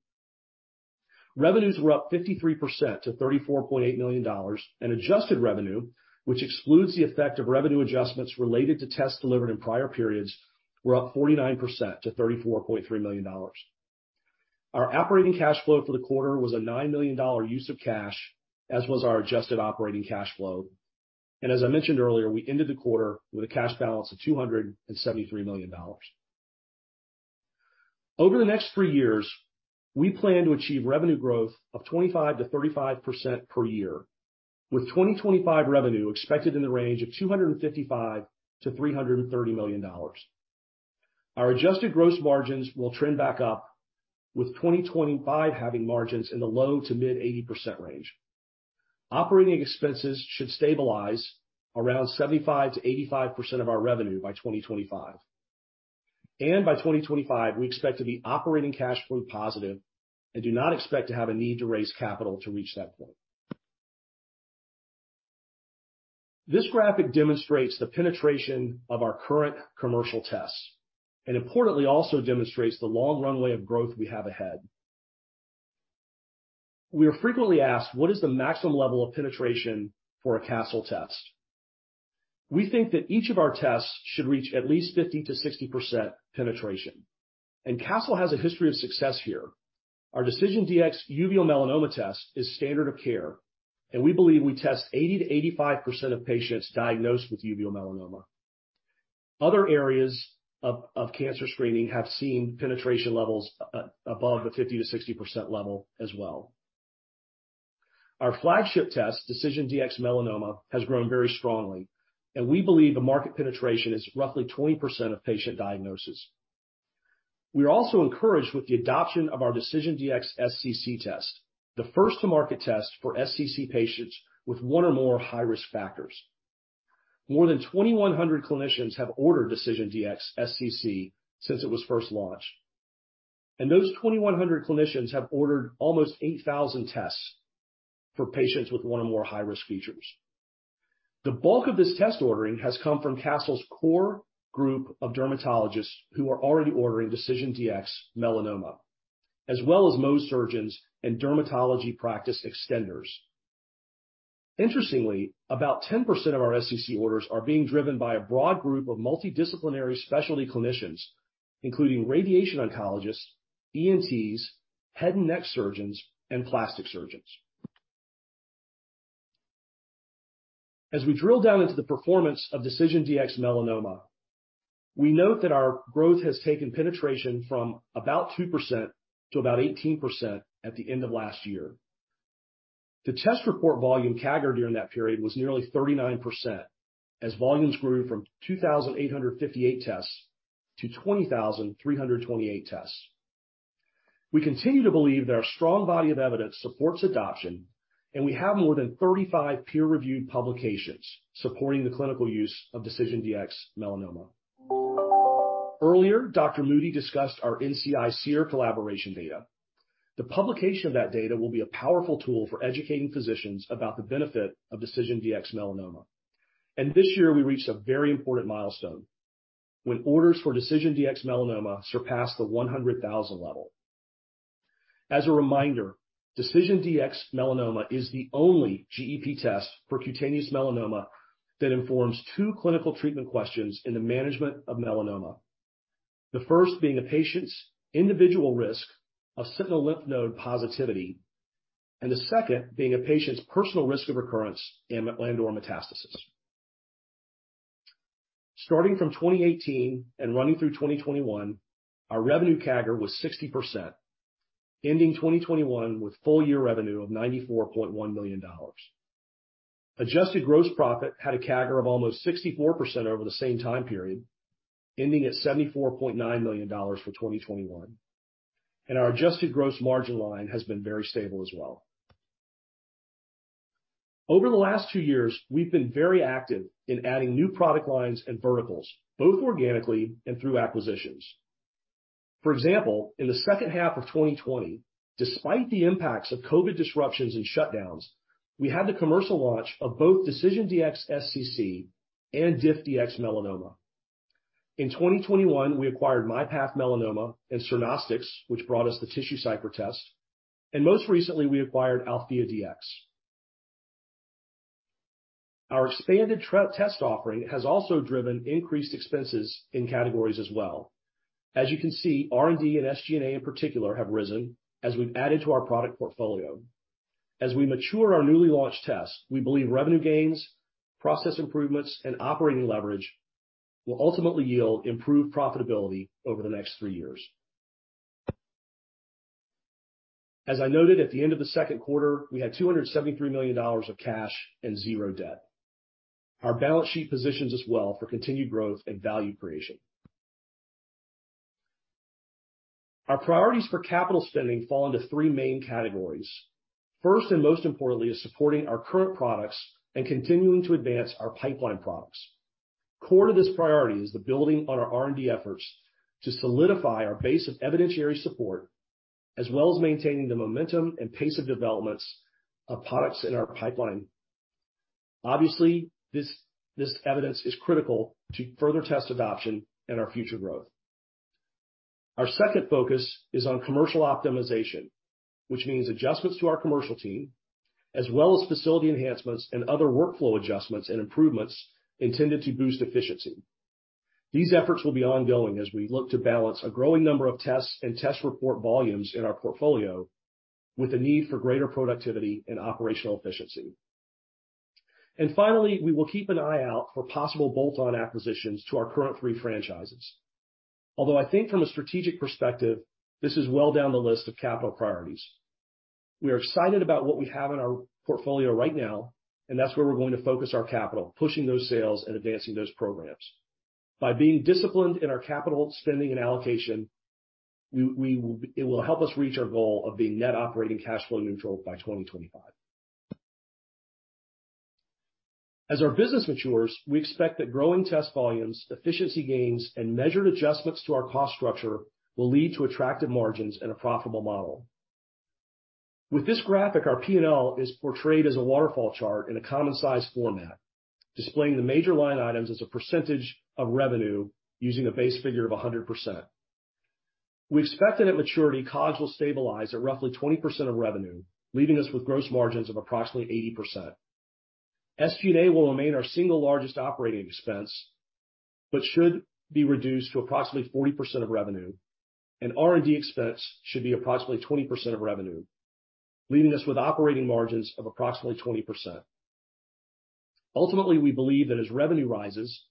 Revenues were up 53% to $34.8 million, and adjusted revenue, which excludes the effect of revenue adjustments related to tests delivered in prior periods, were up 49% to $34.3 million. Our operating cash flow for the quarter was a $9 million use of cash, as was our adjusted operating cash flow. As I mentioned earlier, we ended the quarter with a cash balance of $273 million. Over the next three years, we plan to achieve revenue growth of 25%-35% per year, with 2025 revenue expected in the range of $255 million-$330 million. Our adjusted gross margins will trend back up, with 2025 having margins in the low-to-mid 80% range. Operating expenses should stabilize around 75%-85% of our revenue by 2025. By 2025, we expect to be operating cash flow positive and do not expect to have a need to raise capital to reach that point. This graphic demonstrates the penetration of our current commercial tests, and importantly, also demonstrates the long runway of growth we have ahead. We are frequently asked what is the maximum level of penetration for a Castle test? We think that each of our tests should reach at least 50%-60% penetration, and Castle has a history of success here. Our DecisionDx-UM test is standard of care, and we believe we test 80%-85% of patients diagnosed with uveal melanoma. Other areas of cancer screening have seen penetration levels above the 50%-60% level as well. Our flagship test, DecisionDx-Melanoma, has grown very strongly, and we believe the market penetration is roughly 20% of patient diagnosis. We are also encouraged with the adoption of our DecisionDx-SCC test, the first to market test for SCC patients with one or more high risk factors. More than 2,100 clinicians have ordered DecisionDx-SCC since it was first launched, and those 2,100 clinicians have ordered almost 8,000 tests for patients with one or more high-risk features. The bulk of this test ordering has come from Castle's core group of dermatologists who are already ordering DecisionDx-Melanoma, as well as Mohs surgeons and dermatology practice extenders. Interestingly, about 10% of our SCC orders are being driven by a broad group of multidisciplinary specialty clinicians, including radiation oncologists, ENTs, head and neck surgeons, and plastic surgeons. As we drill down into the performance of DecisionDx-Melanoma, we note that our growth has taken penetration from about 2% to about 18% at the end of last year. The test report volume CAGR during that period was nearly 39% as volumes grew from 2,858 tests to 20,328 tests. We continue to believe that our strong body of evidence supports adoption, and we have more than 35 peer-reviewed publications supporting the clinical use of DecisionDx-Melanoma. Earlier, Dr. Moody discussed our NCI-SEER collaboration data. The publication of that data will be a powerful tool for educating physicians about the benefit of DecisionDx-Melanoma. This year we reached a very important milestone when orders for DecisionDx-Melanoma surpassed the 100,000 level. As a reminder, DecisionDx-Melanoma is the only GEP test for cutaneous melanoma that informs two clinical treatment questions in the management of melanoma. The first being a patient's individual risk of sentinel lymph node positivity, and the second being a patient's personal risk of recurrence and or metastasis. Starting from 2018 and running through 2021, our revenue CAGR was 60%, ending 2021 with full year revenue of $94.1 million. Adjusted gross profit had a CAGR of almost 64% over the same time period, ending at $74.9 million for 2021. Our adjusted gross margin line has been very stable as well. Over the last two years, we've been very active in adding new product lines and verticals, both organically and through acquisitions. For example, in the second half of 2020, despite the impacts of COVID disruptions and shutdowns, we had the commercial launch of both DecisionDx-SCC and DiffDx-Melanoma. In 2021, we acquired MyPath Melanoma and Cernostics, which brought us the TissueCypher test, and most recently we acquired AltheaDx. Our expanded test offering has also driven increased expenses in categories as well. As you can see, R&D and SG&A in particular have risen as we've added to our product portfolio. As we mature our newly launched tests, we believe revenue gains, process improvements, and operating leverage will ultimately yield improved profitability over the next three years. As I noted at the end of the second quarter, we had $273 million of cash and 0 debt. Our balance sheet positions us well for continued growth and value creation. Our priorities for capital spending fall into three main categories. First, and most importantly, is supporting our current products and continuing to advance our pipeline products. Core to this priority is the building on our R&D efforts to solidify our base of evidentiary support, as well as maintaining the momentum and pace of developments of products in our pipeline. Obviously, this evidence is critical to further test adoption and our future growth. Our second focus is on commercial optimization, which means adjustments to our commercial team as well as facility enhancements and other workflow adjustments and improvements intended to boost efficiency. These efforts will be ongoing as we look to balance a growing number of tests and test report volumes in our portfolio with a need for greater productivity and operational efficiency. Finally, we will keep an eye out for possible bolt-on acquisitions to our current three franchises. Although I think from a strategic perspective, this is well down the list of capital priorities. We are excited about what we have in our portfolio right now, and that's where we're going to focus our capital, pushing those sales and advancing those programs. By being disciplined in our capital spending and allocation, we will be it will help us reach our goal of being net operating cash flow neutral by 2025. As our business matures, we expect that growing test volumes, efficiency gains, and measured adjustments to our cost structure will lead to attractive margins and a profitable model. With this graphic, our P&L is portrayed as a waterfall chart in a common size format, displaying the major line items as a percentage of revenue using a base figure of 100%. We expect that at maturity, COGS will stabilize at roughly 20% of revenue, leaving us with gross margins of approximately 80%. SG&A will remain our single largest operating expense, but should be reduced to approximately 40% of revenue, and R&D expense should be approximately 20% of revenue, leaving us with operating margins of approximately 20%. Ultimately, we believe that as revenue rises,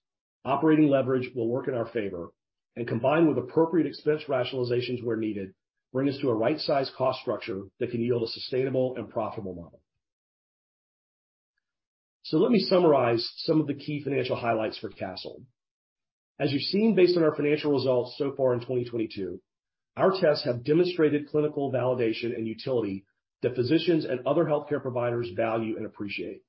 operating leverage will work in our favor, and combined with appropriate expense rationalizations where needed, bring us to a right-sized cost structure that can yield a sustainable and profitable model. Let me summarize some of the key financial highlights for Castle. As you've seen based on our financial results so far in 2022, our tests have demonstrated clinical validation and utility that physicians and other healthcare providers value and appreciate.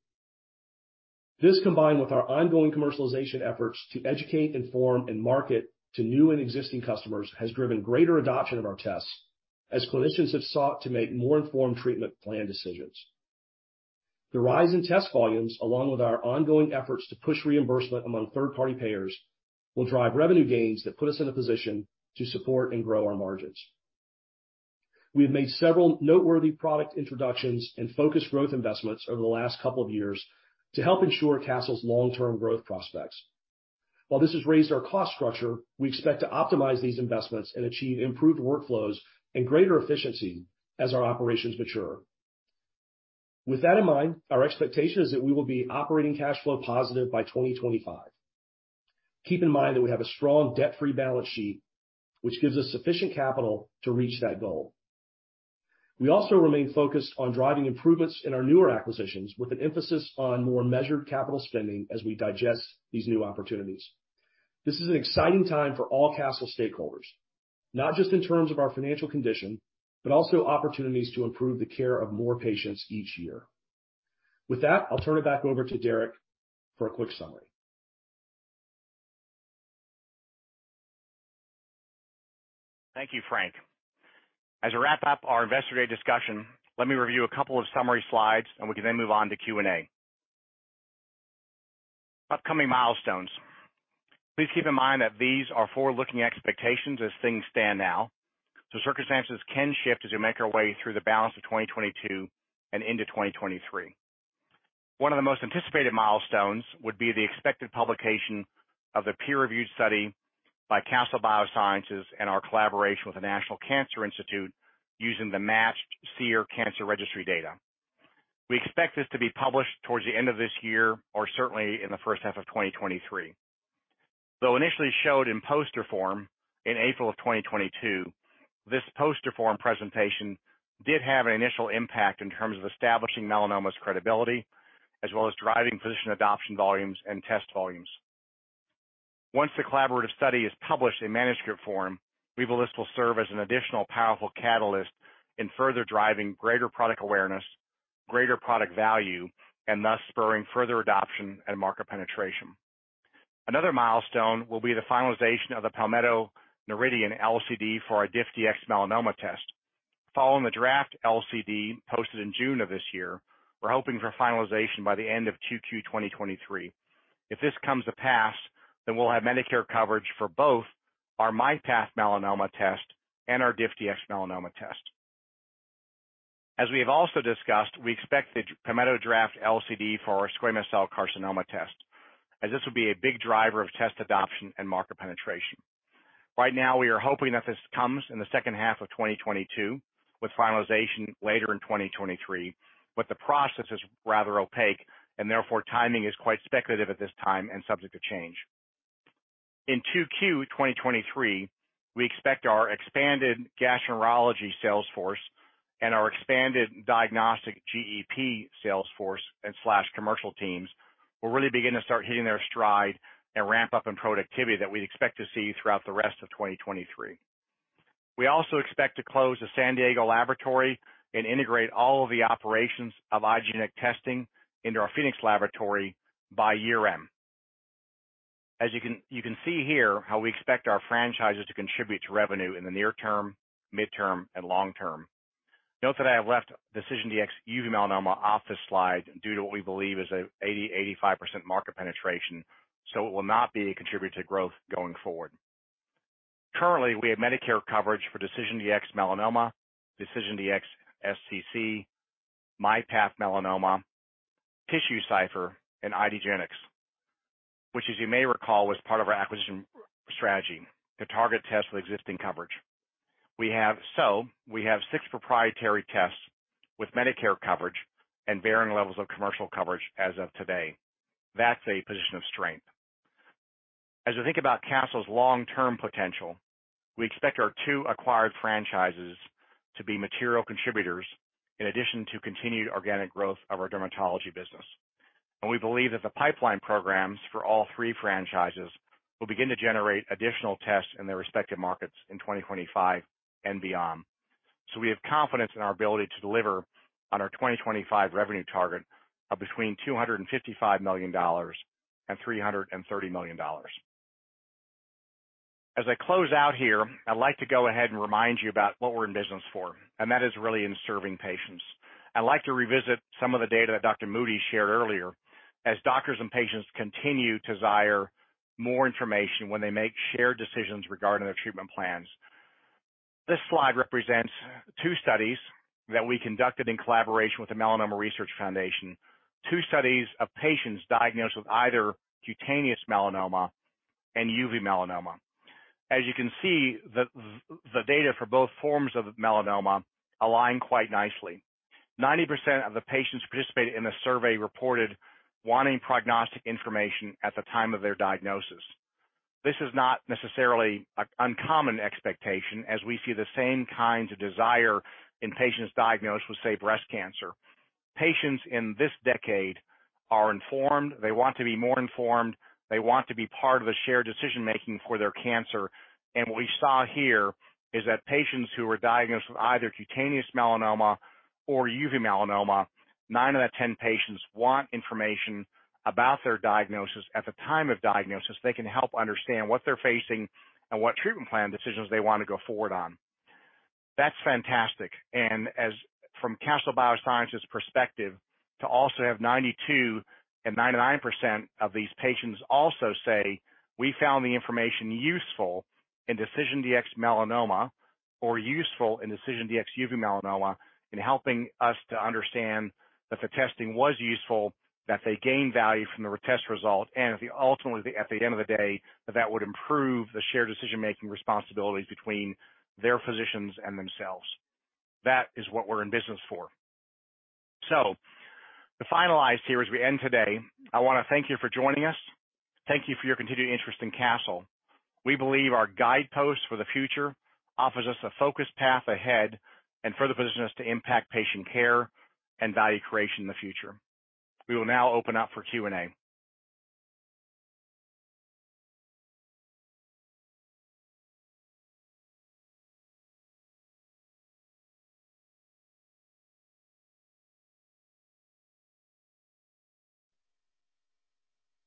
This, combined with our ongoing commercialization efforts to educate, inform, and market to new and existing customers, has driven greater adoption of our tests as clinicians have sought to make more informed treatment plan decisions. The rise in test volumes, along with our ongoing efforts to push reimbursement among third-party payers, will drive revenue gains that put us in a position to support and grow our margins. We have made several noteworthy product introductions and focused growth investments over the last couple of years to help ensure Castle's long-term growth prospects. While this has raised our cost structure, we expect to optimize these investments and achieve improved workflows and greater efficiency as our operations mature. With that in mind, our expectation is that we will be operating cash flow positive by 2025. Keep in mind that we have a strong debt-free balance sheet, which gives us sufficient capital to reach that goal. We also remain focused on driving improvements in our newer acquisitions with an emphasis on more measured capital spending as we digest these new opportunities. This is an exciting time for all Castle stakeholders, not just in terms of our financial condition, but also opportunities to improve the care of more patients each year. With that, I'll turn it back over to Derek for a quick summary. Thank you, Frank. As I wrap up our Investor Day discussion, let me review a couple of summary slides, and we can then move on to Q&A. Upcoming milestones. Please keep in mind that these are forward-looking expectations as things stand now, so circumstances can shift as we make our way through the balance of 2022 and into 2023. One of the most anticipated milestones would be the expected publication of the peer-reviewed study by Castle Biosciences and our collaboration with the National Cancer Institute using the matched SEER Cancer Registry data. We expect this to be published towards the end of this year or certainly in the first half of 2023. Though initially showed in poster form in April 2022, this poster form presentation did have an initial impact in terms of establishing melanoma's credibility as well as driving physician adoption volumes and test volumes. Once the collaborative study is published in manuscript form, we believe this will serve as an additional powerful catalyst in further driving greater product awareness, greater product value, and thus spurring further adoption and market penetration. Another milestone will be the finalization of the Palmetto GBA/Noridian LCD for our DiffDx-Melanoma test. Following the draft LCD posted in June of this year, we're hoping for finalization by the end of 2Q 2023. If this comes to pass, we'll have Medicare coverage for both our MyPath Melanoma test and our DiffDx-Melanoma test. As we have also discussed, we expect the Palmetto draft LCD for our squamous cell carcinoma test, as this will be a big driver of test adoption and market penetration. Right now, we are hoping that this comes in the second half of 2022, with finalization later in 2023. The process is rather opaque and therefore timing is quite speculative at this time and subject to change. In 2Q 2023, we expect our expanded gastroenterology sales force and our expanded diagnostic GEP sales force and/or commercial teams will really begin to start hitting their stride and ramp up in productivity that we'd expect to see throughout the rest of 2023. We also expect to close the San Diego laboratory and integrate all of the operations of IDgenetix testing into our Phoenix laboratory by year-end. As you can see here how we expect our franchises to contribute to revenue in the near term, midterm, and long term. Note that I have left DecisionDx-UM melanoma off this slide due to what we believe is a 80%-85% market penetration, so it will not be a contributor to growth going forward. Currently, we have Medicare coverage for DecisionDx-Melanoma, DecisionDx-SCC, MyPath Melanoma, TissueCypher and IDgenetix, which as you may recall, was part of our acquisition strategy to target tests with existing coverage. We have six proprietary tests with Medicare coverage and varying levels of commercial coverage as of today. That's a position of strength. As we think about Castle's long-term potential, we expect our two acquired franchises to be material contributors in addition to continued organic growth of our dermatology business. We believe that the pipeline programs for all three franchises will begin to generate additional tests in their respective markets in 2025 and beyond. We have confidence in our ability to deliver on our 2025 revenue target of between $255 million and $330 million. As I close out here, I'd like to go ahead and remind you about what we're in business for, and that is really in serving patients. I'd like to revisit some of the data that Dr. Moody shared earlier. As doctors and patients continue to desire more information when they make shared decisions regarding their treatment plans. This slide represents two studies that we conducted in collaboration with the Melanoma Research Foundation. Two studies of patients diagnosed with either cutaneous melanoma and UM melanoma. As you can see, the data for both forms of melanoma align quite nicely. 90% of the patients who participated in the survey reported wanting prognostic information at the time of their diagnosis. This is not necessarily an uncommon expectation as we see the same kinds of desire in patients diagnosed with, say, breast cancer. Patients in this decade are informed. They want to be more informed. They want to be part of the shared decision-making for their cancer. What we saw here is that patients who were diagnosed with either cutaneous melanoma or UM melanoma, nine out of ten patients want information about their diagnosis at the time of diagnosis. They can help understand what they're facing and what treatment plan decisions they want to go forward on. That's fantastic. As from Castle Biosciences' perspective, to also have 92% and 99% of these patients also say, "We found the information useful in DecisionDx-Melanoma or useful in DecisionDx-UM in helping us to understand that the testing was useful," that they gained value from the test result, and ultimately, at the end of the day, that would improve the shared decision-making responsibilities between their physicians and themselves. That is what we're in business for. To finalize here, as we end today, I wanna thank you for joining us. Thank you for your continued interest in Castle. We believe our guideposts for the future offers us a focused path ahead and further positions us to impact patient care and value creation in the future. We will now open up for Q&A.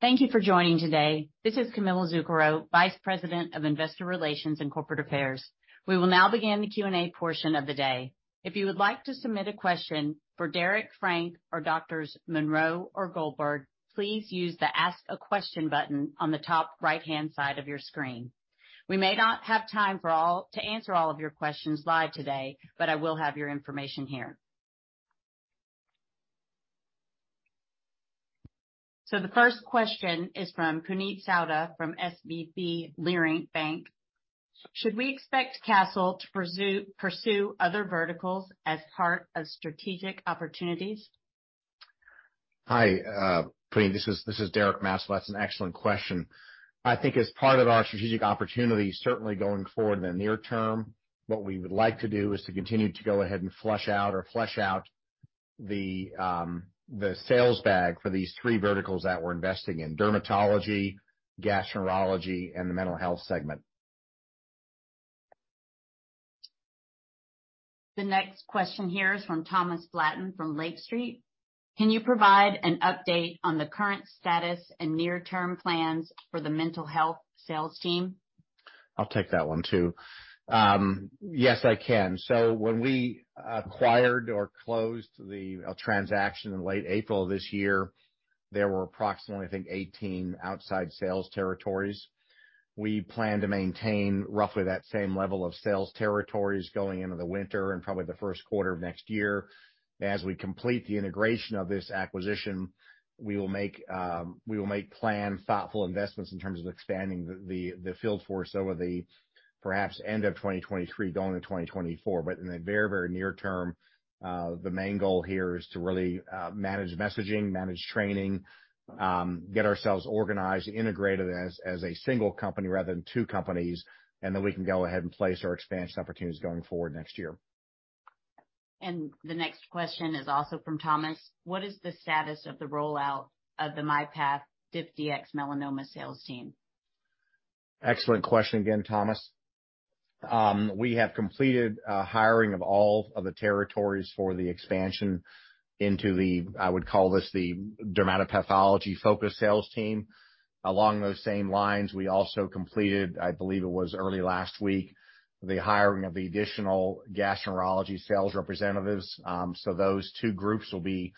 Thank you for joining today. This is Camilla Zuckero, Vice President of Investor Relations and Corporate Affairs. We will now begin the Q&A portion of the day. If you would like to submit a question for Derek, Frank or Doctors Monroe or Goldberg, please use the Ask a Question button on the top right-hand side of your screen. We may not have time for all to answer all of your questions live today, but I will have your information here. The first question is from Puneet Souda from SVB Leerink. Should we expect Castle to pursue other verticals as part of strategic opportunities? Hi, Puneet. This is Derek Maetzold. That's an excellent question. I think as part of our strategic opportunity, certainly going forward in the near term, what we would like to do is to continue to go ahead and flesh out the sales bag for these three verticals that we're investing in: dermatology, gastroenterology, and the mental health segment. The next question here is from Thomas Flaten from Lake Street. Can you provide an update on the current status and near-term plans for the mental health sales team? I'll take that one too. Yes, I can. When we acquired or closed the transaction in late April this year, there were approximately, I think, 18 outside sales territories. We plan to maintain roughly that same level of sales territories going into the winter and probably the first quarter of next year. As we complete the integration of this acquisition, we will make planned, thoughtful investments in terms of expanding the field force over the perhaps end of 2023, going into 2024. In the very, very near term, the main goal here is to really manage messaging, manage training, get ourselves organized, integrated as a single company rather than two companies, and then we can go ahead and place our expansion opportunities going forward next year. The next question is also from Thomas. What is the status of the rollout of the MyPath/DiffDx-Melanoma sales team? Excellent question again, Thomas. We have completed a hiring of all of the territories for the expansion into the, I would call this, the dermatopathology focus sales team. Along those same lines, we also completed, I believe it was early last week, the hiring of the additional gastroenterology sales representatives. Those two groups will be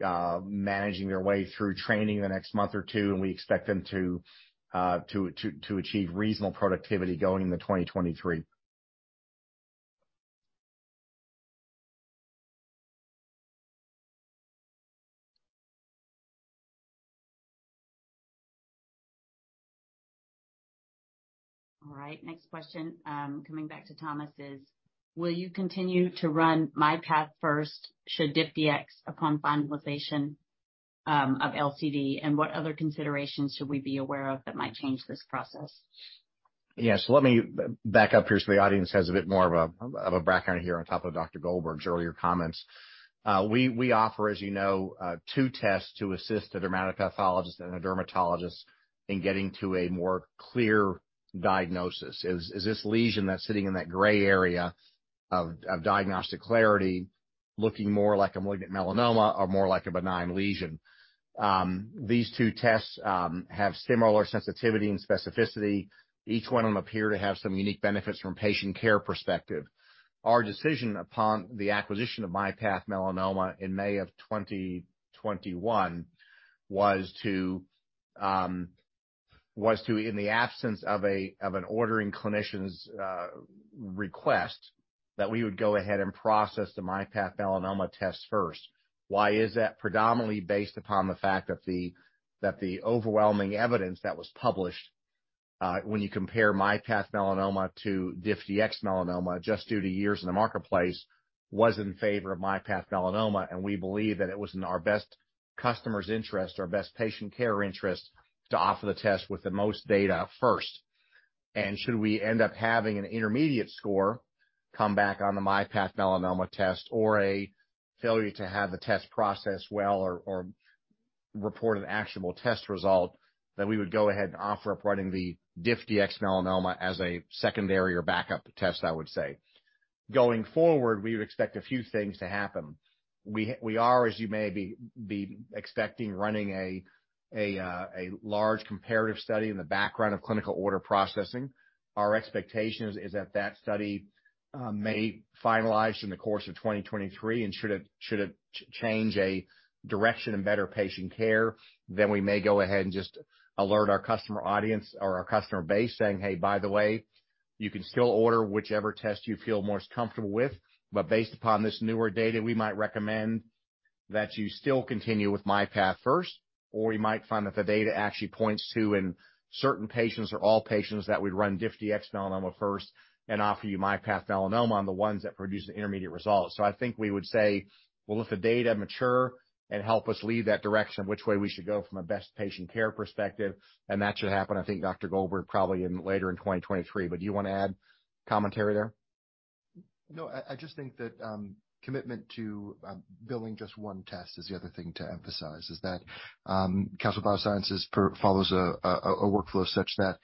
managing their way through training in the next month or two, and we expect them to achieve reasonable productivity going into 2023. All right, next question, coming back to Thomas is, will you continue to run MyPath first should DiffDx upon finalization of LCD? And what other considerations should we be aware of that might change this process? Yeah. Let me back up here so the audience has a bit more of a background here on top of Dr. Goldberg's earlier comments. We offer, as you know, two tests to assist a dermatopathologist and a dermatologist in getting to a more clear diagnosis. Is this lesion that's sitting in that gray area of diagnostic clarity looking more like a malignant melanoma or more like a benign lesion? These two tests have similar sensitivity and specificity. Each one of them appear to have some unique benefits from a patient care perspective. Our decision upon the acquisition of MyPath Melanoma in May of 2021 was to, in the absence of an ordering clinician's request, that we would go ahead and process the MyPath Melanoma test first. Why is that predominantly based upon the fact that the overwhelming evidence that was published, when you compare MyPath Melanoma to DiffDx-Melanoma, just due to years in the marketplace, was in favor of MyPath Melanoma, and we believe that it was in our best customers' interest, our best patient care interest, to offer the test with the most data first. Should we end up having an intermediate score come back on the MyPath Melanoma test or a failure to have the test processed well or report an actionable test result, then we would go ahead and offer up running the DiffDx-Melanoma as a secondary or backup test, I would say. Going forward, we would expect a few things to happen. We are, as you may be expecting, running a large comparative study in the background of clinical order processing. Our expectation is that study may finalize in the course of 2023, and should it change a direction in better patient care, then we may go ahead and just alert our customer audience or our customer base saying, "Hey, by the way, you can still order whichever test you feel most comfortable with. But based upon this newer data, we might recommend that you still continue with MyPath first." We might find that the data actually points to in certain patients or all patients that we'd run DiffDx-Melanoma first and offer you MyPath Melanoma on the ones that produce the intermediate results. I think we would say, we'll let the data mature and help us lead that direction which way we should go from a best patient care perspective, and that should happen, I think, Dr. Goldberg, probably in later 2023. But do you wanna add commentary there? No. I just think that commitment to billing just one test is the other thing to emphasize, that Castle Biosciences pursues a workflow such that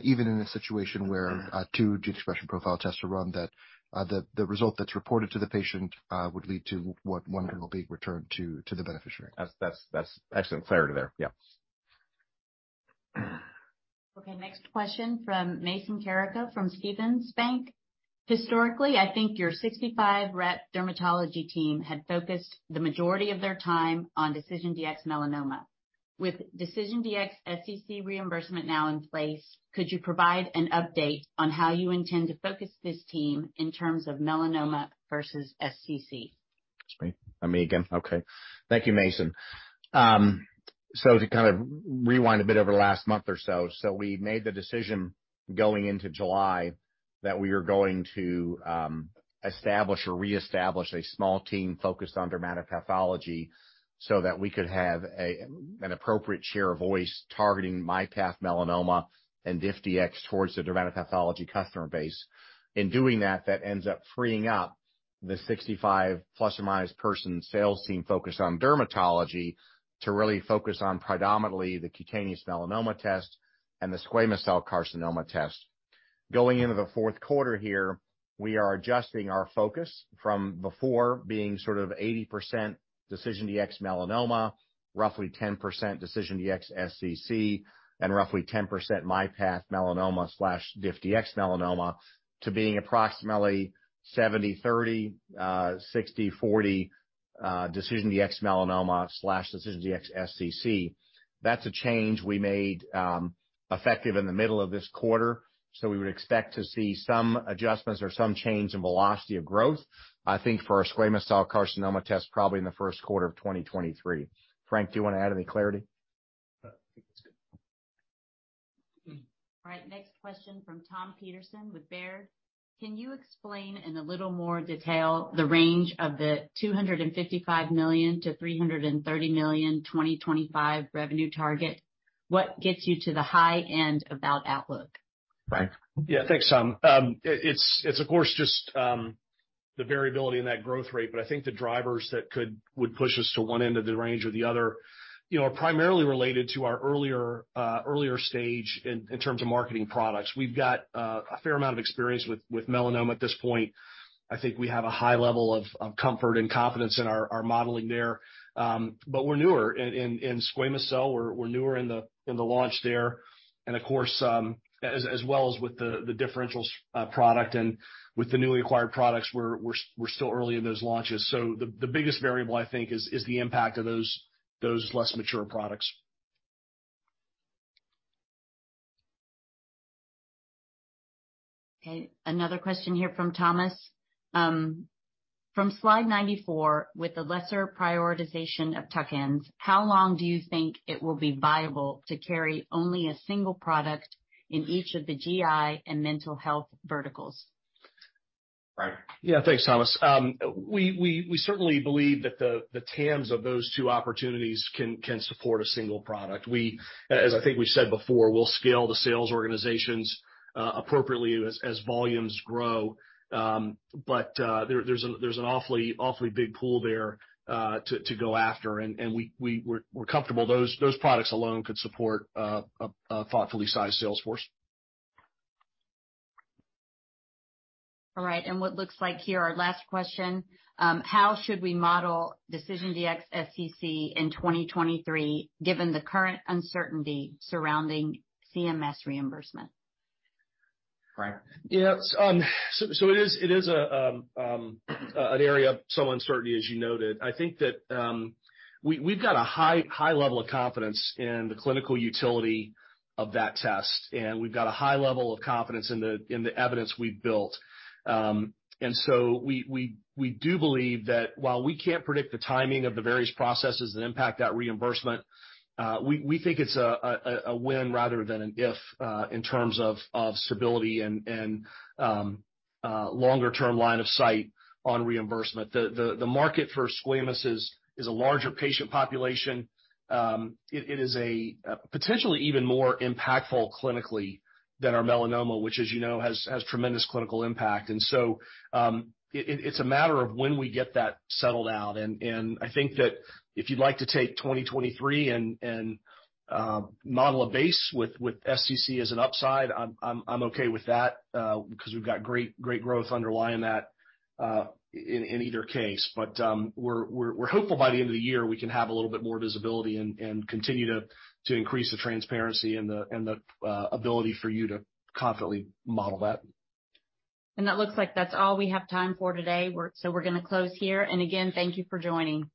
even in a situation where two gene expression profile tests are run, the result that's reported to the patient would lead to only one bill will be returned to the beneficiary. That's excellent clarity there. Yeah. Okay, next question from Mason Carrico from Stephens Inc. Historically, I think your 65 rep dermatology team had focused the majority of their time on DecisionDx-Melanoma. With DecisionDx-SCC reimbursement now in place, could you provide an update on how you intend to focus this team in terms of melanoma versus SCC? That's me again. Okay. Thank you, Mason. To kind of rewind a bit over the last month or so, we made the decision going into July that we were going to establish or reestablish a small team focused on dermatopathology so that we could have an appropriate share of voice targeting MyPath Melanoma and DiffDx towards the dermatopathology customer base. In doing that ends up freeing up the 65 plus or minus person sales team focused on dermatology to really focus on predominantly the cutaneous melanoma test and the squamous cell carcinoma test. Going into the fourth quarter here, we are adjusting our focus from before being sort of 80% DecisionDx-Melanoma, roughly 10% DecisionDx-SCC, and roughly 10% MyPath Melanoma/DiffDx-Melanoma to being approximately 70/30, 60/40, DecisionDx-Melanoma/DecisionDx-SCC. That's a change we made effective in the middle of this quarter, so we would expect to see some adjustments or some change in velocity of growth, I think for our squamous cell carcinoma test probably in the first quarter of 2023. Frank, do you wanna add any clarity? No, I think that's good. All right, next question from Tom Peterson with Baird. Can you explain in a little more detail the range of the $255 million-$330 million 2025 revenue target? What gets you to the high end of that outlook? Frank? Yeah. Thanks, Tom. It's of course just, The variability in that growth rate, but I think the drivers that would push us to one end of the range or the other, you know, are primarily related to our earlier stage in terms of marketing products. We've got a fair amount of experience with melanoma at this point. I think we have a high level of comfort and confidence in our modeling there. We're newer in squamous cell, we're newer in the launch there. Of course, as well as with the differentials product and with the newly acquired products, we're still early in those launches. The biggest variable, I think, is the impact of those less mature products. Okay, another question here from Thomas. From slide 94, with the lesser prioritization of tuck-ins, how long do you think it will be viable to carry only a single product in each of the GI and mental health verticals? Right. Yeah. Thanks, Thomas. We certainly believe that the TAMs of those two opportunities can support a single product. We, as I think we said before, we'll scale the sales organizations appropriately as volumes grow. There’s an awfully big pool there to go after. We're comfortable those products alone could support a thoughtfully sized sales force. All right, what looks like here, our last question. How should we model DecisionDx-SCC in 2023, given the current uncertainty surrounding CMS reimbursement? Right. Yeah. It's an area of some uncertainty, as you noted. I think that we've got a high level of confidence in the clinical utility of that test, and we've got a high level of confidence in the evidence we've built. We do believe that while we can't predict the timing of the various processes that impact that reimbursement, we think it's a win rather than an if, in terms of stability and longer term line of sight on reimbursement. The market for squamous is a larger patient population. It is a potentially even more impactful clinically than our melanoma, which as you know, has tremendous clinical impact. It's a matter of when we get that settled out. I think that if you'd like to take 2023 and model a base with SCC as an upside, I'm okay with that, because we've got great growth underlying that in either case. We're hopeful by the end of the year we can have a little bit more visibility and continue to increase the transparency and the ability for you to confidently model that. That looks like that's all we have time for today. We're gonna close here. Again, thank you for joining.